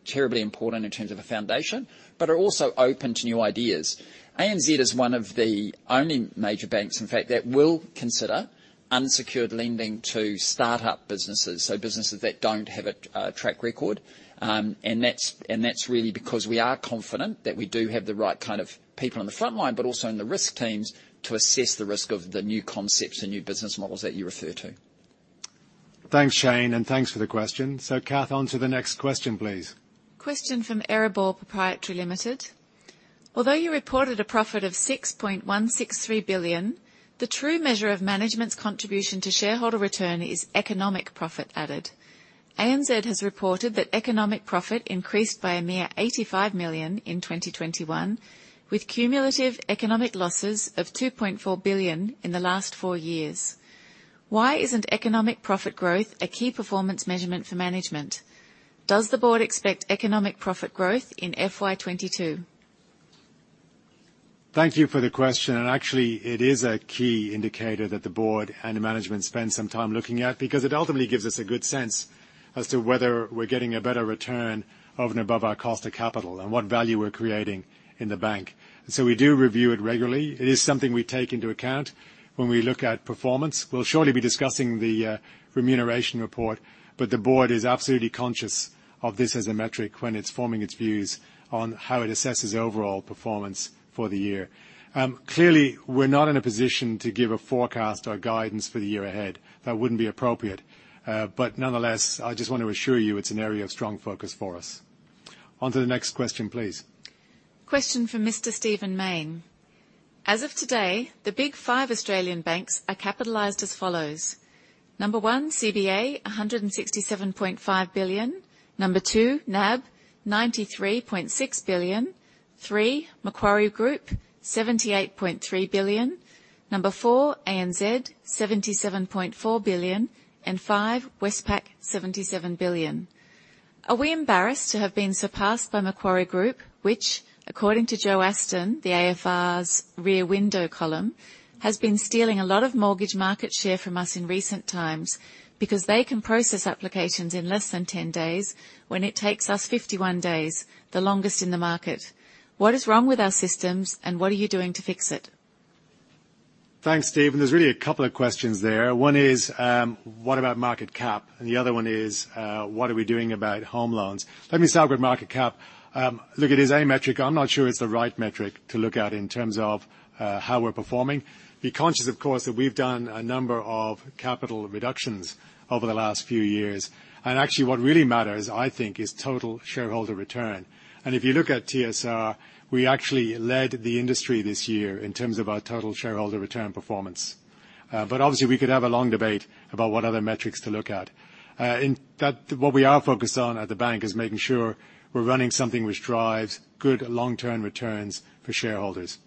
terribly important in terms of a foundation, but are also open to new ideas. ANZ is one of the only major banks, in fact, that will consider unsecured lending to start-up businesses, so businesses that don't have a track record. And that's really because we are confident that we do have the right kind of people on the frontline, but also in the risk teams to assess the risk of the new concepts and new business models that you refer to. Thanks, Shayne, and thanks for the question. Kathryn, onto the next question, please. Question from Erebor Proprietary Limited. Although you reported a profit of 6.163 billion, the true measure of management's contribution to shareholder return is economic profit added. ANZ has reported that economic profit increased by a mere 85 million in 2021, with cumulative economic losses of 2.4 billion in the last four years. Why isn't economic profit growth a key performance measurement for management? Does the board expect economic profit growth in FY 2022? Thank you for the question. Actually, it is a key indicator that the board and the management spend some time looking at because it ultimately gives us a good sense as to whether we're getting a better return of and above our cost of capital and what value we're creating in the bank. We do review it regularly. It is something we take into account when we look at performance. We'll shortly be discussing the remuneration report, but the board is absolutely conscious of this as a metric when it's forming its views on how it assesses overall performance for the year. Clearly, we're not in a position to give a forecast or guidance for the year ahead. That wouldn't be appropriate. Nonetheless, I just want to assure you it's an area of strong focus for us. On to the next question, please. Question from Mr. Stephen Mayne. As of today, the Big Five Australian banks are capitalized as follows. Number one, CBA, 167.5 billion. Number two, NAB, 93.6 billion. Three, Macquarie Group, 78.3 billion. Number four, ANZ, 77.4 billion. And five, Westpac, 77 billion. Are we embarrassed to have been surpassed by Macquarie Group, which according to Joe Aston, the AFR's Rear Window column, has been stealing a lot of mortgage market share from us in recent times because they can process applications in less than 10 days when it takes us 51 days, the longest in the market. What is wrong with our systems, and what are you doing to fix it? Thanks, Stephen. There's really a couple of questions there. One is, what about market cap? And the other one is, what are we doing about home loans? Let me start with market cap. Look, it is a metric. I'm not sure it's the right metric to look at in terms of, how we're performing. Be conscious, of course, that we've done a number of capital reductions over the last few years. Actually what really matters, I think, is total shareholder return. If you look at TSR, we actually led the industry this year in terms of our total shareholder return performance. But obviously we could have a long debate about what other metrics to look at. In that, what we are focused on at the bank is making sure we're running something which drives good long-term returns for shareholders.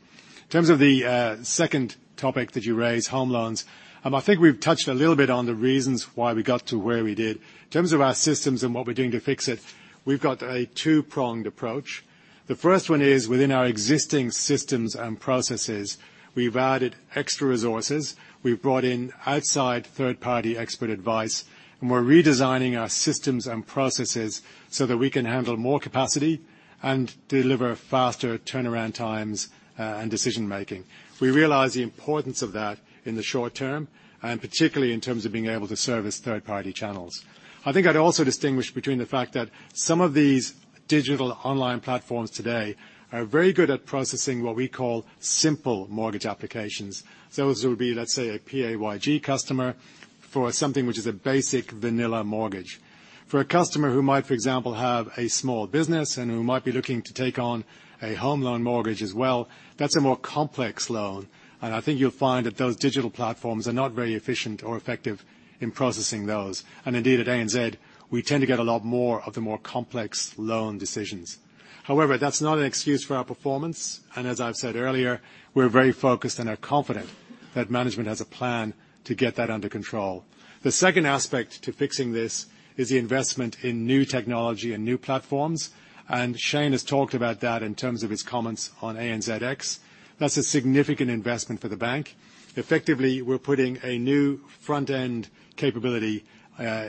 In terms of the second topic that you raised, home loans, I think we've touched a little bit on the reasons why we got to where we did. In terms of our systems and what we're doing to fix it, we've got a two-pronged approach. The first one is within our existing systems and processes, we've added extra resources, we've brought in outside third-party expert advice, and we're redesigning our systems and processes so that we can handle more capacity and deliver faster turnaround times and decision-making. We realize the importance of that in the short term, and particularly in terms of being able to service third-party channels. I think I'd also distinguish between the fact that some of these digital online platforms today are very good at processing what we call simple mortgage applications. Those would be, let's say, a PAYG customer for something which is a basic vanilla mortgage. For a customer who might, for example, have a small business and who might be looking to take on a home loan mortgage as well, that's a more complex loan, and I think you'll find that those digital platforms are not very efficient or effective in processing those. Indeed, at ANZ, we tend to get a lot more of the more complex loan decisions. However, that's not an excuse for our performance, and as I've said earlier, we're very focused and are confident that management has a plan to get that under control. The second aspect to fixing this is the investment in new technology and new platforms, and Shayne has talked about that in terms of his comments on ANZx. That's a significant investment for the bank. Effectively, we're putting a new front-end capability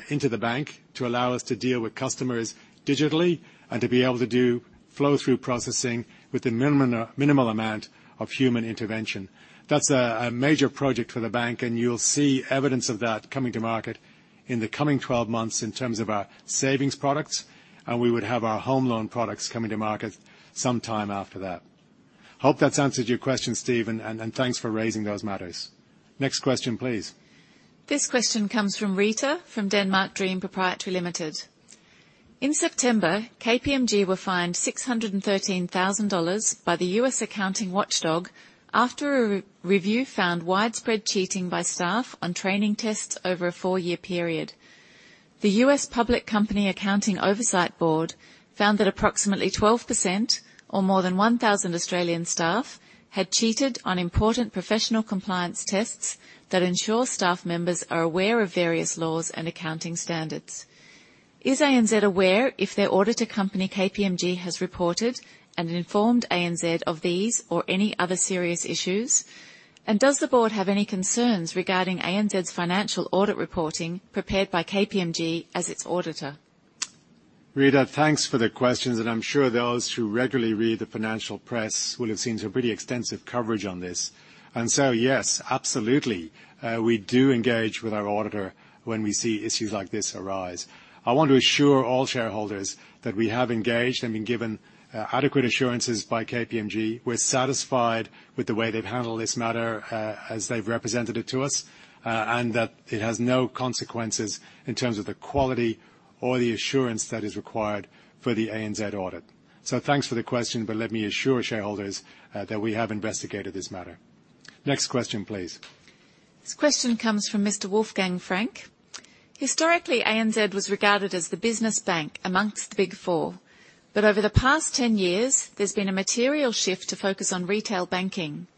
into the bank to allow us to deal with customers digitally and to be able to do flow through processing with the minimal amount of human intervention. That's a major project for the bank, and you'll see evidence of that coming to market in the coming 12 months in terms of our savings products, and we would have our home loan products coming to market some time after that. Hope that's answered your question, Stephen, and thanks for raising those matters. Next question, please. This question comes from Rita from Denmark Dream Proprietary Limited. In September, KPMG were fined $613,000 by the U.S. accounting watchdog after a review found widespread cheating by staff on training tests over a four-year period. The U.S. Public Company Accounting Oversight Board found that approximately 12% or more than 1,000 Australian staff had cheated on important professional compliance tests that ensure staff members are aware of various laws and accounting standards. Is ANZ aware if their auditor company, KPMG, has reported and informed ANZ of these or any other serious issues? Does the board have any concerns regarding ANZ's financial audit reporting prepared by KPMG as its auditor? Rita, thanks for the questions, and I'm sure those who regularly read the financial press will have seen some pretty extensive coverage on this. Yes, absolutely, we do engage with our auditor when we see issues like this arise. I want to assure all shareholders that we have engaged and been given adequate assurances by KPMG. We're satisfied with the way they've handled this matter, as they've represented it to us, and that it has no consequences in terms of the quality or the assurance that is required for the ANZ audit. Thanks for the question, but let me assure shareholders that we have investigated this matter. Next question, please. This question comes from Mr. Wolfgang Frank. Historically, ANZ was regarded as the business bank amongst the Big Four. Over the past 10 years, there's been a material shift to focus on retail banking.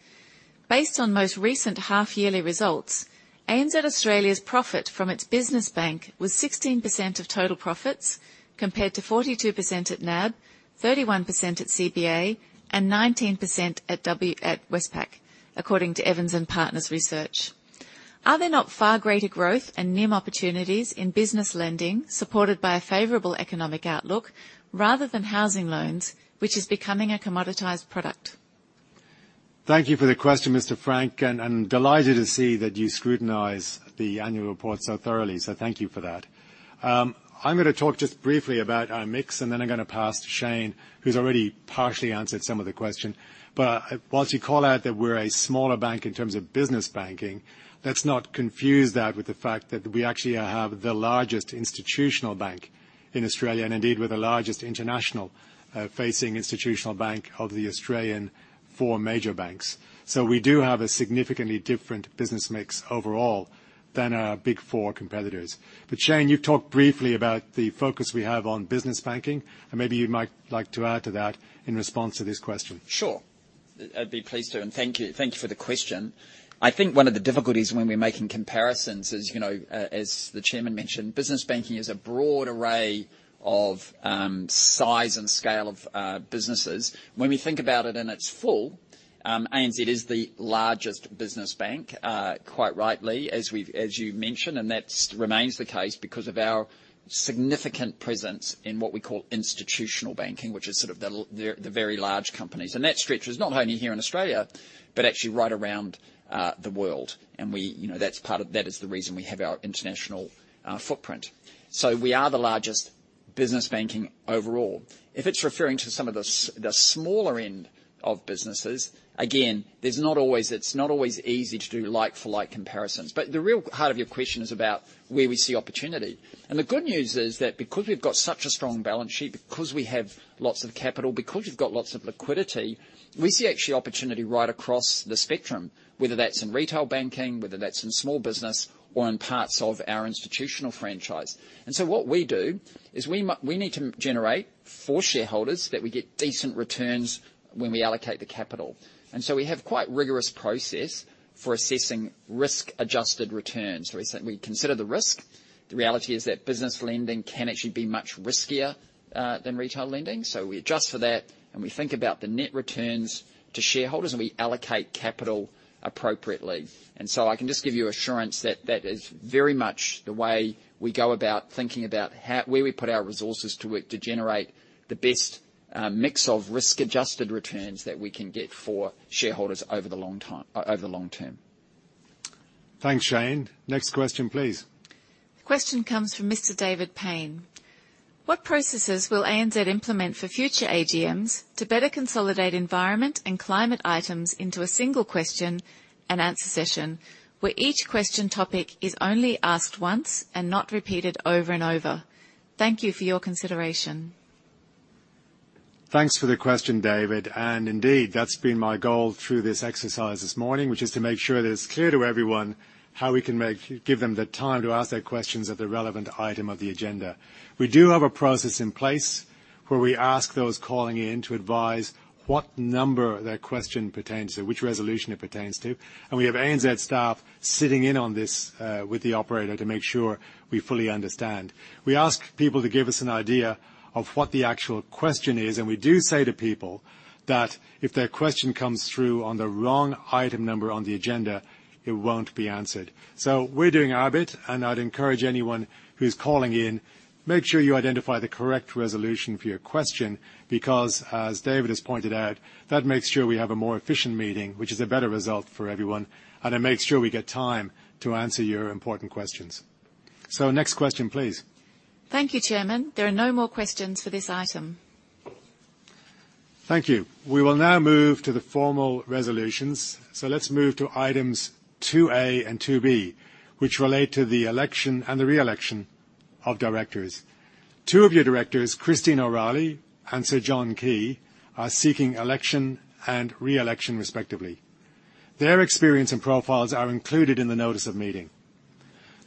Based on most recent half-yearly results, ANZ Australia's profit from its business bank was 16% of total profits, compared to 42% at NAB, 31% at CBA, and 19% at Westpac, according to Evans and Partners research. Are there not far greater growth and NIM opportunities in business lending supported by a favorable economic outlook rather than housing loans, which is becoming a commoditized product? Thank you for the question, Mr. Frank, and I'm delighted to see that you scrutinize the annual report so thoroughly, so thank you for that. I'm gonna talk just briefly about our mix, and then I'm gonna pass to Shayne, who's already partially answered some of the question. While you call out that we're a smaller bank in terms of business banking, let's not confuse that with the fact that we actually have the largest institutional bank in Australia and indeed, we're the largest international facing institutional bank of the Australian four major banks. We do have a significantly different business mix overall than our Big Four competitors. Shayne, you've talked briefly about the focus we have on business banking, and maybe you might like to add to that in response to this question. Sure. I'd be pleased to, and thank you for the question. I think one of the difficulties when we're making comparisons is, you know, as the chairman mentioned, business banking is a broad array of size and scale of businesses. When we think about it in its full, ANZ is the largest business bank, quite rightly, as we've, as you've mentioned, and that remains the case because of our significant presence in what we call institutional banking, which is sort of the very large companies. That stretches not only here in Australia, but actually right around the world. We, you know, that's part of that is the reason we have our international footprint. We are the largest business banking overall. If it's referring to some of the smaller end of businesses, again, there's not always, it's not always easy to do like-for-like comparisons. The real heart of your question is about where we see opportunity. The good news is that because we've got such a strong balance sheet, because we have lots of capital, because we've got lots of liquidity, we see actually opportunity right across the spectrum, whether that's in retail banking, whether that's in small business or in parts of our institutional franchise. What we do is we need to generate for shareholders that we get decent returns when we allocate the capital. We have quite rigorous process for assessing risk-adjusted returns. We say, we consider the risk. The reality is that business lending can actually be much riskier than retail lending. We adjust for that, and we think about the net returns to shareholders, and we allocate capital appropriately. I can just give you assurance that that is very much the way we go about thinking about how, where we put our resources to work to generate the best mix of risk-adjusted returns that we can get for shareholders over the long term. Thanks, Shayne. Next question, please. The question comes from Mr. David Payne. What processes will ANZ implement for future AGMs to better consolidate environment and climate items into a single question and answer session, where each question topic is only asked once and not repeated over and over? Thank you for your consideration. Thanks for the question, David. Indeed, that's been my goal through this exercise this morning, which is to make sure that it's clear to everyone how we can make, give them the time to ask their questions at the relevant item of the agenda. We do have a process in place where we ask those calling in to advise what number their question pertains to, which resolution it pertains to. We have ANZ staff sitting in on this, with the operator to make sure we fully understand. We ask people to give us an idea of what the actual question is, and we do say to people that if their question comes through on the wrong item number on the agenda, it won't be answered. We're doing our bit, and I'd encourage anyone who's calling in, make sure you identify the correct resolution for your question, because as David has pointed out, that makes sure we have a more efficient meeting, which is a better result for everyone, and it makes sure we get time to answer your important questions. Next question, please. Thank you, Chairman. There are no more questions for this item. Thank you. We will now move to the formal resolutions. Let's move to items 2A and 2B, which relate to the election and the reelection of directors. Two of your directors, Christine O'Reilly and Sir John Key, are seeking election and reelection respectively. Their experience and profiles are included in the notice of meeting.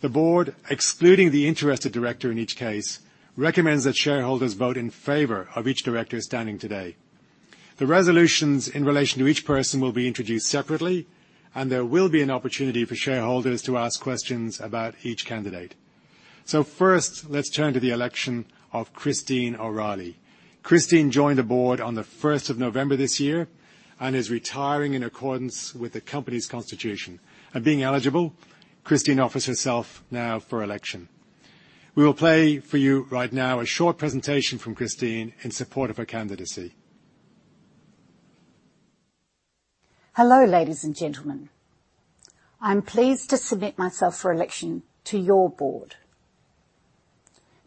The board, excluding the interested director in each case, recommends that shareholders vote in favor of each director standing today. The resolutions in relation to each person will be introduced separately, and there will be an opportunity for shareholders to ask questions about each candidate. First, let's turn to the election of Christine O'Reilly. Christine joined the board on the first of November this year and is retiring in accordance with the company's constitution and being eligible, Christine offers herself now for election. We will play for you right now a short presentation from Christine in support of her candidacy. Hello, ladies and gentlemen. I'm pleased to submit myself for election to your board.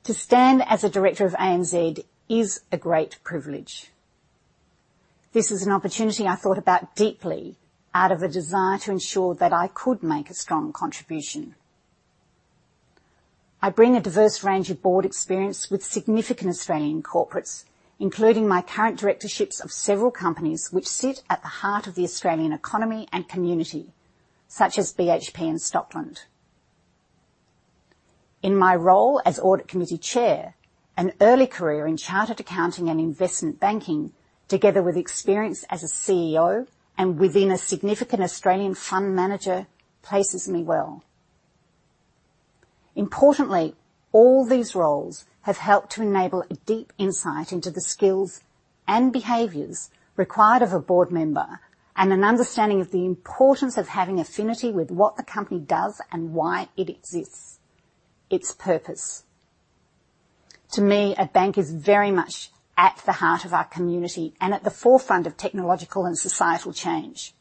To stand as a director of ANZ is a great privilege. This is an opportunity I thought about deeply out of a desire to ensure that I could make a strong contribution. I bring a diverse range of board experience with significant Australian corporates, including my current directorships of several companies which sit at the heart of the Australian economy and community, such as BHP and Stockland. In my role as audit committee chair, an early career in chartered accounting and investment banking, together with experience as a CEO and within a significant Australian fund manager, places me well. Importantly, all these roles have helped to enable a deep insight into the skills and behaviors required of a board member and an understanding of the importance of having affinity with what the company does and why it exists, its purpose. To me, a bank is very much at the heart of our community and at the forefront of technological and societal change.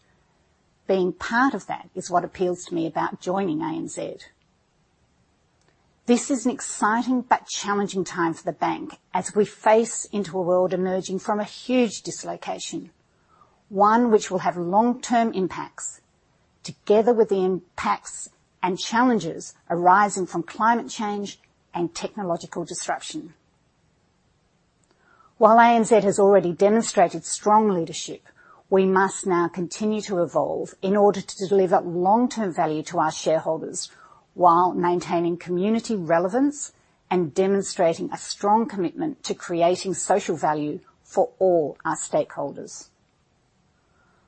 Being part of that is what appeals to me about joining ANZ. This is an exciting but challenging time for the bank as we face into a world emerging from a huge dislocation, one which will have long-term impacts, together with the impacts and challenges arising from climate change and technological disruption. While ANZ has already demonstrated strong leadership, we must now continue to evolve in order to deliver long-term value to our shareholders while maintaining community relevance and demonstrating a strong commitment to creating social value for all our stakeholders.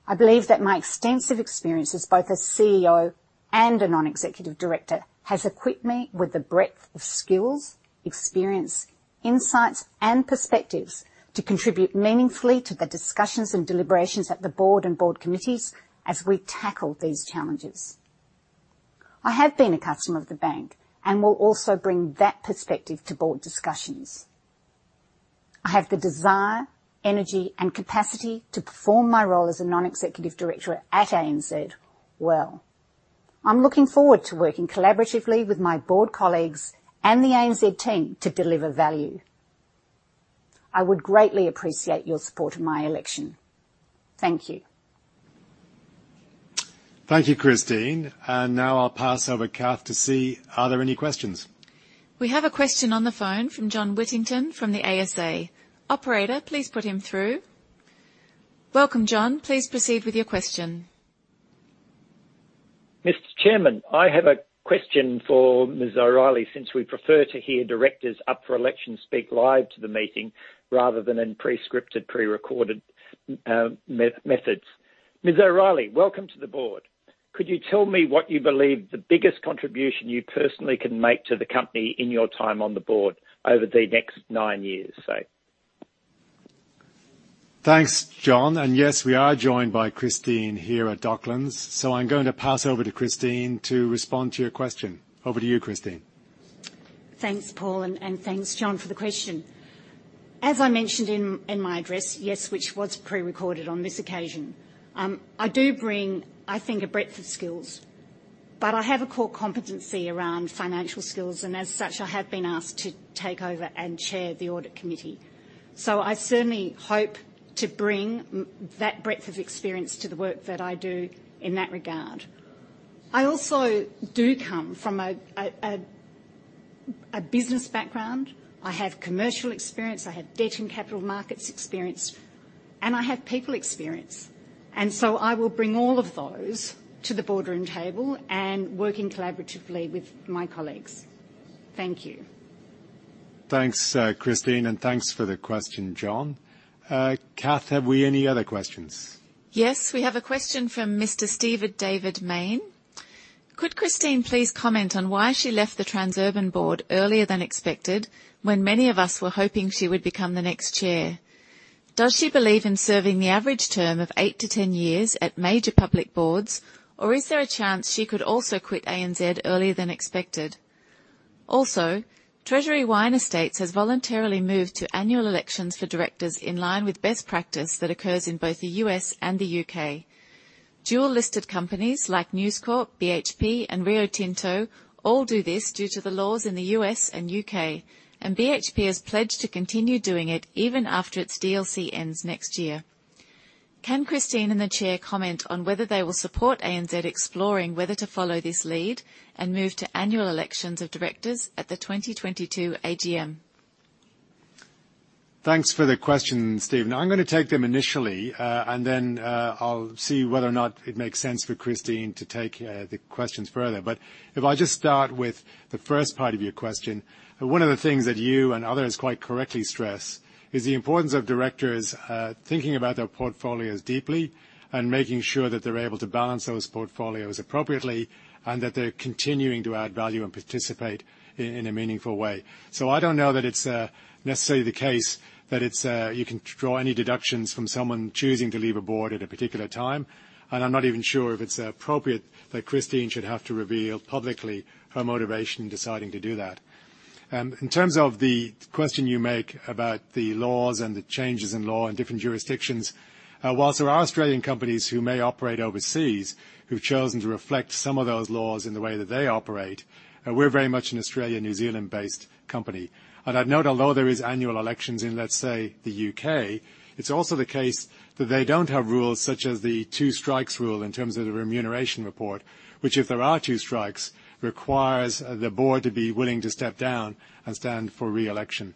I believe that my extensive experience as both a CEO and a Non-Executive Director has equipped me with the breadth of skills, experience, insights and perspectives to contribute meaningfully to the discussions and deliberations at the board and board committees as we tackle these challenges. I have been a customer of the bank and will also bring that perspective to board discussions. I have the desire, energy, and capacity to perform my role as a Non-Executive Director at ANZ well. I'm looking forward to working collaboratively with my board colleagues and the ANZ team to deliver value. I would greatly appreciate your support in my election. Thank you. Thank you, Christine. Now I'll pass over to Kathryn to see, are there any questions? We have a question on the phone from John Whittington from the ASA. Operator, please put him through. Welcome, John. Please proceed with your question. Mr. Chairman, I have a question for Ms. O'Reilly, since we prefer to hear directors up for election speak live to the meeting rather than in pre-scripted, pre-recorded messages. Ms. O'Reilly, welcome to the board. Could you tell me what you believe the biggest contribution you personally can make to the company in your time on the board over the next nine years, say? Thanks, John. Yes, we are joined by Christine here at Docklands. I'm going to pass over to Christine to respond to your question. Over to you, Christine. Thanks, Paul, and thanks, John, for the question. As I mentioned in my address, yes, which was pre-recorded on this occasion, I do bring, I think, a breadth of skills, but I have a core competency around financial skills, and as such, I have been asked to take over and chair the audit committee. I certainly hope to bring that breadth of experience to the work that I do in that regard. I also do come from a business background. I have commercial experience, I have debt and capital markets experience, and I have people experience. I will bring all of those to the boardroom table and working collaboratively with my colleagues. Thank you. Thanks, Christine, and thanks for the question, John. Kathryn, have we any other questions? Yes, we have a question from Mr. Stephen David Mayne. Could Christine please comment on why she left the Transurban board earlier than expected when many of us were hoping she would become the next chair? Does she believe in serving the average term of eight to 10 years at major public boards, or is there a chance she could also quit ANZ earlier than expected? Also, Treasury Wine Estates has voluntarily moved to annual elections for directors in line with best practice that occurs in both the U.S. and the U.K. Dual listed companies like News Corp, BHP and Rio Tinto all do this due to the laws in the U.S. and U.K., and BHP has pledged to continue doing it even after its DLC ends next year. Can Christine and the Chair comment on whether they will support ANZ exploring whether to follow this lead and move to annual elections of directors at the 2022 AGM? Thanks for the question, Stephen. Now I'm gonna take them initially, and then, I'll see whether or not it makes sense for Christine to take the questions further. If I just start with the first part of your question, one of the things that you and others quite correctly stress is the importance of directors thinking about their portfolios deeply and making sure that they're able to balance those portfolios appropriately, and that they're continuing to add value and participate in a meaningful way. I don't know that it's necessarily the case that you can draw any deductions from someone choosing to leave a board at a particular time, and I'm not even sure if it's appropriate that Christine should have to reveal publicly her motivation in deciding to do that. In terms of the question you make about the laws and the changes in law in different jurisdictions, while there are Australian companies who may operate overseas who've chosen to reflect some of those laws in the way that they operate, we're very much an Australia/New Zealand-based company. I'd note, although there is annual elections in, let's say, the U.K., it's also the case that they don't have rules such as the two strikes rule in terms of the remuneration report, which if there are two strikes, requires the board to be willing to step down and stand for re-election.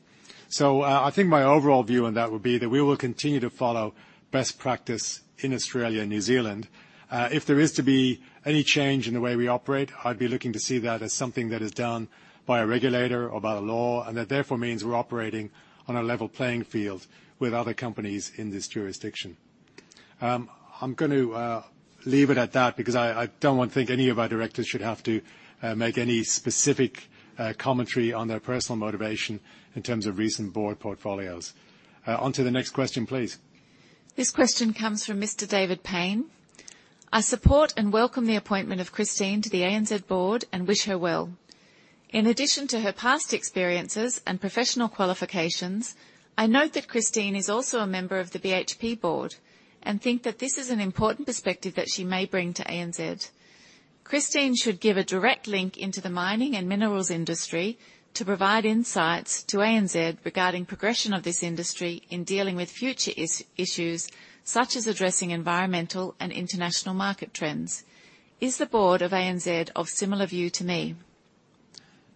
I think my overall view on that would be that we will continue to follow best practice in Australia and New Zealand. If there is to be any change in the way we operate, I'd be looking to see that as something that is done by a regulator or by the law, and that therefore means we're operating on a level playing field with other companies in this jurisdiction. I'm going to leave it at that because I don't want to think any of our directors should have to make any specific commentary on their personal motivation in terms of recent board portfolios. Onto the next question, please. This question comes from Mr. David Payne. I support and welcome the appointment of Christine to the ANZ board and wish her well. In addition to her past experiences and professional qualifications, I note that Christine is also a member of the BHP board and think that this is an important perspective that she may bring to ANZ. Christine should give a direct link into the mining and minerals industry to provide insights to ANZ regarding progression of this industry in dealing with future issues such as addressing environmental and international market trends. Is the board of ANZ of similar view to me?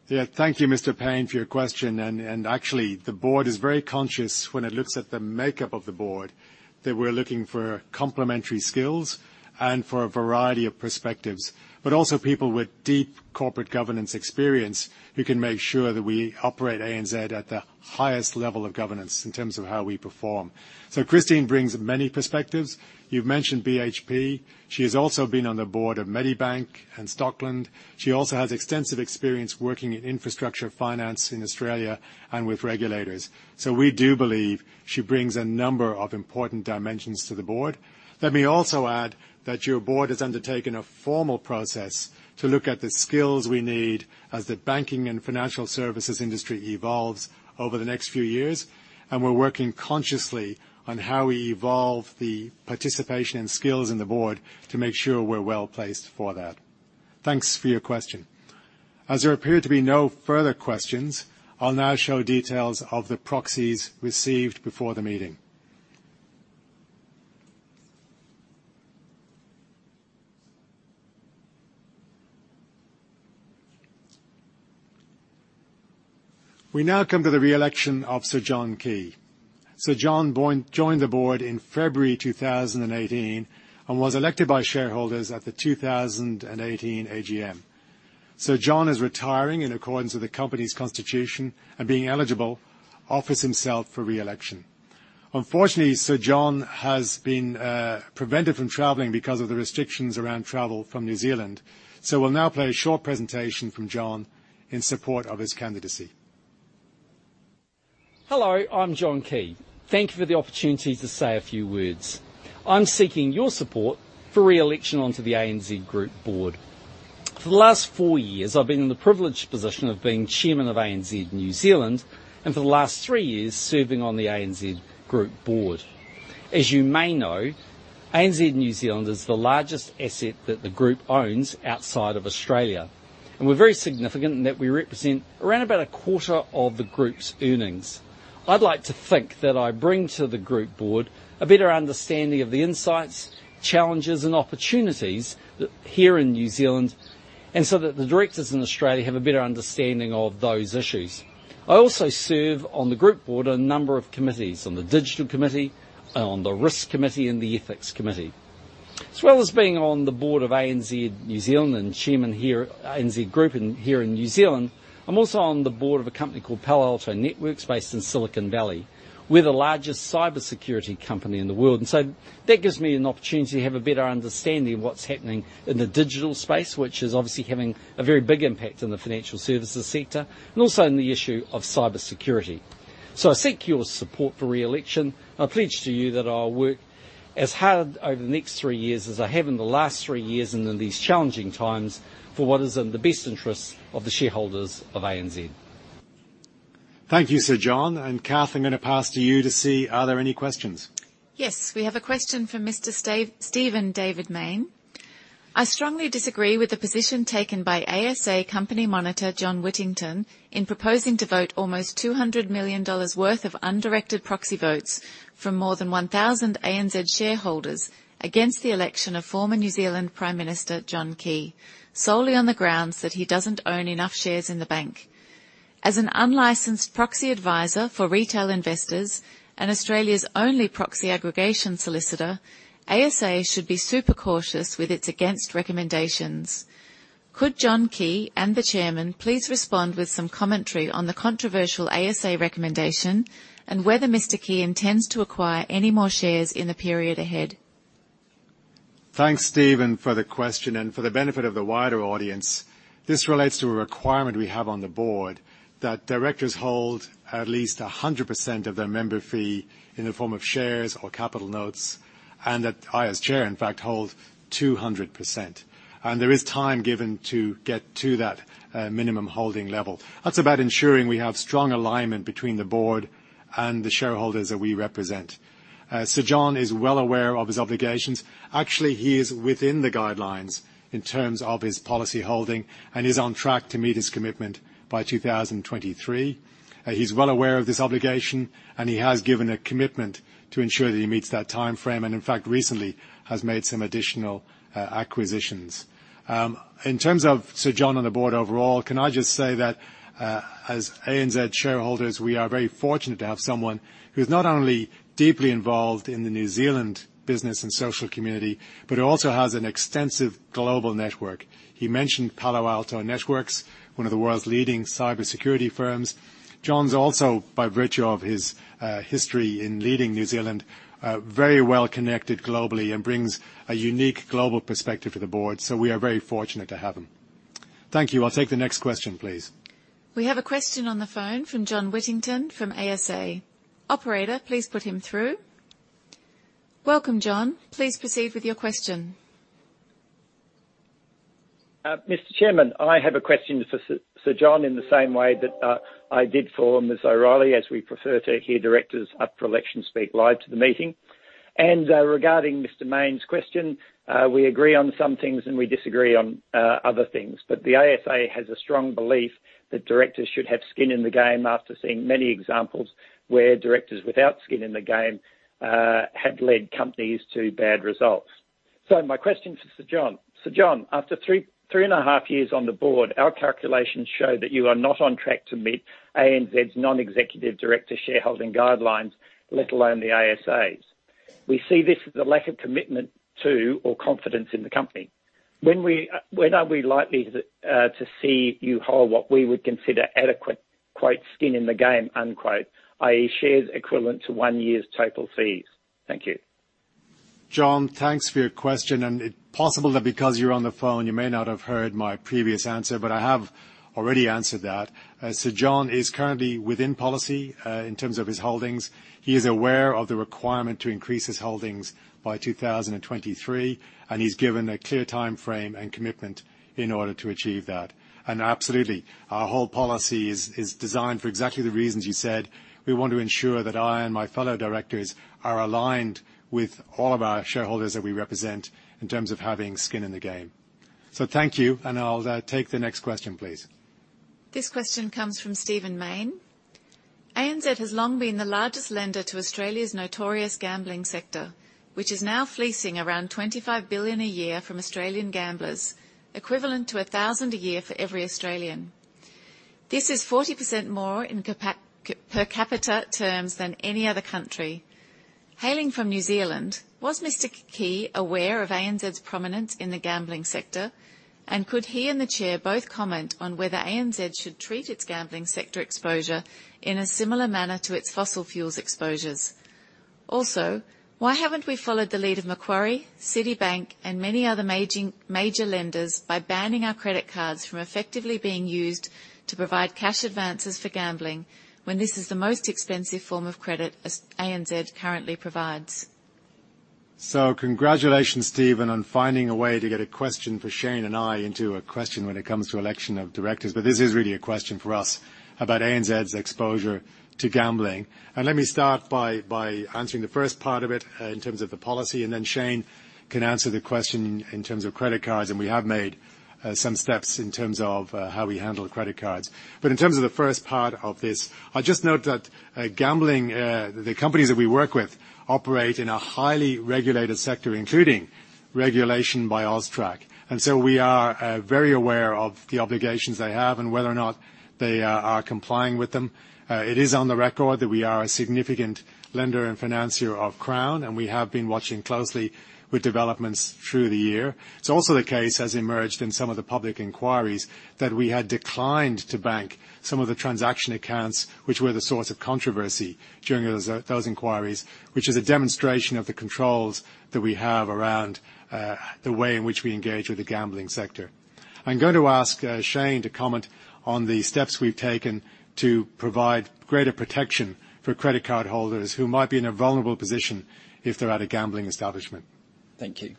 Yeah. Thank you, Mr. Payne, for your question. Actually, the board is very conscious when it looks at the makeup of the board, that we're looking for complementary skills and for a variety of perspectives, but also people with deep corporate governance experience who can make sure that we operate ANZ at the highest level of governance in terms of how we perform. Christine brings many perspectives. You've mentioned BHP. She has also been on the board of Medibank and Stockland. She also has extensive experience working in infrastructure finance in Australia and with regulators. We do believe she brings a number of important dimensions to the board. Let me also add that your board has undertaken a formal process to look at the skills we need as the banking and financial services industry evolves over the next few years, and we're working consciously on how we evolve the participation and skills in the board to make sure we're well placed for that. Thanks for your question. As there appear to be no further questions, I'll now show details of the proxies received before the meeting. We now come to the re-election of Sir John Key. Sir John joined the board in February 2018, and was elected by shareholders at the 2018 AGM. Sir John is retiring in accordance with the company's constitution and being eligible, offers himself for re-election. Unfortunately, Sir John has been prevented from traveling because of the restrictions around travel from New Zealand, so we'll now play a short presentation from John in support of his candidacy. Hello, I'm Sir John Key. Thank you for the opportunity to say a few words. I'm seeking your support for re-election onto the ANZ Group Board. For the last four years, I've been in the privileged position of being Chairman of ANZ New Zealand, and for the last three years serving on the ANZ Group Board. As you may know, ANZ New Zealand is the largest asset that the Group owns outside of Australia, and we're very significant in that we represent around about a quarter of the Group's earnings. I'd like to think that I bring to the Group Board a better understanding of the insights, challenges, and opportunities that here in New Zealand, and so that the directors in Australia have a better understanding of those issues. I also serve on the group board a number of committees, on the digital committee, and on the risk committee, and the ethics committee. As well as being on the board of ANZ New Zealand and Chairman here at ANZ Group in, here in New Zealand, I'm also on the board of a company called Palo Alto Networks based in Silicon Valley. We're the largest cybersecurity company in the world, and so that gives me an opportunity to have a better understanding of what's happening in the digital space, which is obviously having a very big impact on the financial services sector and also in the issue of cybersecurity. I seek your support for re-election. I pledge to you that I'll work as hard over the next three years as I have in the last three years and in these challenging times for what is in the best interest of the shareholders of ANZ. Thank you, Sir John. Kathryn, I'm gonna pass to you to see are there any questions. Yes. We have a question from Mr. Stephen David Mayne. I strongly disagree with the position taken by ASA company monitor, John Whittington, in proposing to vote almost 200 million dollars worth of undirected proxy votes from more than 1,000 ANZ shareholders against the election of former New Zealand Prime Minister John Key, solely on the grounds that he doesn't own enough shares in the bank. As an unlicensed proxy advisor for retail investors and Australia's only proxy aggregation solicitor, ASA should be super cautious with its against recommendations. Could John Key and the chairman please respond with some commentary on the controversial ASA recommendation and whether Mr. Key intends to acquire any more shares in the period ahead? Thanks, Stephen, for the question. For the benefit of the wider audience, this relates to a requirement we have on the board that directors hold at least 100% of their member fee in the form of shares or capital notes, and that I, as Chair, in fact, hold 200%. There is time given to get to that minimum holding level. That's about ensuring we have strong alignment between the board and the shareholders that we represent. Sir John is well aware of his obligations. Actually, he is within the guidelines in terms of his policy holding and is on track to meet his commitment by 2023. He's well aware of this obligation, and he has given a commitment to ensure that he meets that timeframe. In fact, recently has made some additional acquisitions. In terms of Sir John on the board overall, can I just say that, as ANZ shareholders, we are very fortunate to have someone who's not only deeply involved in the New Zealand business and social community, but also has an extensive global network. He mentioned Palo Alto Networks, one of the world's leading cybersecurity firms. John's also, by virtue of his history in leading New Zealand, very well-connected globally and brings a unique global perspective to the board. We are very fortunate to have him. Thank you. I'll take the next question, please. We have a question on the phone from John Whittington from ASA. Operator, please put him through. Welcome, John. Please proceed with your question. Mr. Chairman, I have a question for Sir John in the same way that I did for Ms O'Reilly, as we prefer to hear directors up for election speak live to the meeting. Regarding Mr. Mayne's question, we agree on some things, and we disagree on other things. The ASA has a strong belief that directors should have skin in the game after seeing many examples where directors without skin in the game have led companies to bad results. My question to Sir John. Sir John, after 3.5 years on the board, our calculations show that you are not on track to meet ANZ's non-executive director shareholding guidelines, let alone the ASA's. We see this as a lack of commitment to or confidence in the company. When are we likely to see you hold what we would consider adequate, quote, "skin in the game," unquote, i.e., shares equivalent to one year's total fees? Thank you. John, thanks for your question. It's possible that because you're on the phone, you may not have heard my previous answer, but I have already answered that. Sir John is currently within policy, in terms of his holdings. He is aware of the requirement to increase his holdings by 2023, and he's given a clear timeframe and commitment in order to achieve that. Absolutely, our whole policy is designed for exactly the reasons you said. We want to ensure that I and my fellow directors are aligned with all of our shareholders that we represent in terms of having skin in the game. Thank you, and I'll take the next question, please. This question comes from Stephen Mayne. ANZ has long been the largest lender to Australia's notorious gambling sector, which is now fleecing around 25 billion a year from Australian gamblers, equivalent to 1,000 a year for every Australian. This is 40% more per capita terms than any other country. Hailing from New Zealand, was Sir John Key aware of ANZ's prominence in the gambling sector? Could he and the chair both comment on whether ANZ should treat its gambling sector exposure in a similar manner to its fossil fuels exposures? Why haven't we followed the lead of Macquarie, Citibank, and many other major lenders by banning our credit cards from effectively being used to provide cash advances for gambling when this is the most expensive form of credit as ANZ currently provides? Congratulations, Stephen, on finding a way to get a question for Shayne and I into a question when it comes to election of directors. This is really a question for us about ANZ's exposure to gambling. Let me start by answering the first part of it in terms of the policy, and then Shayne can answer the question in terms of credit cards, and we have made some steps in terms of how we handle credit cards. In terms of the first part of this, I'd just note that gambling, the companies that we work with operate in a highly regulated sector, including regulation by AUSTRAC. We are very aware of the obligations they have and whether or not they are complying with them. It is on the record that we are a significant lender and financier of Crown, and we have been watching closely with developments through the year. It's also the case, as emerged in some of the public inquiries, that we had declined to bank some of the transaction accounts, which were the source of controversy during those inquiries, which is a demonstration of the controls that we have around the way in which we engage with the gambling sector. I'm going to ask Shayne to comment on the steps we've taken to provide greater protection for credit card holders who might be in a vulnerable position if they're at a gambling establishment. Thank you.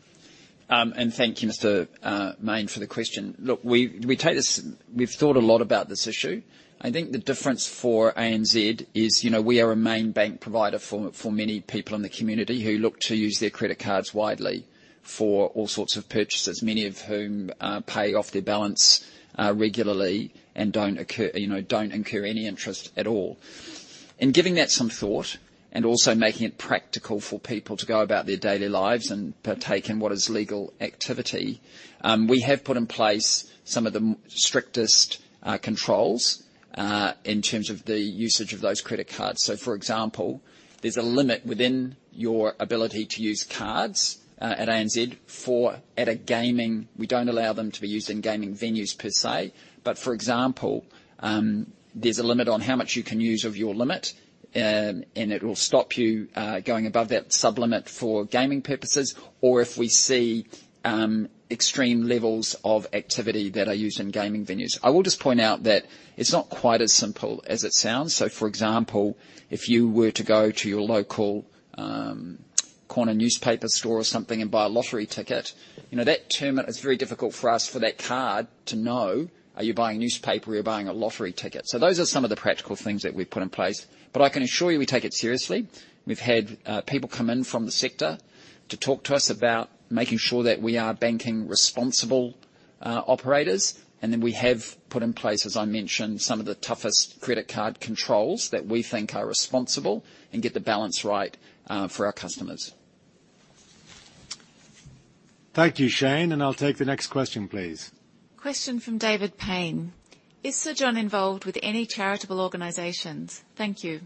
Thank you, Mr. Mayne, for the question. Look, we take this. We've thought a lot about this issue. I think the difference for ANZ is, you know, we are a main bank provider for many people in the community who look to use their credit cards widely for all sorts of purchases, many of whom pay off their balance regularly and don't incur any interest at all. In giving that some thought, and also making it practical for people to go about their daily lives and partake in what is legal activity, we have put in place some of the strictest controls in terms of the usage of those credit cards. For example, there's a limit within your ability to use cards at ANZ for at a gaming. We don't allow them to be used in gaming venues per se. For example, there's a limit on how much you can use of your limit, and it will stop you going above that sub-limit for gaming purposes or if we see extreme levels of activity that are used in gaming venues. I will just point out that it's not quite as simple as it sounds. For example, if you were to go to your local corner newspaper store or something and buy a lottery ticket, you know, it's very difficult for us for that card to know, are you buying newspaper or you're buying a lottery ticket? Those are some of the practical things that we've put in place. I can assure you we take it seriously. We've had people come in from the sector to talk to us about making sure that we are banking responsible operators. We have put in place, as I mentioned, some of the toughest credit card controls that we think are responsible and get the balance right for our customers. Thank you, Shayne, and I'll take the next question, please. Question from David Payne. Is Sir John involved with any charitable organizations? Thank you.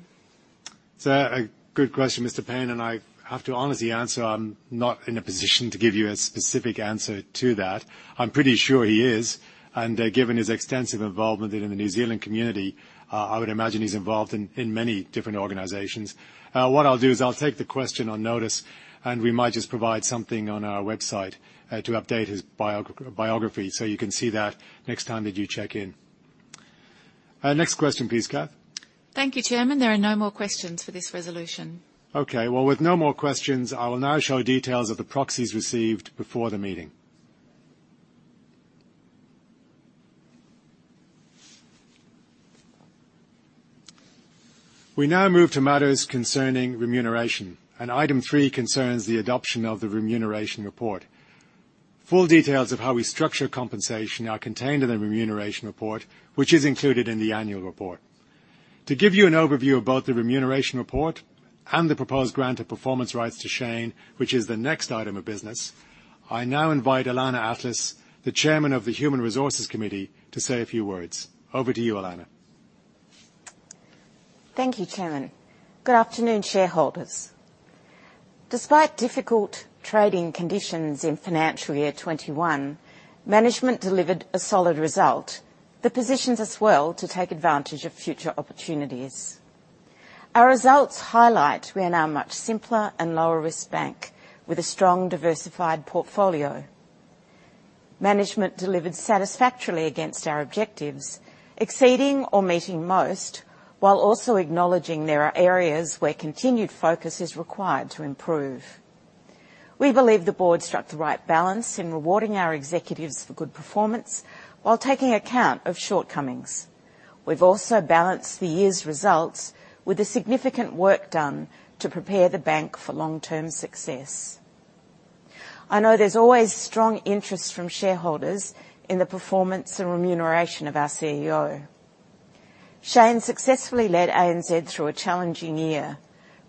It's a good question, Mr. Payne, and I have to honestly answer, I'm not in a position to give you a specific answer to that. I'm pretty sure he is, and given his extensive involvement in the New Zealand community, I would imagine he's involved in many different organizations. What I'll do is I'll take the question on notice, and we might just provide something on our website to update his biography, so you can see that next time that you check in. Next question, please, Kathryn. Thank you, Chairman. There are no more questions for this resolution. Okay. Well, with no more questions, I will now show details of the proxies received before the meeting. We now move to matters concerning remuneration, and item three concerns the adoption of the remuneration report. Full details of how we structure compensation are contained in the remuneration report, which is included in the annual report. To give you an overview of both the remuneration report and the proposed grant of performance rights to Shayne, which is the next item of business, I now invite Ilana Atlas, the Chairman of the Human Resources Committee, to say a few words. Over to you, Ilana. Thank you, Chairman. Good afternoon, shareholders. Despite difficult trading conditions in financial year 2021, management delivered a solid result that positions us well to take advantage of future opportunities. Our results highlight we are now a much simpler and lower-risk bank with a strong, diversified portfolio. Management delivered satisfactorily against our objectives, exceeding or meeting most, while also acknowledging there are areas where continued focus is required to improve. We believe the board struck the right balance in rewarding our executives for good performance while taking account of shortcomings. We've also balanced the year's results with the significant work done to prepare the bank for long-term success. I know there's always strong interest from shareholders in the performance and remuneration of our CEO. Shayne successfully led ANZ through a challenging year,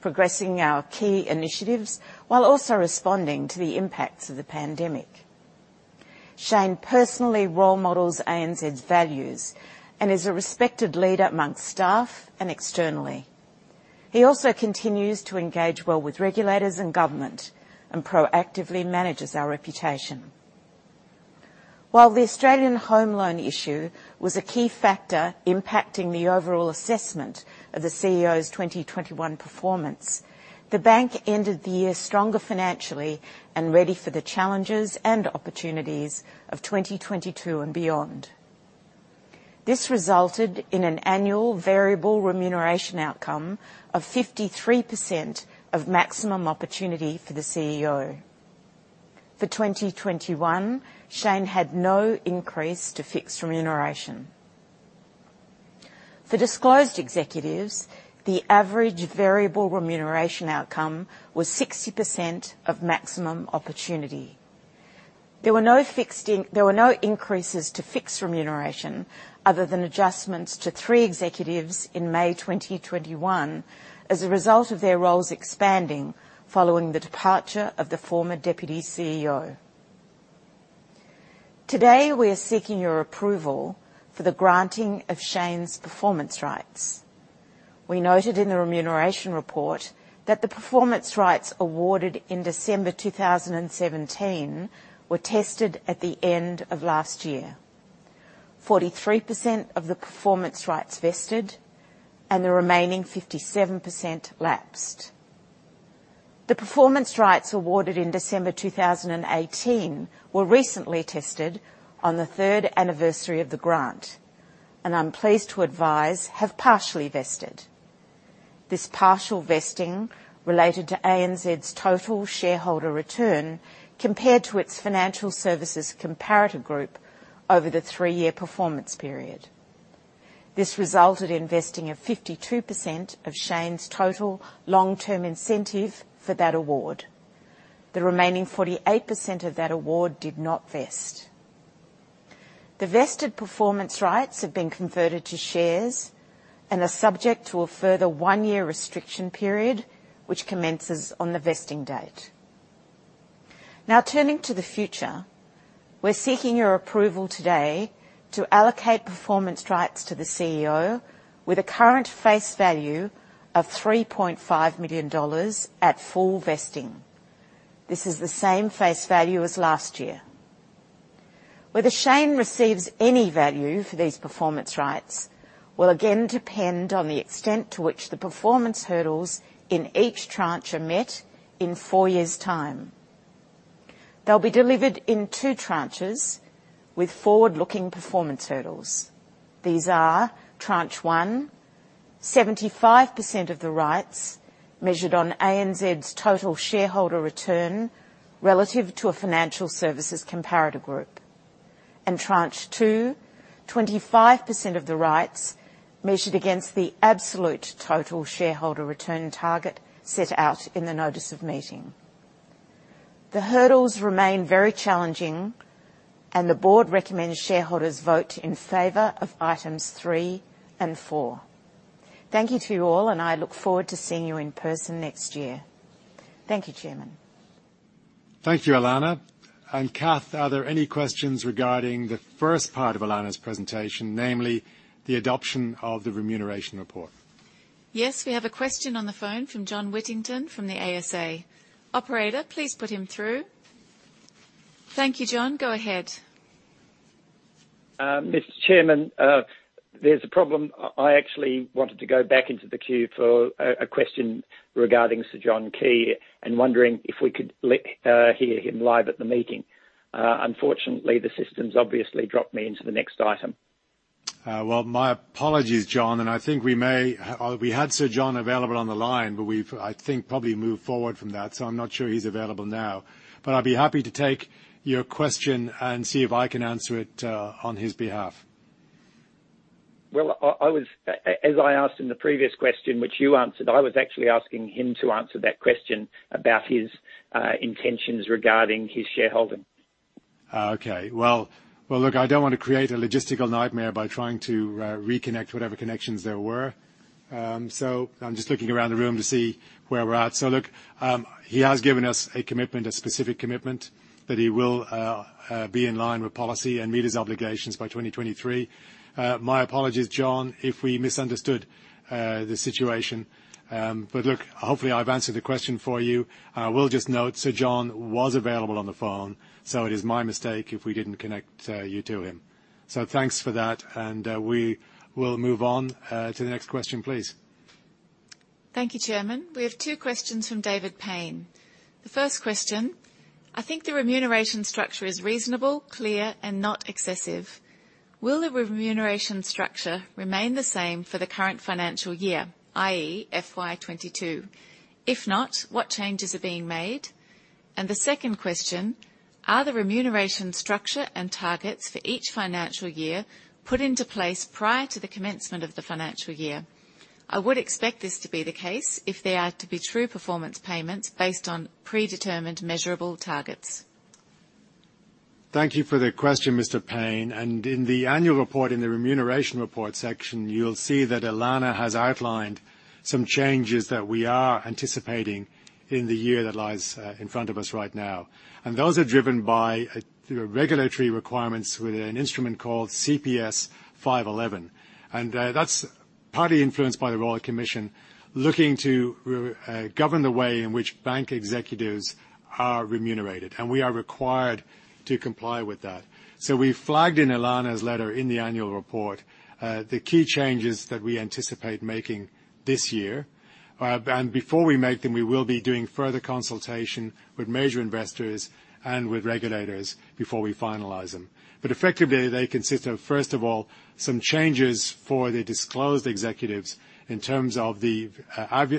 progressing our key initiatives while also responding to the impacts of the pandemic. Shayne personally role models ANZ's values and is a respected leader amongst staff and externally. He also continues to engage well with regulators and government and proactively manages our reputation. While the Australian home loan issue was a key factor impacting the overall assessment of the CEO's 2021 performance, the bank ended the year stronger financially and ready for the challenges and opportunities of 2022 and beyond. This resulted in an annual variable remuneration outcome of 53% of maximum opportunity for the CEO. For 2021, Shayne had no increase to fixed remuneration. For disclosed executives, the average variable remuneration outcome was 60% of maximum opportunity. There were no increases to fixed remuneration other than adjustments to three executives in May 2021 as a result of their roles expanding following the departure of the former deputy CEO. Today, we are seeking your approval for the granting of Shayne's performance rights. We noted in the remuneration report that the performance rights awarded in December 2017 were tested at the end of last year. 43% of the performance rights vested and the remaining 57% lapsed. The performance rights awarded in December 2018 were recently tested on the third anniversary of the grant, and I'm pleased to advise, have partially vested. This partial vesting related to ANZ's total shareholder return compared to its financial services comparator group over the three-year performance period. This resulted in vesting of 52% of Shayne's total long-term incentive for that award. The remaining 48% of that award did not vest. The vested performance rights have been converted to shares and are subject to a further one-year restriction period, which commences on the vesting date. Now, turning to the future, we're seeking your approval today to allocate performance rights to the CEO with a current face value of 3.5 million dollars at full vesting. This is the same face value as last year. Whether Shayne receives any value for these performance rights will again depend on the extent to which the performance hurdles in each tranche are met in four years' time. They'll be delivered in two tranches with forward-looking performance hurdles. These are tranche one, 75% of the rights measured on ANZ's total shareholder return relative to a financial services comparator group. Tranche two, 25% of the rights measured against the absolute total shareholder return target set out in the notice of meeting. The hurdles remain very challenging, and the board recommends shareholders vote in favor of items three and four. Thank you to you all, and I look forward to seeing you in person next year. Thank you, Chairman. Thank you, Ilana. Kathryn, are there any questions regarding the first part of Ilana's presentation, namely the adoption of the remuneration report? Yes, we have a question on the phone from John Whittington from the ASA. Operator, please put him through. Thank you, John. Go ahead. Mr. Chairman, there's a problem. I actually wanted to go back into the queue for a question regarding Sir John Key and wondering if we could hear him live at the meeting. Unfortunately, the system's obviously dropped me into the next item. Well, my apologies, John. We had Sir John available on the line, but we've, I think, probably moved forward from that, so I'm not sure he's available now. I'd be happy to take your question and see if I can answer it, on his behalf. Well, I was, as I asked in the previous question, which you answered, I was actually asking him to answer that question about his intentions regarding his shareholding. Okay. Well, look, I don't want to create a logistical nightmare by trying to reconnect whatever connections there were. I'm just looking around the room to see where we're at. Look, he has given us a commitment, a specific commitment, that he will be in line with policy and meet his obligations by 2023. My apologies, John, if we misunderstood the situation. Look, hopefully, I've answered the question for you. We'll just note Sir John was available on the phone, so it is my mistake if we didn't connect you to him. Thanks for that, and we will move on to the next question, please. Thank you, Chairman. We have two questions from David Payne. The first question: I think the remuneration structure is reasonable, clear, and not excessive. Will the remuneration structure remain the same for the current financial year, i.e., FY 2022? If not, what changes are being made? The second question: Are the remuneration structure and targets for each financial year put into place prior to the commencement of the financial year? I would expect this to be the case if they are to be true performance payments based on predetermined measurable targets. Thank you for the question, Mr. Payne. In the annual report, in the remuneration report section, you'll see that Ilana has outlined some changes that we are anticipating in the year that lies in front of us right now. Those are driven by regulatory requirements with an instrument called CPS 511. That's partly influenced by the Royal Commission looking to govern the way in which bank executives are remunerated, and we are required to comply with that. We flagged in Ilana's letter in the annual report the key changes that we anticipate making this year. Before we make them, we will be doing further consultation with major investors and with regulators before we finalize them. Effectively, they consist of, first of all, some changes for the disclosed executives in terms of the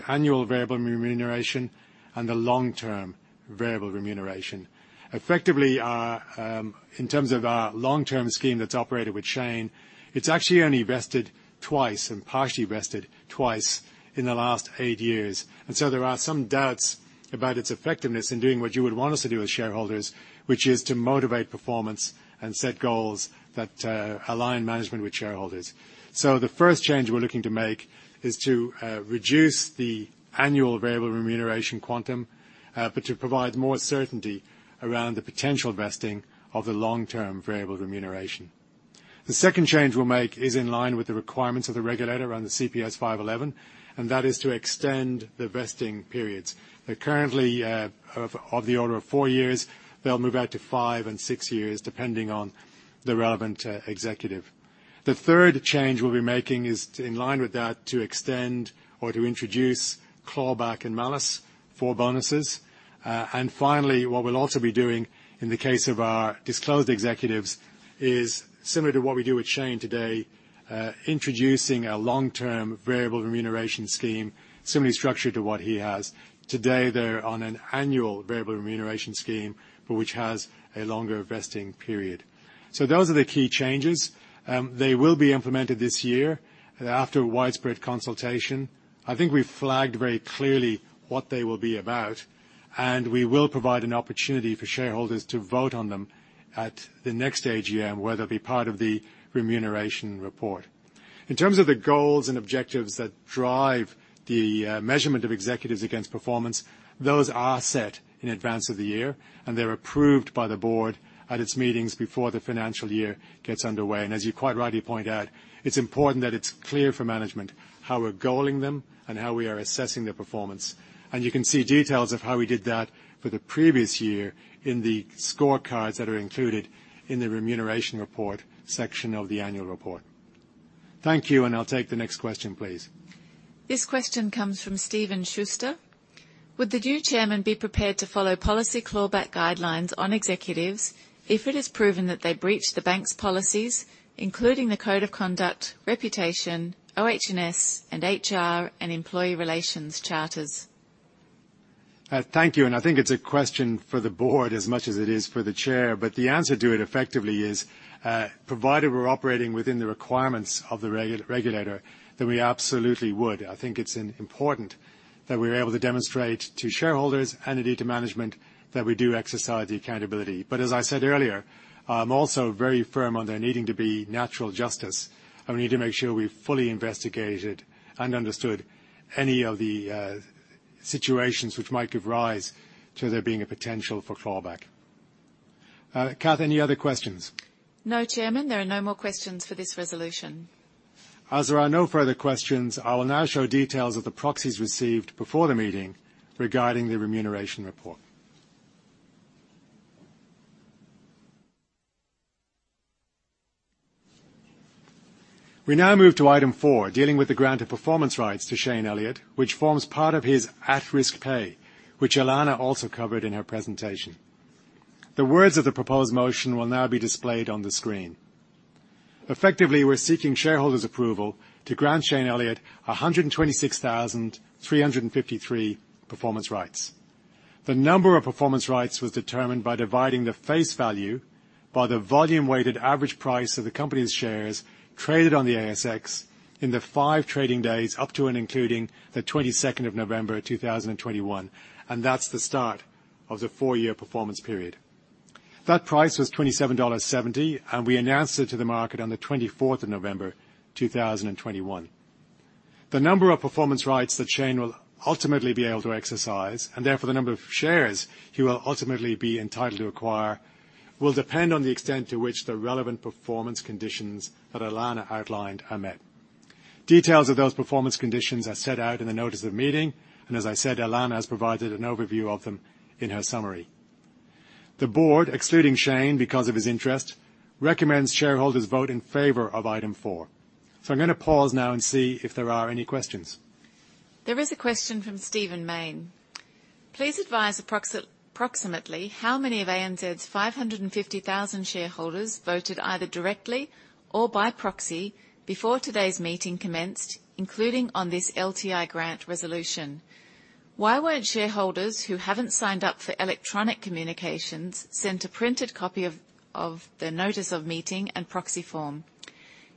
annual variable remuneration and the long-term variable remuneration. Effectively, in terms of our long-term scheme that's operated with Shayne, it's actually only vested twice, and partially vested twice in the last eight years. There are some doubts about its effectiveness in doing what you would want us to do as shareholders, which is to motivate performance and set goals that align management with shareholders. The first change we're looking to make is to reduce the annual variable remuneration quantum, but to provide more certainty around the potential vesting of the long-term variable remuneration. The second change we'll make is in line with the requirements of the regulator around the CPS 511, and that is to extend the vesting periods. They're currently of the order of four years. They'll move out to five and six years, depending on the relevant executive. The third change we'll be making is in line with that, to extend or to introduce clawback and malus for bonuses. Finally, what we'll also be doing in the case of our disclosed executives is, similar to what we do with Shayne today, introducing a long-term variable remuneration scheme similarly structured to what he has. Today, they're on an annual variable remuneration scheme, but which has a longer vesting period. Those are the key changes. They will be implemented this year after widespread consultation. I think we've flagged very clearly what they will be about, and we will provide an opportunity for shareholders to vote on them at the next AGM, where they'll be part of the remuneration report. In terms of the goals and objectives that drive the measurement of executives against performance, those are set in advance of the year, and they're approved by the board at its meetings before the financial year gets underway. As you quite rightly point out, it's important that it's clear for management how we're goaling them and how we are assessing their performance. You can see details of how we did that for the previous year in the scorecards that are included in the remuneration report section of the annual report. Thank you, and I'll take the next question, please. This question comes from Stephen Schuster. Would the new chairman be prepared to follow policy clawback guidelines on executives if it is proven that they breached the bank's policies, including the code of conduct, reputation, OH&S, and HR, and employee relations charters? Thank you. I think it's a question for the board as much as it is for the chair. The answer to it effectively is, provided we're operating within the requirements of the regulator, then we absolutely would. I think it's important that we're able to demonstrate to shareholders and indeed to management that we do exercise accountability. As I said earlier, I'm also very firm on there needing to be natural justice, and we need to make sure we've fully investigated and understood any of the situations which might give rise to there being a potential for clawback. Kathryn, any other questions? No, Chairman. There are no more questions for this resolution. As there are no further questions, I will now show details of the proxies received before the meeting regarding the remuneration report. We now move to item four, dealing with the grant of performance rights to Shayne Elliott, which forms part of his at-risk pay, which Ilana also covered in her presentation. The words of the proposed motion will now be displayed on the screen. Effectively, we're seeking shareholders' approval to grant Shayne Elliott 126,353 performance rights. The number of performance rights was determined by dividing the face value by the volume-weighted average price of the company's shares traded on the ASX in the five trading days up to and including the 22nd of November, 2021, and that's the start of the four-year performance period. That price was 27.70 dollars, and we announced it to the market on the 24th of November, 2021. The number of performance rights that Shayne will ultimately be able to exercise, and therefore the number of shares he will ultimately be entitled to acquire, will depend on the extent to which the relevant performance conditions that Ilana outlined are met. Details of those performance conditions are set out in the notice of meeting, and as I said, Ilana has provided an overview of them in her summary. The board, excluding Shayne because of his interest, recommends shareholders vote in favor of Item four. I'm gonna pause now and see if there are any questions. There is a question from Stephen Mayne. Please advise approximately how many of ANZ's 550,000 shareholders voted either directly or by proxy before today's meeting commenced, including on this LTI grant resolution. Why weren't shareholders who haven't signed up for electronic communications sent a printed copy of the notice of meeting and proxy form?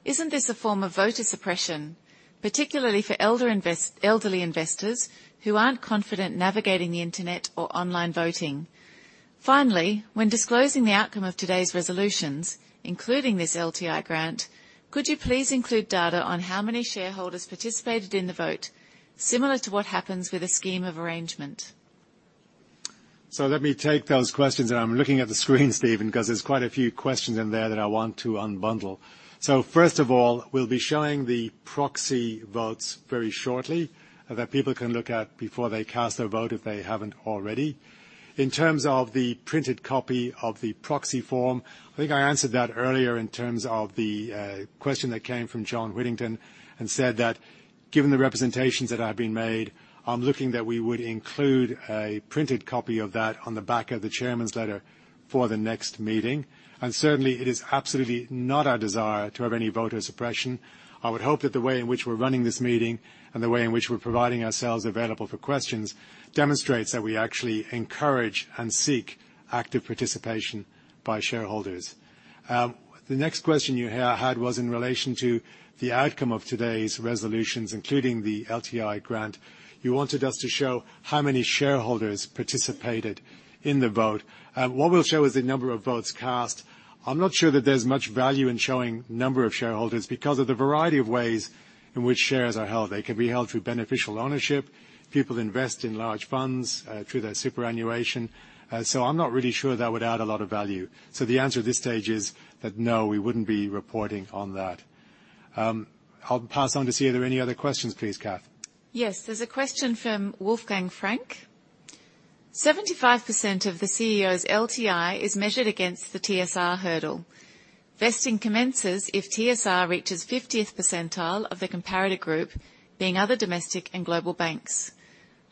Isn't this a form of voter suppression, particularly for elderly investors who aren't confident navigating the internet or online voting? Finally, when disclosing the outcome of today's resolutions, including this LTI grant, could you please include data on how many shareholders participated in the vote, similar to what happens with a scheme of arrangement? Let me take those questions, and I'm looking at the screen, Stephen, 'cause there's quite a few questions in there that I want to unbundle. First of all, we'll be showing the proxy votes very shortly that people can look at before they cast their vote if they haven't already. In terms of the printed copy of the proxy form, I think I answered that earlier in terms of the question that came from John Whittington, and said that, given the representations that have been made, I'm looking that we would include a printed copy of that on the back of the chairman's letter for the next meeting. Certainly, it is absolutely not our desire to have any voter suppression. I would hope that the way in which we're running this meeting and the way in which we're providing ourselves available for questions demonstrates that we actually encourage and seek active participation by shareholders. The next question you had was in relation to the outcome of today's resolutions, including the LTI grant. You wanted us to show how many shareholders participated in the vote. What we'll show is the number of votes cast. I'm not sure that there's much value in showing number of shareholders because of the variety of ways in which shares are held. They can be held through beneficial ownership. People invest in large funds through their superannuation. I'm not really sure that would add a lot of value. The answer at this stage is that no, we wouldn't be reporting on that. I'll pass on to see are there any other questions, please, Kathryn. Yes. There's a question from Wolfgang Frank. 75% of the CEO's LTI is measured against the TSR hurdle. Vesting commences if TSR reaches 50th percentile of the comparator group, being other domestic and global banks.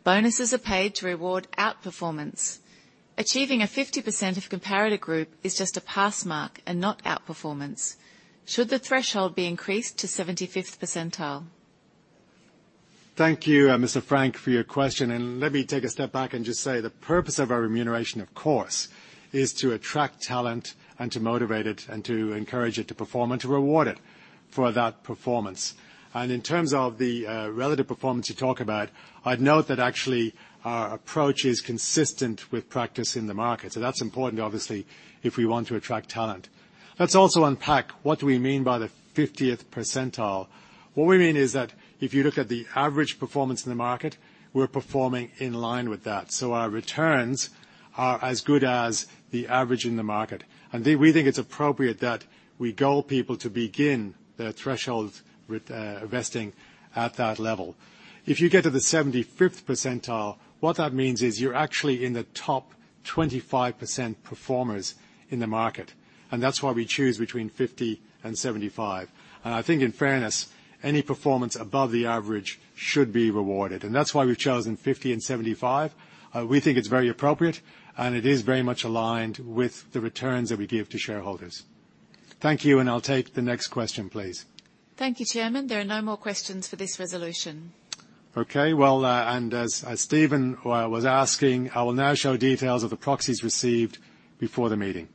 Bonuses are paid to reward outperformance. Achieving a 50% of comparator group is just a pass mark and not outperformance. Should the threshold be increased to 75th percentile? Thank you, Mr. Frank, for your question. Let me take a step back and just say the purpose of our remuneration, of course, is to attract talent and to motivate it, and to encourage it to perform, and to reward it for that performance. In terms of the relative performance you talk about, I'd note that actually our approach is consistent with practice in the market. That's important, obviously, if we want to attract talent. Let's also unpack what do we mean by the 50th percentile. What we mean is that if you look at the average performance in the market, we're performing in line with that. Our returns are as good as the average in the market. We think it's appropriate that we goal people to begin their thresholds with vesting at that level. If you get to the 75th percentile, what that means is you're actually in the top 25% performers in the market, and that's why we choose between 50th percentile and 75th percentile. I think in fairness, any performance above the average should be rewarded, and that's why we've chosen 50th percentile and 75th percentile. We think it's very appropriate, and it is very much aligned with the returns that we give to shareholders. Thank you. I'll take the next question, please. Thank you, Chairman. There are no more questions for this resolution. Okay. Well, as Stephen was asking, I will now show details of the proxies received before the meeting.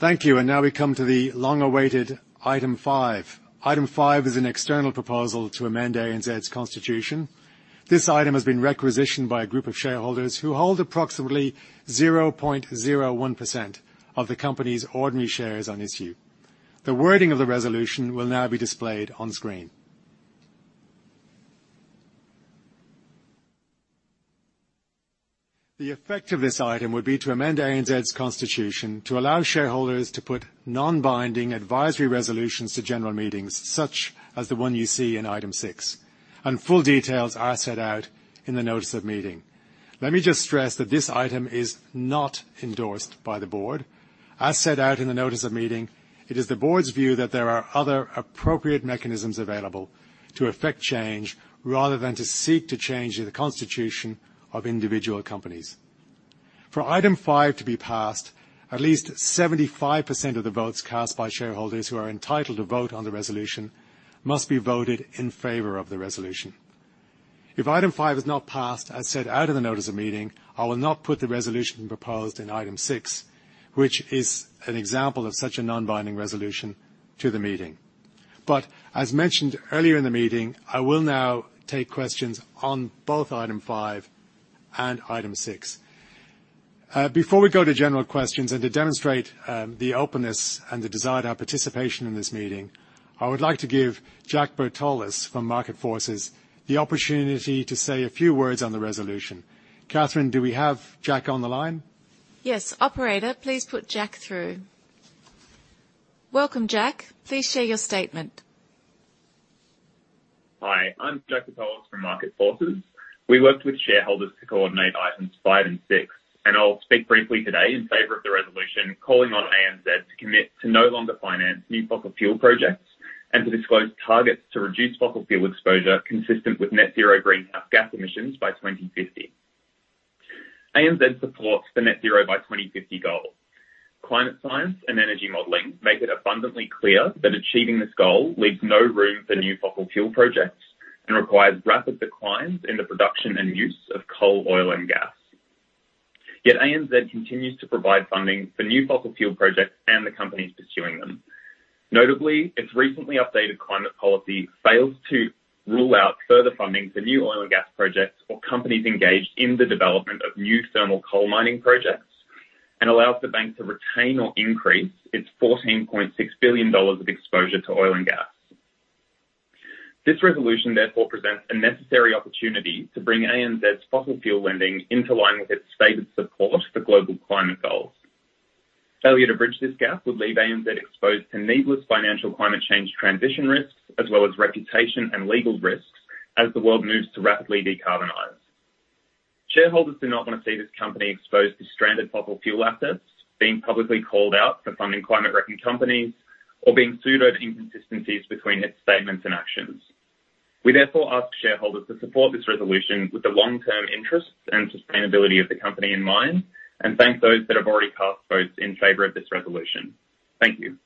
Thank you. Now we come to the long-awaited item five. Item five is an external proposal to amend ANZ's constitution. This item has been requisitioned by a group of shareholders who hold approximately 0.01% of the company's ordinary shares on issue. The wording of the resolution will now be displayed on screen. The effect of this item would be to amend ANZ's constitution to allow shareholders to put non-binding advisory resolutions to general meetings such as the one you see in item six. Full details are set out in the notice of meeting. Let me just stress that this item is not endorsed by the board. As set out in the notice of meeting, it is the board's view that there are other appropriate mechanisms available to effect change rather than to seek to change the constitution of individual companies. For item five to be passed, at least 75% of the votes cast by shareholders who are entitled to vote on the resolution must be voted in favor of the resolution. If item five is not passed, as set out in the notice of meeting, I will not put the resolution proposed in item six, which is an example of such a non-binding resolution to the meeting. As mentioned earlier in the meeting, I will now take questions on both item five and item six. Before we go to general questions and to demonstrate the openness and the desired participation in this meeting, I would like to give Jack Bertolus from Market Forces the opportunity to say a few words on the resolution. Kathryn, do we have Jack on the line? Yes. Operator, please put Jack through. Welcome, Jack. Please share your statement. Hi, I'm Jack Bertolus from Market Forces. We worked with shareholders to coordinate items five and six, and I'll speak briefly today in favor of the resolution, calling on ANZ to commit to no longer finance new fossil fuel projects and to disclose targets to reduce fossil fuel exposure consistent with net zero greenhouse gas emissions by 2050. ANZ supports the net zero by 2050 goal. Climate science and energy modeling make it abundantly clear that achieving this goal leaves no room for new fossil fuel projects and requires rapid declines in the production and use of coal, oil, and gas. Yet ANZ continues to provide funding for new fossil fuel projects and the companies pursuing them. Notably, its recently updated climate policy fails to rule out further funding for new oil and gas projects or companies engaged in the development of new thermal coal mining projects, and allows the bank to retain or increase its 14.6 billion dollars of exposure to oil and gas. This resolution, therefore, presents a necessary opportunity to bring ANZ's fossil fuel lending into line with its stated support for global climate goals. Failure to bridge this gap would leave ANZ exposed to needless financial climate change transition risks, as well as reputation and legal risks as the world moves to rapidly decarbonize. Shareholders do not wanna see this company exposed to stranded fossil fuel assets, being publicly called out for funding climate-wrecking companies, or being sued over inconsistencies between its statements and actions. We therefore ask shareholders to support this resolution with the long-term interests and sustainability of the company in mind, and thank those that have already cast votes in favor of this resolution. Thank you.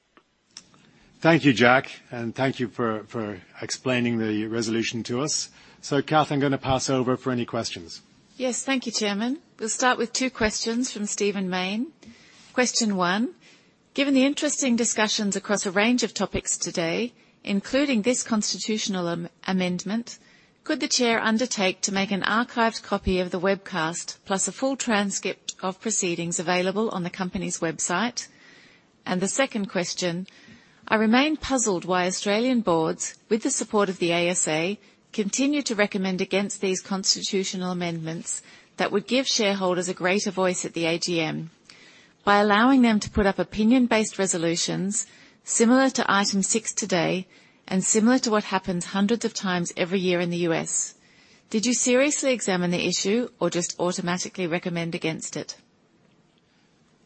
Thank you, Jack, and thank you for explaining the resolution to us. Kathryn, I'm gonna pass over for any questions. Yes, thank you, Chairman. We'll start with two questions from Stephen Mayne. Question one, given the interesting discussions across a range of topics today, including this constitutional amendment, could the chair undertake to make an archived copy of the webcast plus a full transcript of proceedings available on the company's website? The second question, I remain puzzled why Australian boards, with the support of the ASA, continue to recommend against these constitutional amendments that would give shareholders a greater voice at the AGM by allowing them to put up opinion-based resolutions similar to item six today and similar to what happens hundreds of times every year in the U.S. Did you seriously examine the issue or just automatically recommend against it?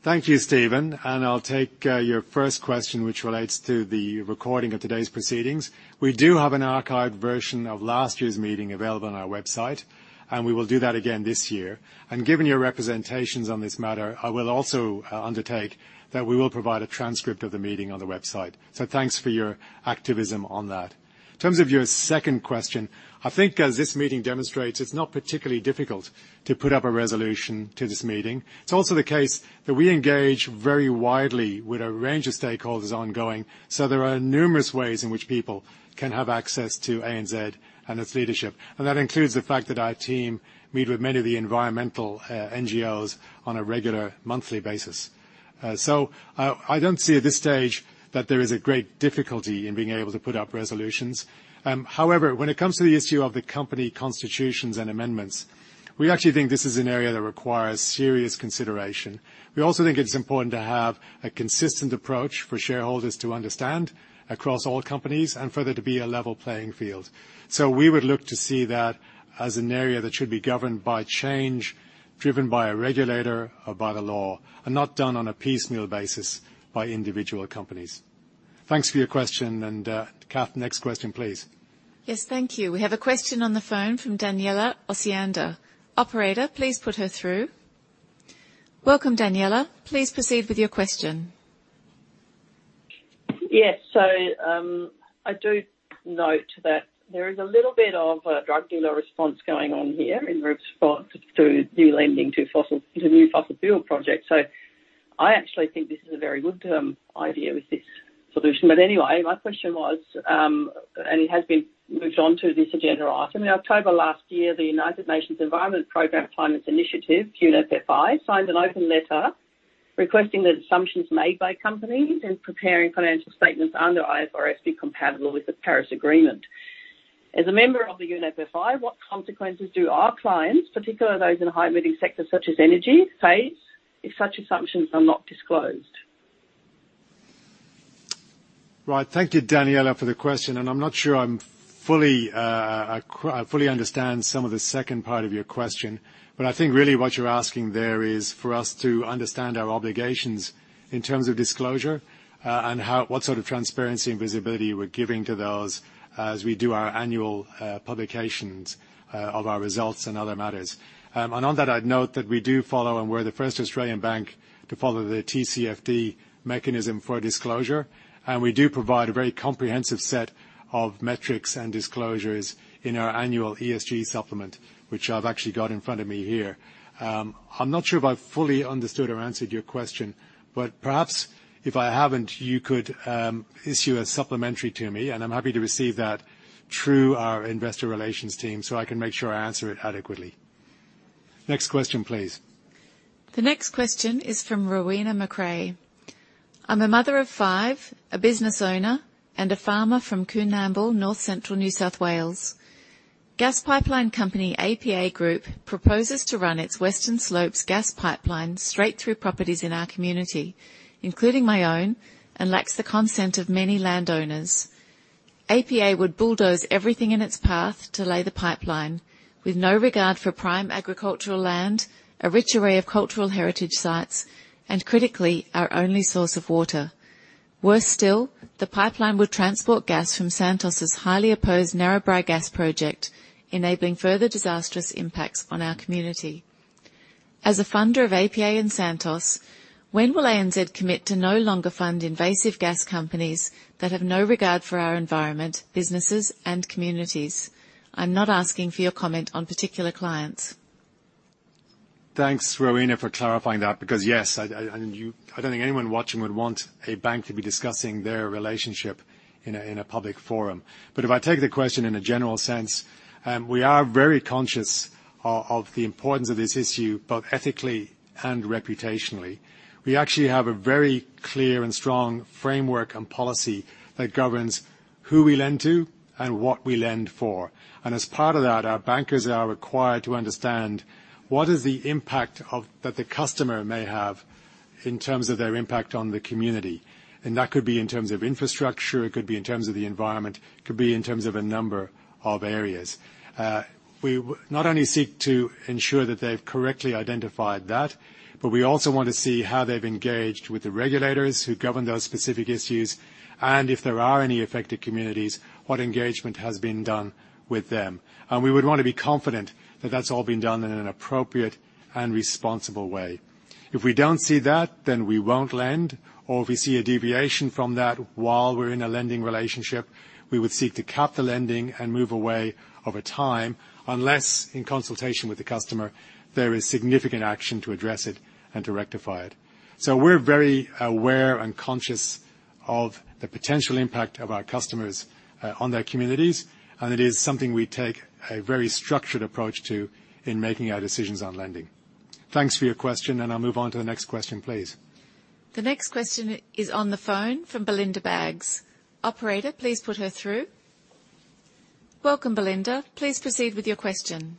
Thank you, Stephen. I'll take your first question, which relates to the recording of today's proceedings. We do have an archived version of last year's meeting available on our website, and we will do that again this year. Given your representations on this matter, I will also undertake that we will provide a transcript of the meeting on the website. Thanks for your activism on that. In terms of your second question, I think as this meeting demonstrates, it's not particularly difficult to put up a resolution to this meeting. It's also the case that we engage very widely with a range of stakeholders ongoing, so there are numerous ways in which people can have access to ANZ and its leadership. That includes the fact that our team meet with many of the environmental NGOs on a regular monthly basis. I don't see at this stage that there is a great difficulty in being able to put up resolutions. However, when it comes to the issue of the company constitutions and amendments, we actually think this is an area that requires serious consideration. We also think it's important to have a consistent approach for shareholders to understand across all companies and for there to be a level playing field. We would look to see that as an area that should be governed by change, driven by a regulator or by the law, and not done on a piecemeal basis by individual companies. Thanks for your question. Kathryn, next question, please. Yes, thank you. We have a question on the phone from Danielle Osiander. Operator, please put her through. Welcome, Daniella. Please proceed with your question. Yes. I do note that there is a little bit of a drug dealer response going on here in response to new lending to new fossil fuel projects. I actually think this is a very good idea with this solution. Anyway, my question was, and it has been moved on to this agenda item. In October last year, the United Nations Environment Programme Finance Initiative, UNEP FI, signed an open letter requesting that assumptions made by companies in preparing financial statements under IFRS be compatible with the Paris Agreement. As a member of the UNEP FI, what consequences do our clients, particularly those in high-emitting sectors such as energy face if such assumptions are not disclosed? Right. Thank you, Danielle, for the question. I'm not sure I fully understand some of the second part of your question, but I think really what you're asking there is for us to understand our obligations in terms of disclosure, and what sort of transparency and visibility we're giving to those as we do our annual publications of our results and other matters. I'd note that we do follow, and we're the first Australian bank to follow the TCFD mechanism for disclosure, and we do provide a very comprehensive set of metrics and disclosures in our annual ESG supplement, which I've actually got in front of me here. I'm not sure if I've fully understood or answered your question, but perhaps if I haven't, you could issue a supplementary to me, and I'm happy to receive that through our investor relations team, so I can make sure I answer it adequately. Next question, please. The next question is from Rowena MacRae. I'm a mother of five, a business owner, and a farmer from Coonamble, North Central New South Wales. Gas pipeline company APA Group proposes to run its Western Slopes gas pipeline straight through properties in our community, including my own, and lacks the consent of many landowners. APA would bulldoze everything in its path to lay the pipeline with no regard for prime agricultural land, a rich array of cultural heritage sites, and critically, our only source of water. Worse still, the pipeline would transport gas from Santos' highly opposed Narrabri gas project, enabling further disastrous impacts on our community. As a funder of APA and Santos, when will ANZ commit to no longer fund invasive gas companies that have no regard for our environment, businesses, and communities? I'm not asking for your comment on particular clients. Thanks, Rowena, for clarifying that because, yes, I and you—I don't think anyone watching would want a bank to be discussing their relationship in a public forum. But if I take the question in a general sense, we are very conscious of the importance of this issue, both ethically and reputationally. We actually have a very clear and strong framework and policy that governs who we lend to and what we lend for. As part of that, our bankers are required to understand what the impact is that the customer may have in terms of their impact on the community, and that could be in terms of infrastructure, it could be in terms of the environment, it could be in terms of a number of areas. We not only seek to ensure that they've correctly identified that, but we also want to see how they've engaged with the regulators who govern those specific issues and if there are any affected communities, what engagement has been done with them. We would wanna be confident that that's all been done in an appropriate and responsible way. If we don't see that, then we won't lend, or if we see a deviation from that while we're in a lending relationship, we would seek to cap the lending and move away over time, unless in consultation with the customer, there is significant action to address it and to rectify it. We're very aware and conscious of the potential impact of our customers, on their communities, and it is something we take a very structured approach to in making our decisions on lending. Thanks for your question, and I'll move on to the next question, please. The next question is on the phone from Belinda Baggs. Operator, please put her through. Welcome, Belinda. Please proceed with your question.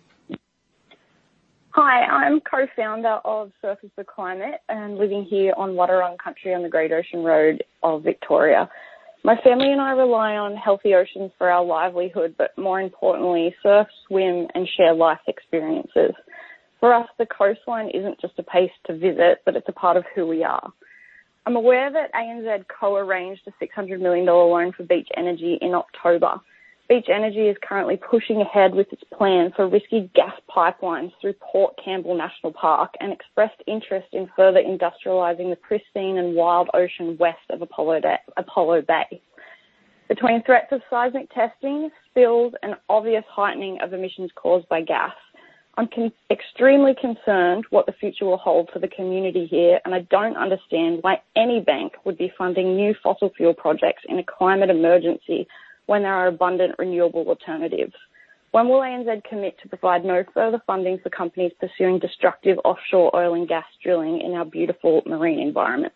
Hi, I'm co-founder of Surfers for Climate and living here on Wadawurrung Country on the Great Ocean Road of Victoria. My family and I rely on healthy oceans for our livelihood, but more importantly, surf, swim, and share life experiences. For us, the coastline isn't just a place to visit, but it's a part of who we are. I'm aware that ANZ co-arranged a 600 million dollar loan for Beach Energy in October. Beach Energy is currently pushing ahead with its plan for risky gas pipelines through Port Campbell National Park, and expressed interest in further industrializing the pristine and wild ocean west of Apollo Bay. Between threats of seismic testing, spills and obvious heightening of emissions caused by gas, I'm extremely concerned what the future will hold for the community here, and I don't understand why any bank would be funding new fossil fuel projects in a climate emergency when there are abundant, renewable alternatives. When will ANZ commit to provide no further funding for companies pursuing destructive offshore oil and gas drilling in our beautiful marine environments?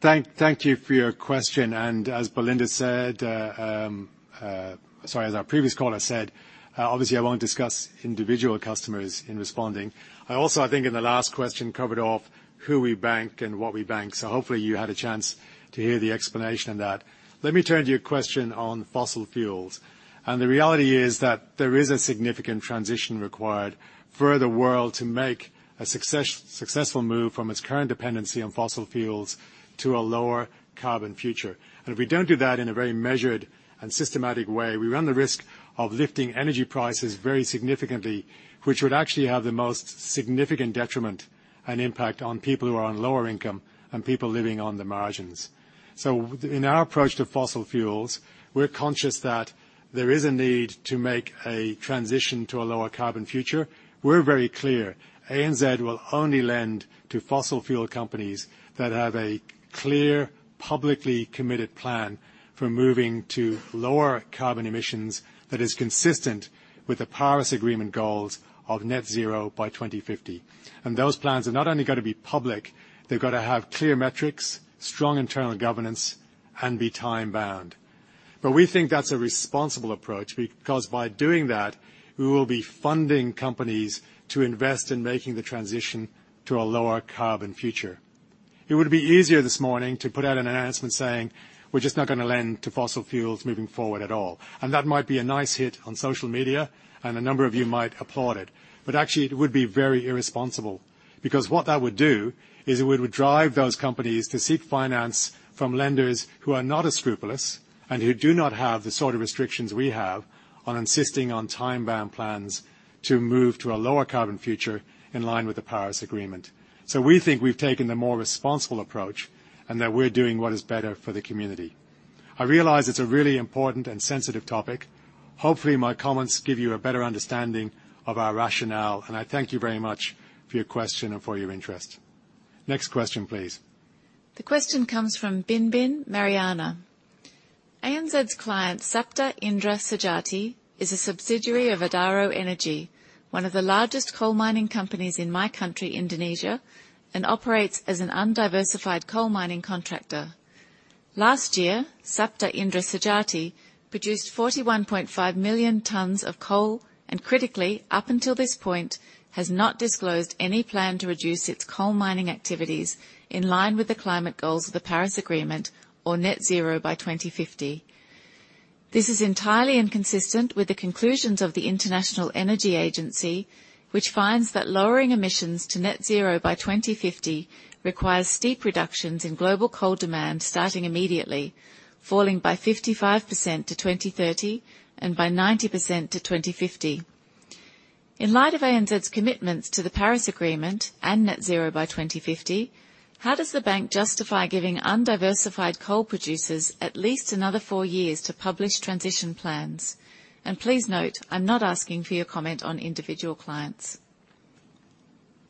Thank you for your question. As Belinda said, sorry, as our previous caller said, obviously I won't discuss individual customers in responding. I also, I think in the last question, covered off who we bank and what we bank. Hopefully you had a chance to hear the explanation on that. Let me turn to your question on fossil fuels. The reality is that there is a significant transition required for the world to make a successful move from its current dependency on fossil fuels to a lower carbon future. If we don't do that in a very measured and systematic way, we run the risk of lifting energy prices very significantly, which would actually have the most significant detriment and impact on people who are on lower income and people living on the margins. In our approach to fossil fuels, we're conscious that there is a need to make a transition to a lower carbon future. We're very clear. ANZ will only lend to fossil fuel companies that have a clear, publicly committed plan for moving to lower carbon emissions that is consistent with the Paris Agreement goals of net zero by 2050. Those plans are not only gonna be public, they've got to have clear metrics, strong internal governance, and be time-bound. We think that's a responsible approach, because by doing that, we will be funding companies to invest in making the transition to a lower carbon future. It would be easier this morning to put out an announcement saying, "We're just not gonna lend to fossil fuels moving forward at all." That might be a nice hit on social media, and a number of you might applaud it. Actually it would be very irresponsible, because what that would do is it would drive those companies to seek finance from lenders who are not as scrupulous and who do not have the sort of restrictions we have on insisting on time-bound plans to move to a lower carbon future in line with the Paris Agreement. We think we've taken the more responsible approach and that we're doing what is better for the community. I realize it's a really important and sensitive topic. Hopefully, my comments give you a better understanding of our rationale, and I thank you very much for your question and for your interest. Next question, please. The question comes from Binbin Mariana. ANZ's client, Saptaindra Sejati, is a subsidiary of Adaro Energy, one of the largest coal mining companies in my country, Indonesia, and operates as an undiversified coal mining contractor. Last year, Saptaindra Sejati produced 41.5 million tons of coal, and critically, up until this point, has not disclosed any plan to reduce its coal mining activities in line with the climate goals of the Paris Agreement or net zero by 2050. This is entirely inconsistent with the conclusions of the International Energy Agency, which finds that lowering emissions to net zero by 2050 requires steep reductions in global coal demand starting immediately, falling by 55% to 2030 and by 90% to 2050. In light of ANZ's commitments to the Paris Agreement and net zero by 2050, how does the bank justify giving undiversified coal producers at least another four years to publish transition plans? Please note, I'm not asking for your comment on individual clients.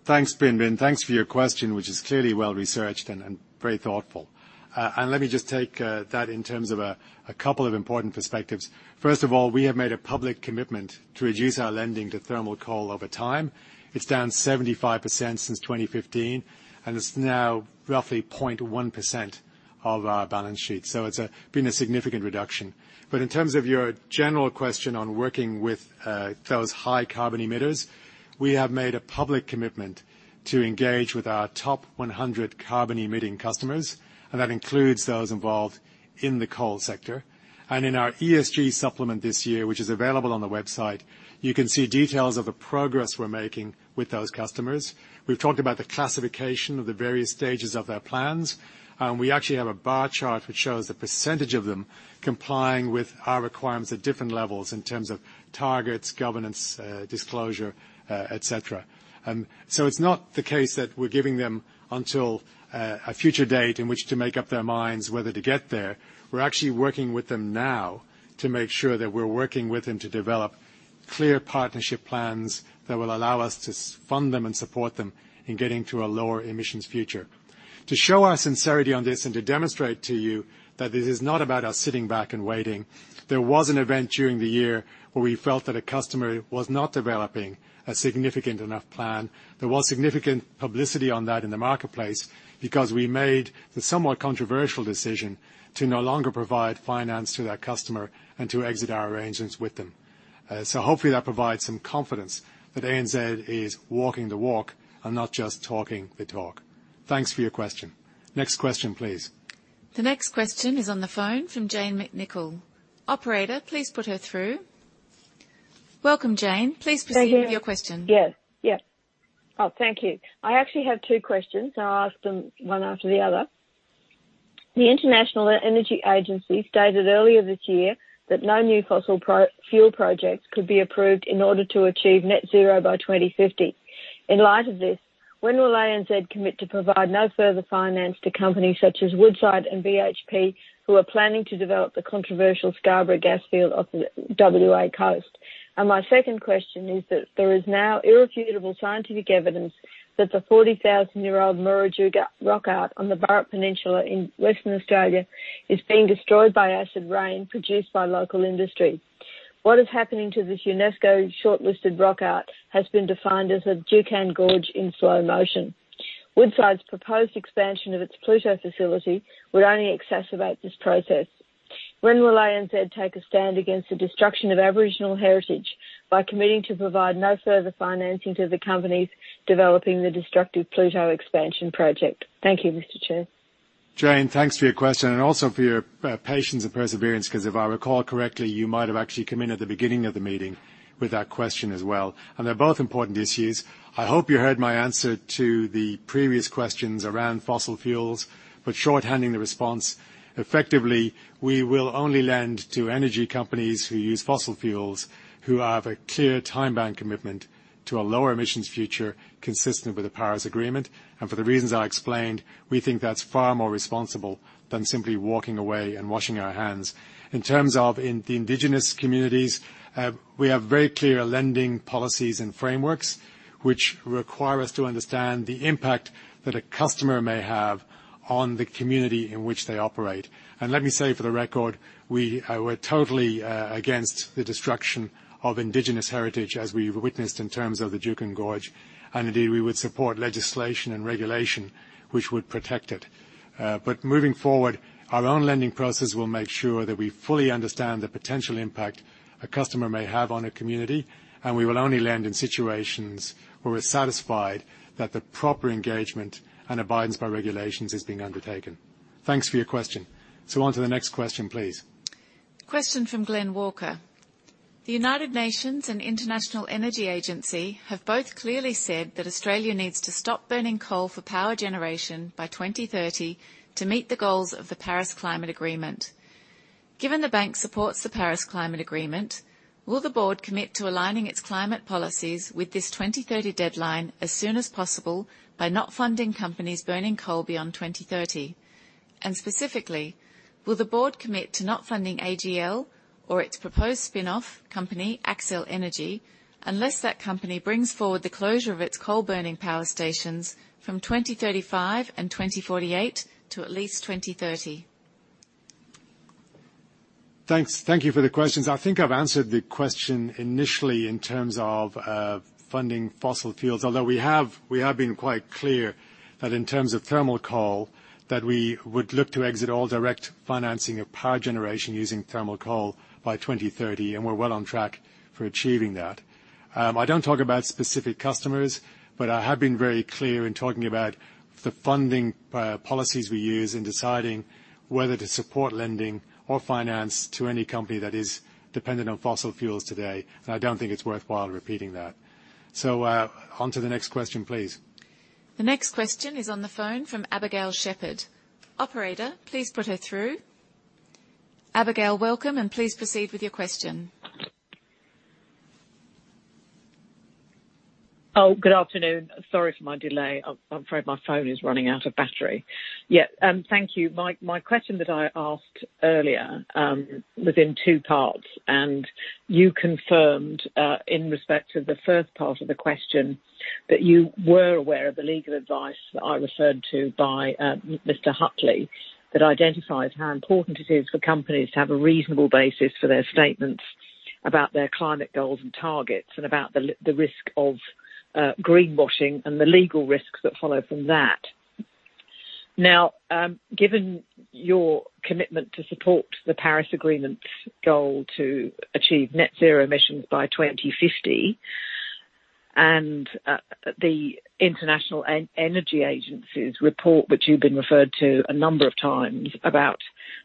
Thanks, Binbin. Thanks for your question, which is clearly well-researched and very thoughtful. Let me just take that in terms of a couple of important perspectives. First of all, we have made a public commitment to reduce our lending to thermal coal over time. It's down 75% since 2015, and it's now roughly 0.1% of our balance sheet. It's been a significant reduction. In terms of your general question on working with those high carbon emitters, we have made a public commitment to engage with our top 100 carbon emitting customers, and that includes those involved in the coal sector. In our ESG supplement this year, which is available on the website, you can see details of the progress we're making with those customers. We've talked about the classification of the various stages of their plans. We actually have a bar chart which shows the percentage of them complying with our requirements at different levels in terms of targets, governance, disclosure, et cetera. It's not the case that we're giving them until a future date in which to make up their minds whether to get there. We're actually working with them now to make sure that we're working with them to develop clear partnership plans that will allow us to fund them and support them in getting to a lower emissions future. To show our sincerity on this and to demonstrate to you that this is not about us sitting back and waiting, there was an event during the year where we felt that a customer was not developing a significant enough plan. There was significant publicity on that in the marketplace because we made the somewhat controversial decision to no longer provide finance to that customer and to exit our arrangements with them. Hopefully that provides some confidence that ANZ is walking the walk and not just talking the talk. Thanks for your question. Next question, please. The next question is on the phone from Jane McNicol. Operator, please put her through. Welcome, Jane. Please proceed- Thank you. with your question. Oh, thank you. I actually have two questions. I'll ask them one after the other. The International Energy Agency stated earlier this year that no new fossil fuel projects could be approved in order to achieve net zero by 2050. In light of this, when will ANZ commit to provide no further finance to companies such as Woodside and BHP, who are planning to develop the controversial Scarborough gas field off the WA coast? My second question is that there is now irrefutable scientific evidence that the 40,000-year-old Murujuga rock art on the Burrup Peninsula in Western Australia is being destroyed by acid rain produced by local industry. What is happening to this UNESCO shortlisted rock art has been defined as a Juukan Gorge in slow motion. Woodside's proposed expansion of its Pluto facility would only exacerbate this process. When will ANZ take a stand against the destruction of Aboriginal heritage by committing to provide no further financing to the companies developing the destructive Pluto expansion project? Thank you, Mr. Chair. Jane, thanks for your question and also for your patience and perseverance, 'cause if I recall correctly, you might have actually come in at the beginning of the meeting with that question as well. They're both important issues. I hope you heard my answer to the previous questions around fossil fuels, but shorthanding the response, effectively, we will only lend to energy companies who use fossil fuels, who have a clear time-bound commitment to a lower emissions future consistent with the Paris Agreement. For the reasons I explained, we think that's far more responsible than simply walking away and washing our hands. In terms of the indigenous communities, we have very clear lending policies and frameworks which require us to understand the impact that a customer may have on the community in which they operate. Let me say for the record, we are totally against the destruction of Indigenous heritage as we've witnessed in terms of the Juukan Gorge, and indeed, we would support legislation and regulation which would protect it. But moving forward, our own lending process will make sure that we fully understand the potential impact a customer may have on a community, and we will only lend in situations where we're satisfied that the proper engagement and abiding by regulations is being undertaken. Thanks for your question. Onto the next question, please. Question from Glynne Walker. The United Nations and International Energy Agency have both clearly said that Australia needs to stop burning coal for power generation by 2030 to meet the goals of the Paris Climate Agreement. Given the bank supports the Paris Climate Agreement, will the board commit to aligning its climate policies with this 2030 deadline as soon as possible by not funding companies burning coal beyond 2030? Specifically, will the board commit to not funding AGL or its proposed spin-off company, Accel Energy, unless that company brings forward the closure of its coal burning power stations from 2035 and 2048 to at least 2030? Thanks. Thank you for the questions. I think I've answered the question initially in terms of funding fossil fuels. Although we have been quite clear that in terms of thermal coal, that we would look to exit all direct financing of power generation using thermal coal by 2030, and we're well on track for achieving that. I don't talk about specific customers, but I have been very clear in talking about the funding policies we use in deciding whether to support lending or finance to any company that is dependent on fossil fuels today. And I don't think it's worthwhile repeating that. Onto the next question, please. The next question is on the phone from Abigail Shepherd. Operator, please put her through. Abigail, welcome, and please proceed with your question. Oh, good afternoon. Sorry for my delay. I'm afraid my phone is running out of battery. Yeah, thank you. My question that I asked earlier was in two parts, and you confirmed in respect to the first part of the question that you were aware of the legal advice that I referred to by Mr. Hutley, that identifies how important it is for companies to have a reasonable basis for their statements about their climate goals and targets and about the risk of greenwashing and the legal risks that follow from that. Now, given your commitment to support the Paris Agreement's goal to achieve net zero emissions by 2050 and the International Energy Agency's report, which you've been referred to a number of times about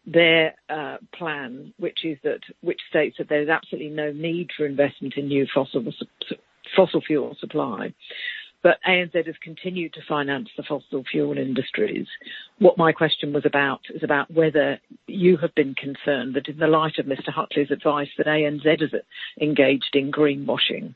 their plan, which states that there is absolutely no need for investment in new fossil fuel supply, but ANZ has continued to finance the fossil fuel industries. What my question was about is about whether you have been concerned that in the light of Mr. Hutley's advice, that ANZ is engaged in greenwashing.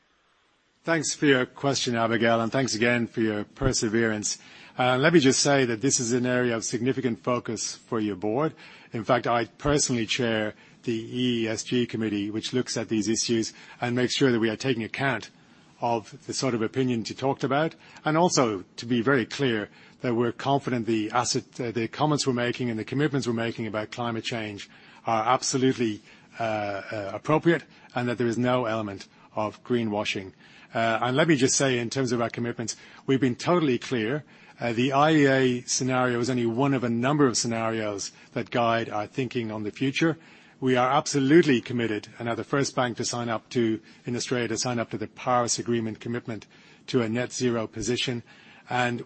Thanks for your question, Abigail, and thanks again for your perseverance. Let me just say that this is an area of significant focus for your board. In fact, I personally chair the ESG committee, which looks at these issues and makes sure that we are taking account of the sort of opinion you talked about, and also to be very clear that we're confident the comments we're making and the commitments we're making about climate change are absolutely appropriate and that there is no element of greenwashing. Let me just say, in terms of our commitments, we've been totally clear. The IEA scenario is only one of a number of scenarios that guide our thinking on the future. We are absolutely committed and are the first bank to sign up to in Australia the Paris Agreement commitment to a net zero position.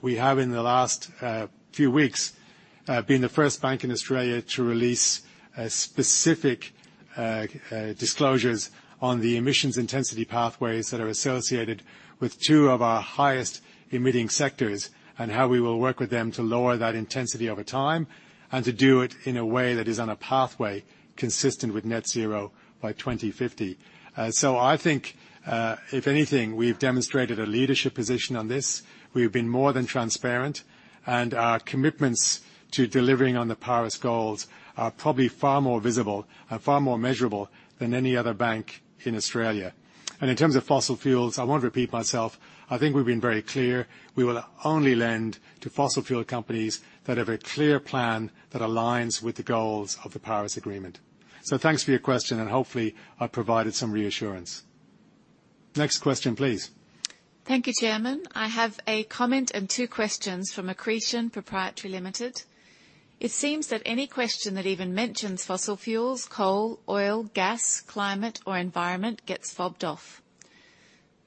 We have in the last few weeks been the first bank in Australia to release specific disclosures on the emissions intensity pathways that are associated with two of our highest emitting sectors, and how we will work with them to lower that intensity over time, and to do it in a way that is on a pathway consistent with net zero by 2050. I think if anything we've demonstrated a leadership position on this. We've been more than transparent, and our commitments to delivering on the Paris goals are probably far more visible and far more measurable than any other bank in Australia. In terms of fossil fuels, I won't repeat myself. I think we've been very clear. We will only lend to fossil fuel companies that have a clear plan that aligns with the goals of the Paris Agreement. Thanks for your question, and hopefully I've provided some reassurance. Next question, please. Thank you, Chairman. I have a comment and two questions from Accretion Proprietary Limited. It seems that any question that even mentions fossil fuels, coal, oil, gas, climate or environment gets fobbed off.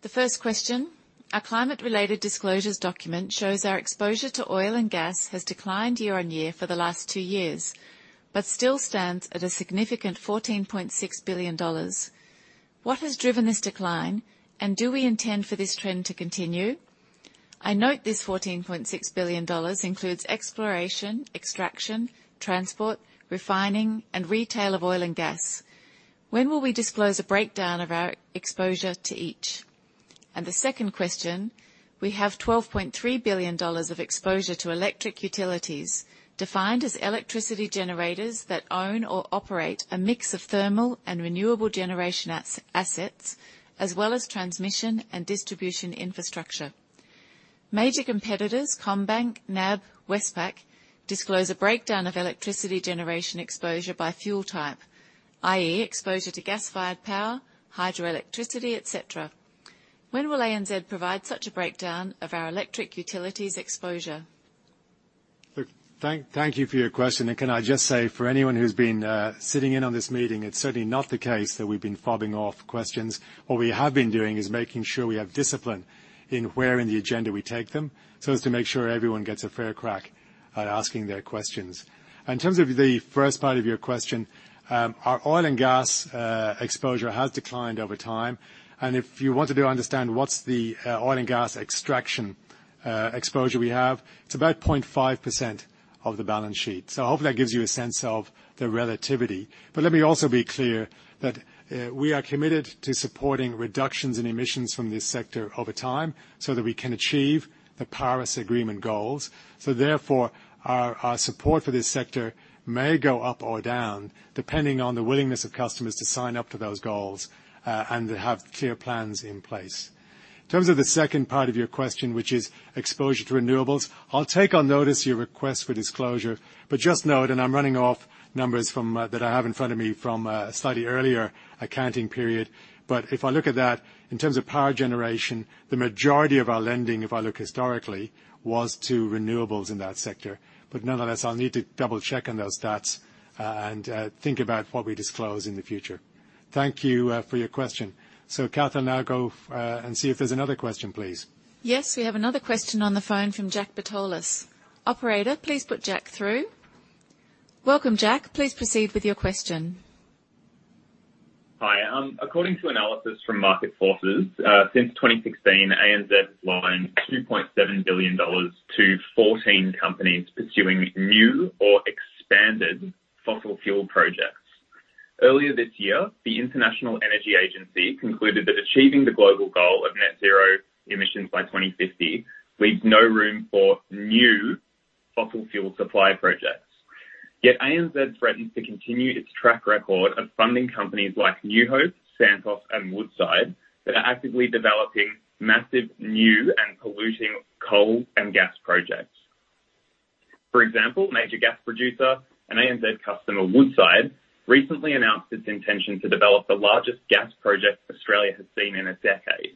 The first question, our climate-related disclosures document shows our exposure to oil and gas has declined year-on-year for the last two years, but still stands at a significant 14.6 billion dollars. What has driven this decline, and do we intend for this trend to continue? I note this AUD 14.6 billion includes exploration, extraction, transport, refining and retail of oil and gas. When will we disclose a breakdown of our exposure to each? The second question, we have 12.3 billion dollars of exposure to electric utilities defined as electricity generators that own or operate a mix of thermal and renewable generation assets, as well as transmission and distribution infrastructure. Major competitors, CommBank, NAB, Westpac, disclose a breakdown of electricity generation exposure by fuel type, i.e., exposure to gas-fired power, hydroelectricity, et cetera. When will ANZ provide such a breakdown of our electric utilities exposure? Look, thank you for your question. Can I just say, for anyone who's been sitting in on this meeting, it's certainly not the case that we've been fobbing off questions. What we have been doing is making sure we have discipline in where in the agenda we take them, so as to make sure everyone gets a fair crack at asking their questions. In terms of the first part of your question, our oil and gas exposure has declined over time. If you wanted to understand what's the oil and gas extraction exposure we have, it's about 0.5% of the balance sheet. Hopefully that gives you a sense of the relativity. Let me also be clear that we are committed to supporting reductions in emissions from this sector over time so that we can achieve the Paris Agreement goals. Therefore, our support for this sector may go up or down, depending on the willingness of customers to sign up to those goals and to have clear plans in place. In terms of the second part of your question, which is exposure to renewables, I'll take on notice your request for disclosure. Just note, and I'm running off numbers from that I have in front of me from a slightly earlier accounting period. If I look at that, in terms of power generation, the majority of our lending, if I look historically, was to renewables in that sector. Nonetheless, I'll need to double-check on those stats, and think about what we disclose in the future. Thank you for your question. Kathryn, I'll now go and see if there's another question, please. Yes, we have another question on the phone from Jack Bertolus. Operator, please put Jack through. Welcome, Jack. Please proceed with your question. Hi. According to analysis from Market Forces, since 2016, ANZ loaned 2.7 billion dollars to 14 companies pursuing new or expanded fossil fuel projects. Earlier this year, the International Energy Agency concluded that achieving the global goal of net zero emissions by 2050 leaves no room for new fossil fuel supply projects. Yet ANZ threatens to continue its track record of funding companies like New Hope, Santos and Woodside that are actively developing massive new and polluting coal and gas projects. For example, major gas producer and ANZ customer, Woodside, recently announced its intention to develop the largest gas project Australia has seen in a decade.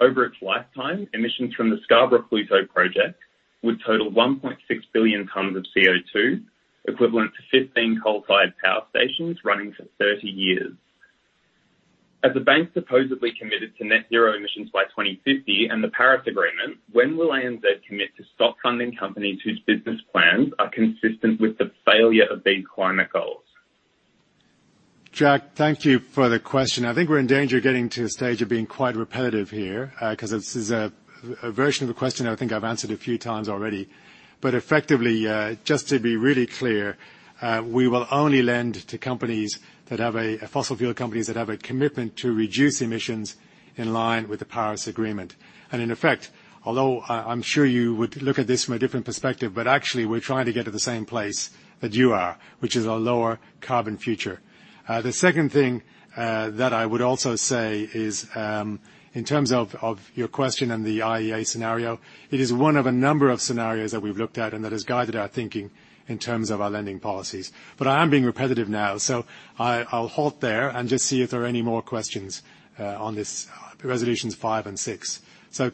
Over its lifetime, emissions from the Scarborough to Pluto project would total 1.6 billion tons of CO2, equivalent to 15 coal-fired power stations running for 30 years. As the bank supposedly committed to net zero emissions by 2050 and the Paris Agreement, when will ANZ commit to stop funding companies whose business plans are consistent with the failure of these climate goals? Jack, thank you for the question. I think we're in danger of getting to a stage of being quite repetitive here, 'cause this is a version of a question I think I've answered a few times already. Effectively, just to be really clear, we will only lend to fossil fuel companies that have a commitment to reduce emissions in line with the Paris Agreement. In effect, although I'm sure you would look at this from a different perspective, actually we're trying to get to the same place that you are, which is a lower carbon future. The second thing that I would also say is, in terms of your question and the IEA scenario, it is one of a number of scenarios that we've looked at and that has guided our thinking in terms of our lending policies. I am being repetitive now, so I'll halt there and just see if there are any more questions on this resolutions 5 and 6.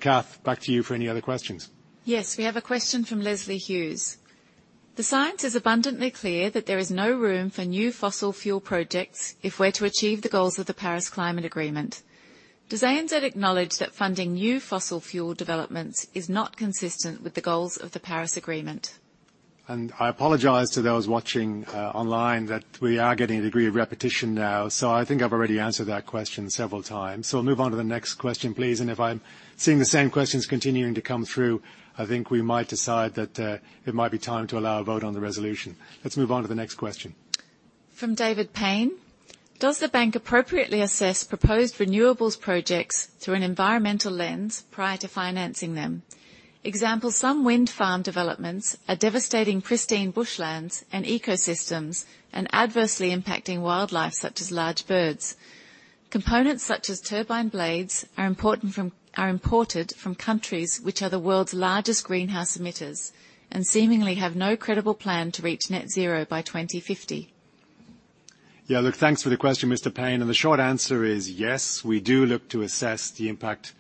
Kath, back to you for any other questions. Yes, we have a question from Lesley Hughes. The science is abundantly clear that there is no room for new fossil fuel projects if we're to achieve the goals of the Paris Agreement. Does ANZ acknowledge that funding new fossil fuel developments is not consistent with the goals of the Paris Agreement? I apologize to those watching, online that we are getting a degree of repetition now. I think I've already answered that question several times. We'll move on to the next question, please. If I'm seeing the same questions continuing to come through, I think we might decide that, it might be time to allow a vote on the resolution. Let's move on to the next question. From David Payne. Does the bank appropriately assess proposed renewables projects through an environmental lens prior to financing them? Example, some wind farm developments are devastating pristine bush lands and ecosystems and adversely impacting wildlife, such as large birds. Components such as turbine blades are imported from countries which are the world's largest greenhouse emitters, and seemingly have no credible plan to reach net zero by 2050. Yeah. Look, thanks for the question, Mr. Payne. The short answer is yes, we do look to assess the impact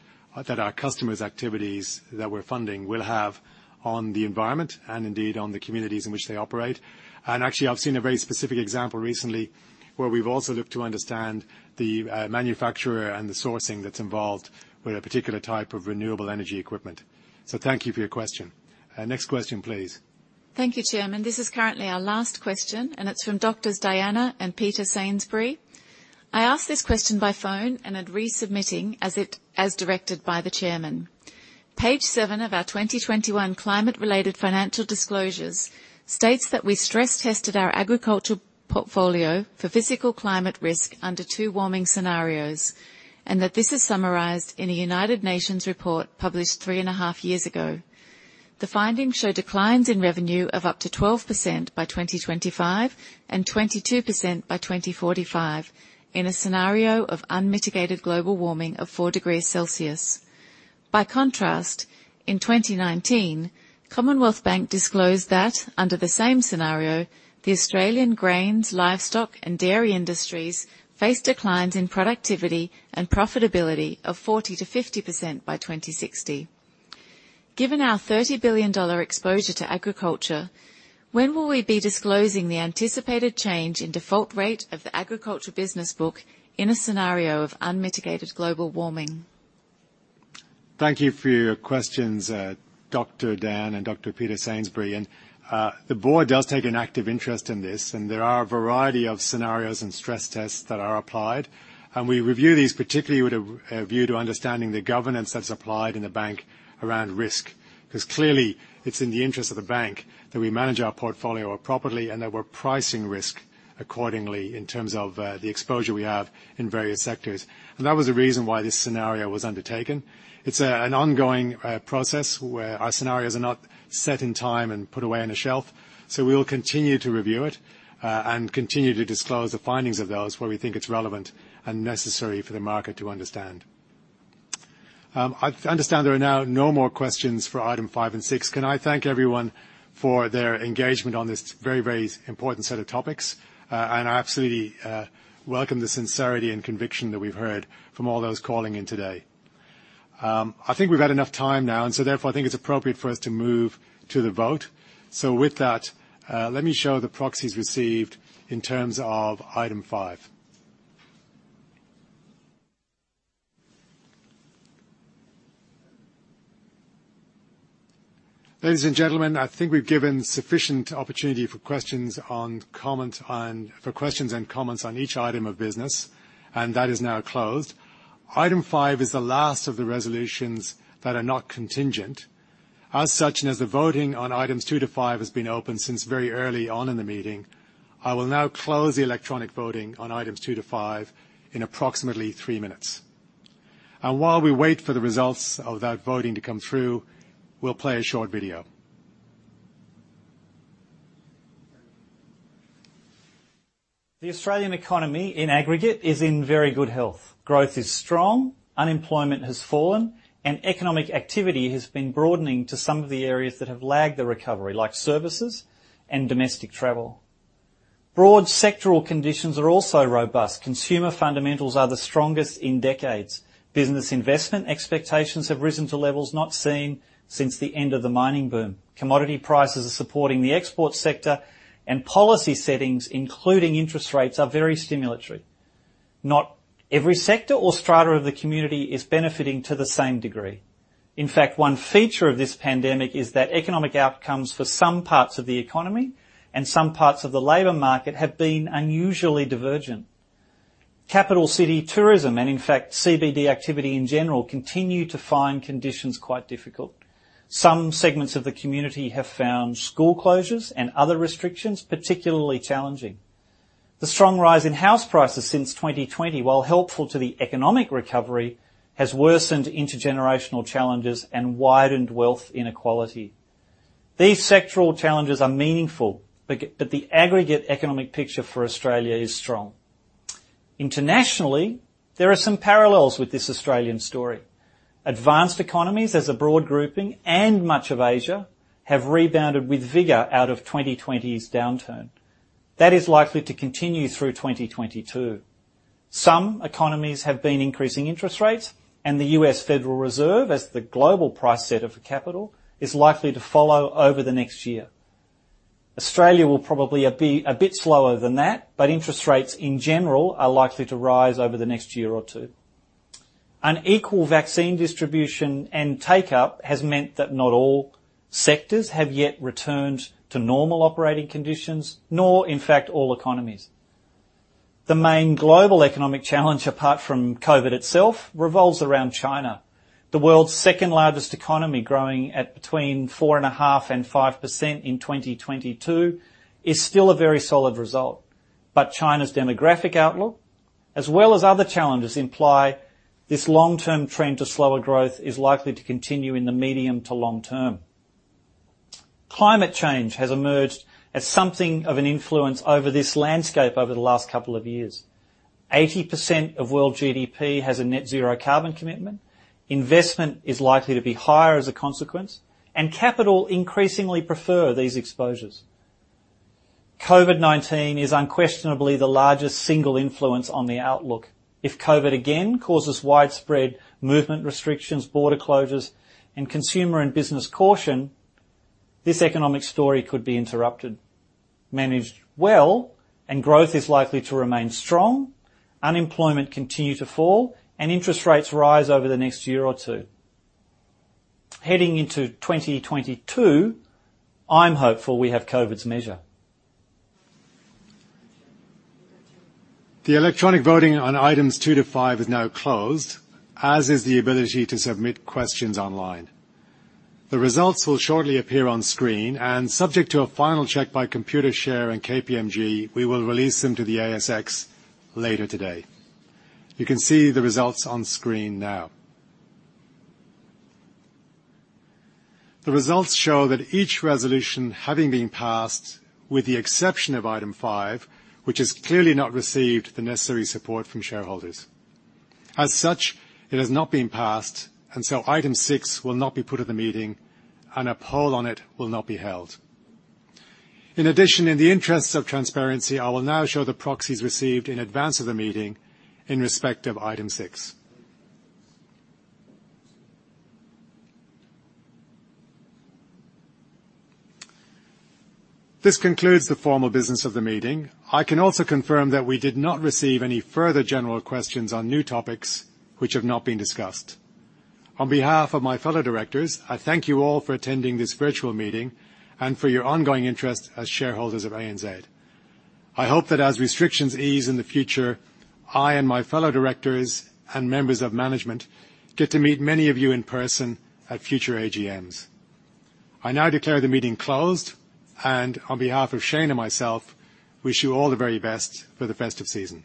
that our customers' activities that we're funding will have on the environment and indeed on the communities in which they operate. Actually, I've seen a very specific example recently where we've also looked to understand the manufacturer and the sourcing that's involved with a particular type of renewable energy equipment. Thank you for your question. Next question, please. Thank you, Chairman. This is currently our last question, and it's from Doctors Diana and Peter Sainsbury. I asked this question by phone and am resubmitting as it, as directed by the chairman. Page seven of our 2021 climate-related financial disclosures states that we stress-tested our agricultural portfolio for physical climate risk under two warming scenarios, and that this is summarized in a United Nations report published three and a half years ago. The findings show declines in revenue of up to 12% by 2025 and 22% by 2045 in a scenario of unmitigated global warming of 4 degrees Celsius. By contrast, in 2019, Commonwealth Bank disclosed that under the same scenario, the Australian grains, livestock, and dairy industries face declines in productivity and profitability of 40%-50% by 2060. Given our 30 billion dollar exposure to agriculture, when will we be disclosing the anticipated change in default rate of the agriculture business book in a scenario of unmitigated global warming? Thank you for your questions, Dr. Dan and Dr. Peter Sainsbury. The board does take an active interest in this, and there are a variety of scenarios and stress tests that are applied, and we review these, particularly with a view to understanding the governance that's applied in the bank around risk. 'Cause clearly, it's in the interest of the bank that we manage our portfolio properly, and that we're pricing risk accordingly in terms of the exposure we have in various sectors. That was the reason why this scenario was undertaken. It's an ongoing process where our scenarios are not set in time and put away on a shelf. We will continue to review it, and continue to disclose the findings of those where we think it's relevant and necessary for the market to understand. I understand there are now no more questions for item five and six. Can I thank everyone for their engagement on this very, very important set of topics? I absolutely welcome the sincerity and conviction that we've heard from all those calling in today. I think we've had enough time now, so therefore, I think it's appropriate for us to move to the vote. With that, let me show the proxies received in terms of item five. Ladies and gentlemen, I think we've given sufficient opportunity for questions and comments on each item of business, and that is now closed. Item five is the last of the resolutions that are not contingent. As such, and as the voting on items two to five has been open since very early on in the meeting, I will now close the electronic voting on items two to five in approximately three minutes. While we wait for the results of that voting to come through, we'll play a short video. The Australian economy in aggregate is in very good health. Growth is strong, unemployment has fallen, and economic activity has been broadening to some of the areas that have lagged the recovery, like services and domestic travel. Broad sectoral conditions are also robust. Consumer fundamentals are the strongest in decades. Business investment expectations have risen to levels not seen since the end of the mining boom. Commodity prices are supporting the export sector and policy settings, including interest rates, are very stimulatory. Not every sector or strata of the community is benefiting to the same degree. In fact, one feature of this pandemic is that economic outcomes for some parts of the economy and some parts of the labor market have been unusually divergent. Capital city tourism, and in fact, CBD activity in general, continue to find conditions quite difficult. Some segments of the community have found school closures and other restrictions particularly challenging. The strong rise in house prices since 2020, while helpful to the economic recovery, has worsened intergenerational challenges and widened wealth inequality. These sectoral challenges are meaningful, but the aggregate economic picture for Australia is strong. Internationally, there are some parallels with this Australian story. Advanced economies as a broad grouping and much of Asia have rebounded with vigor out of 2020's downturn. That is likely to continue through 2022. Some economies have been increasing interest rates, and the U.S. Federal Reserve, as the global price setter of capital, is likely to follow over the next year. Australia will probably be a bit slower than that, but interest rates in general are likely to rise over the next year or two. An equal vaccine distribution and take-up has meant that not all sectors have yet returned to normal operating conditions, nor in fact all economies. The main global economic challenge apart from COVID itself revolves around China. The world's second-largest economy growing at between 4.5% and 5% in 2022 is still a very solid result. China's demographic outlook, as well as other challenges, imply this long-term trend to slower growth is likely to continue in the medium to long term. Climate change has emerged as something of an influence over this landscape over the last couple of years. 80% of world GDP has a net zero carbon commitment. Investment is likely to be higher as a consequence, and capital increasingly prefer these exposures. COVID-19 is unquestionably the largest single influence on the outlook. If COVID again causes widespread movement restrictions, border closures, and consumer and business caution, this economic story could be interrupted. Managed well, growth is likely to remain strong, unemployment continue to fall, and interest rates rise over the next year or two. Heading into 2022, I'm hopeful we have COVID's measure. The electronic voting on items two to five is now closed, as is the ability to submit questions online. The results will shortly appear on screen, and subject to a final check by Computershare and KPMG, we will release them to the ASX later today. You can see the results on screen now. The results show that each resolution having been passed with the exception of item five, which has clearly not received the necessary support from shareholders. As such, it has not been passed, and so item six will not be put at the meeting and a poll on it will not be held. In addition, in the interests of transparency, I will now show the proxies received in advance of the meeting in respect of item six. This concludes the formal business of the meeting. I can also confirm that we did not receive any further general questions on new topics which have not been discussed. On behalf of my fellow directors, I thank you all for attending this virtual meeting and for your ongoing interest as shareholders of ANZ. I hope that as restrictions ease in the future, I and my fellow directors and members of management get to meet many of you in person at future AGMs. I now declare the meeting closed, and on behalf of Shayne and myself, wish you all the very best for the festive season.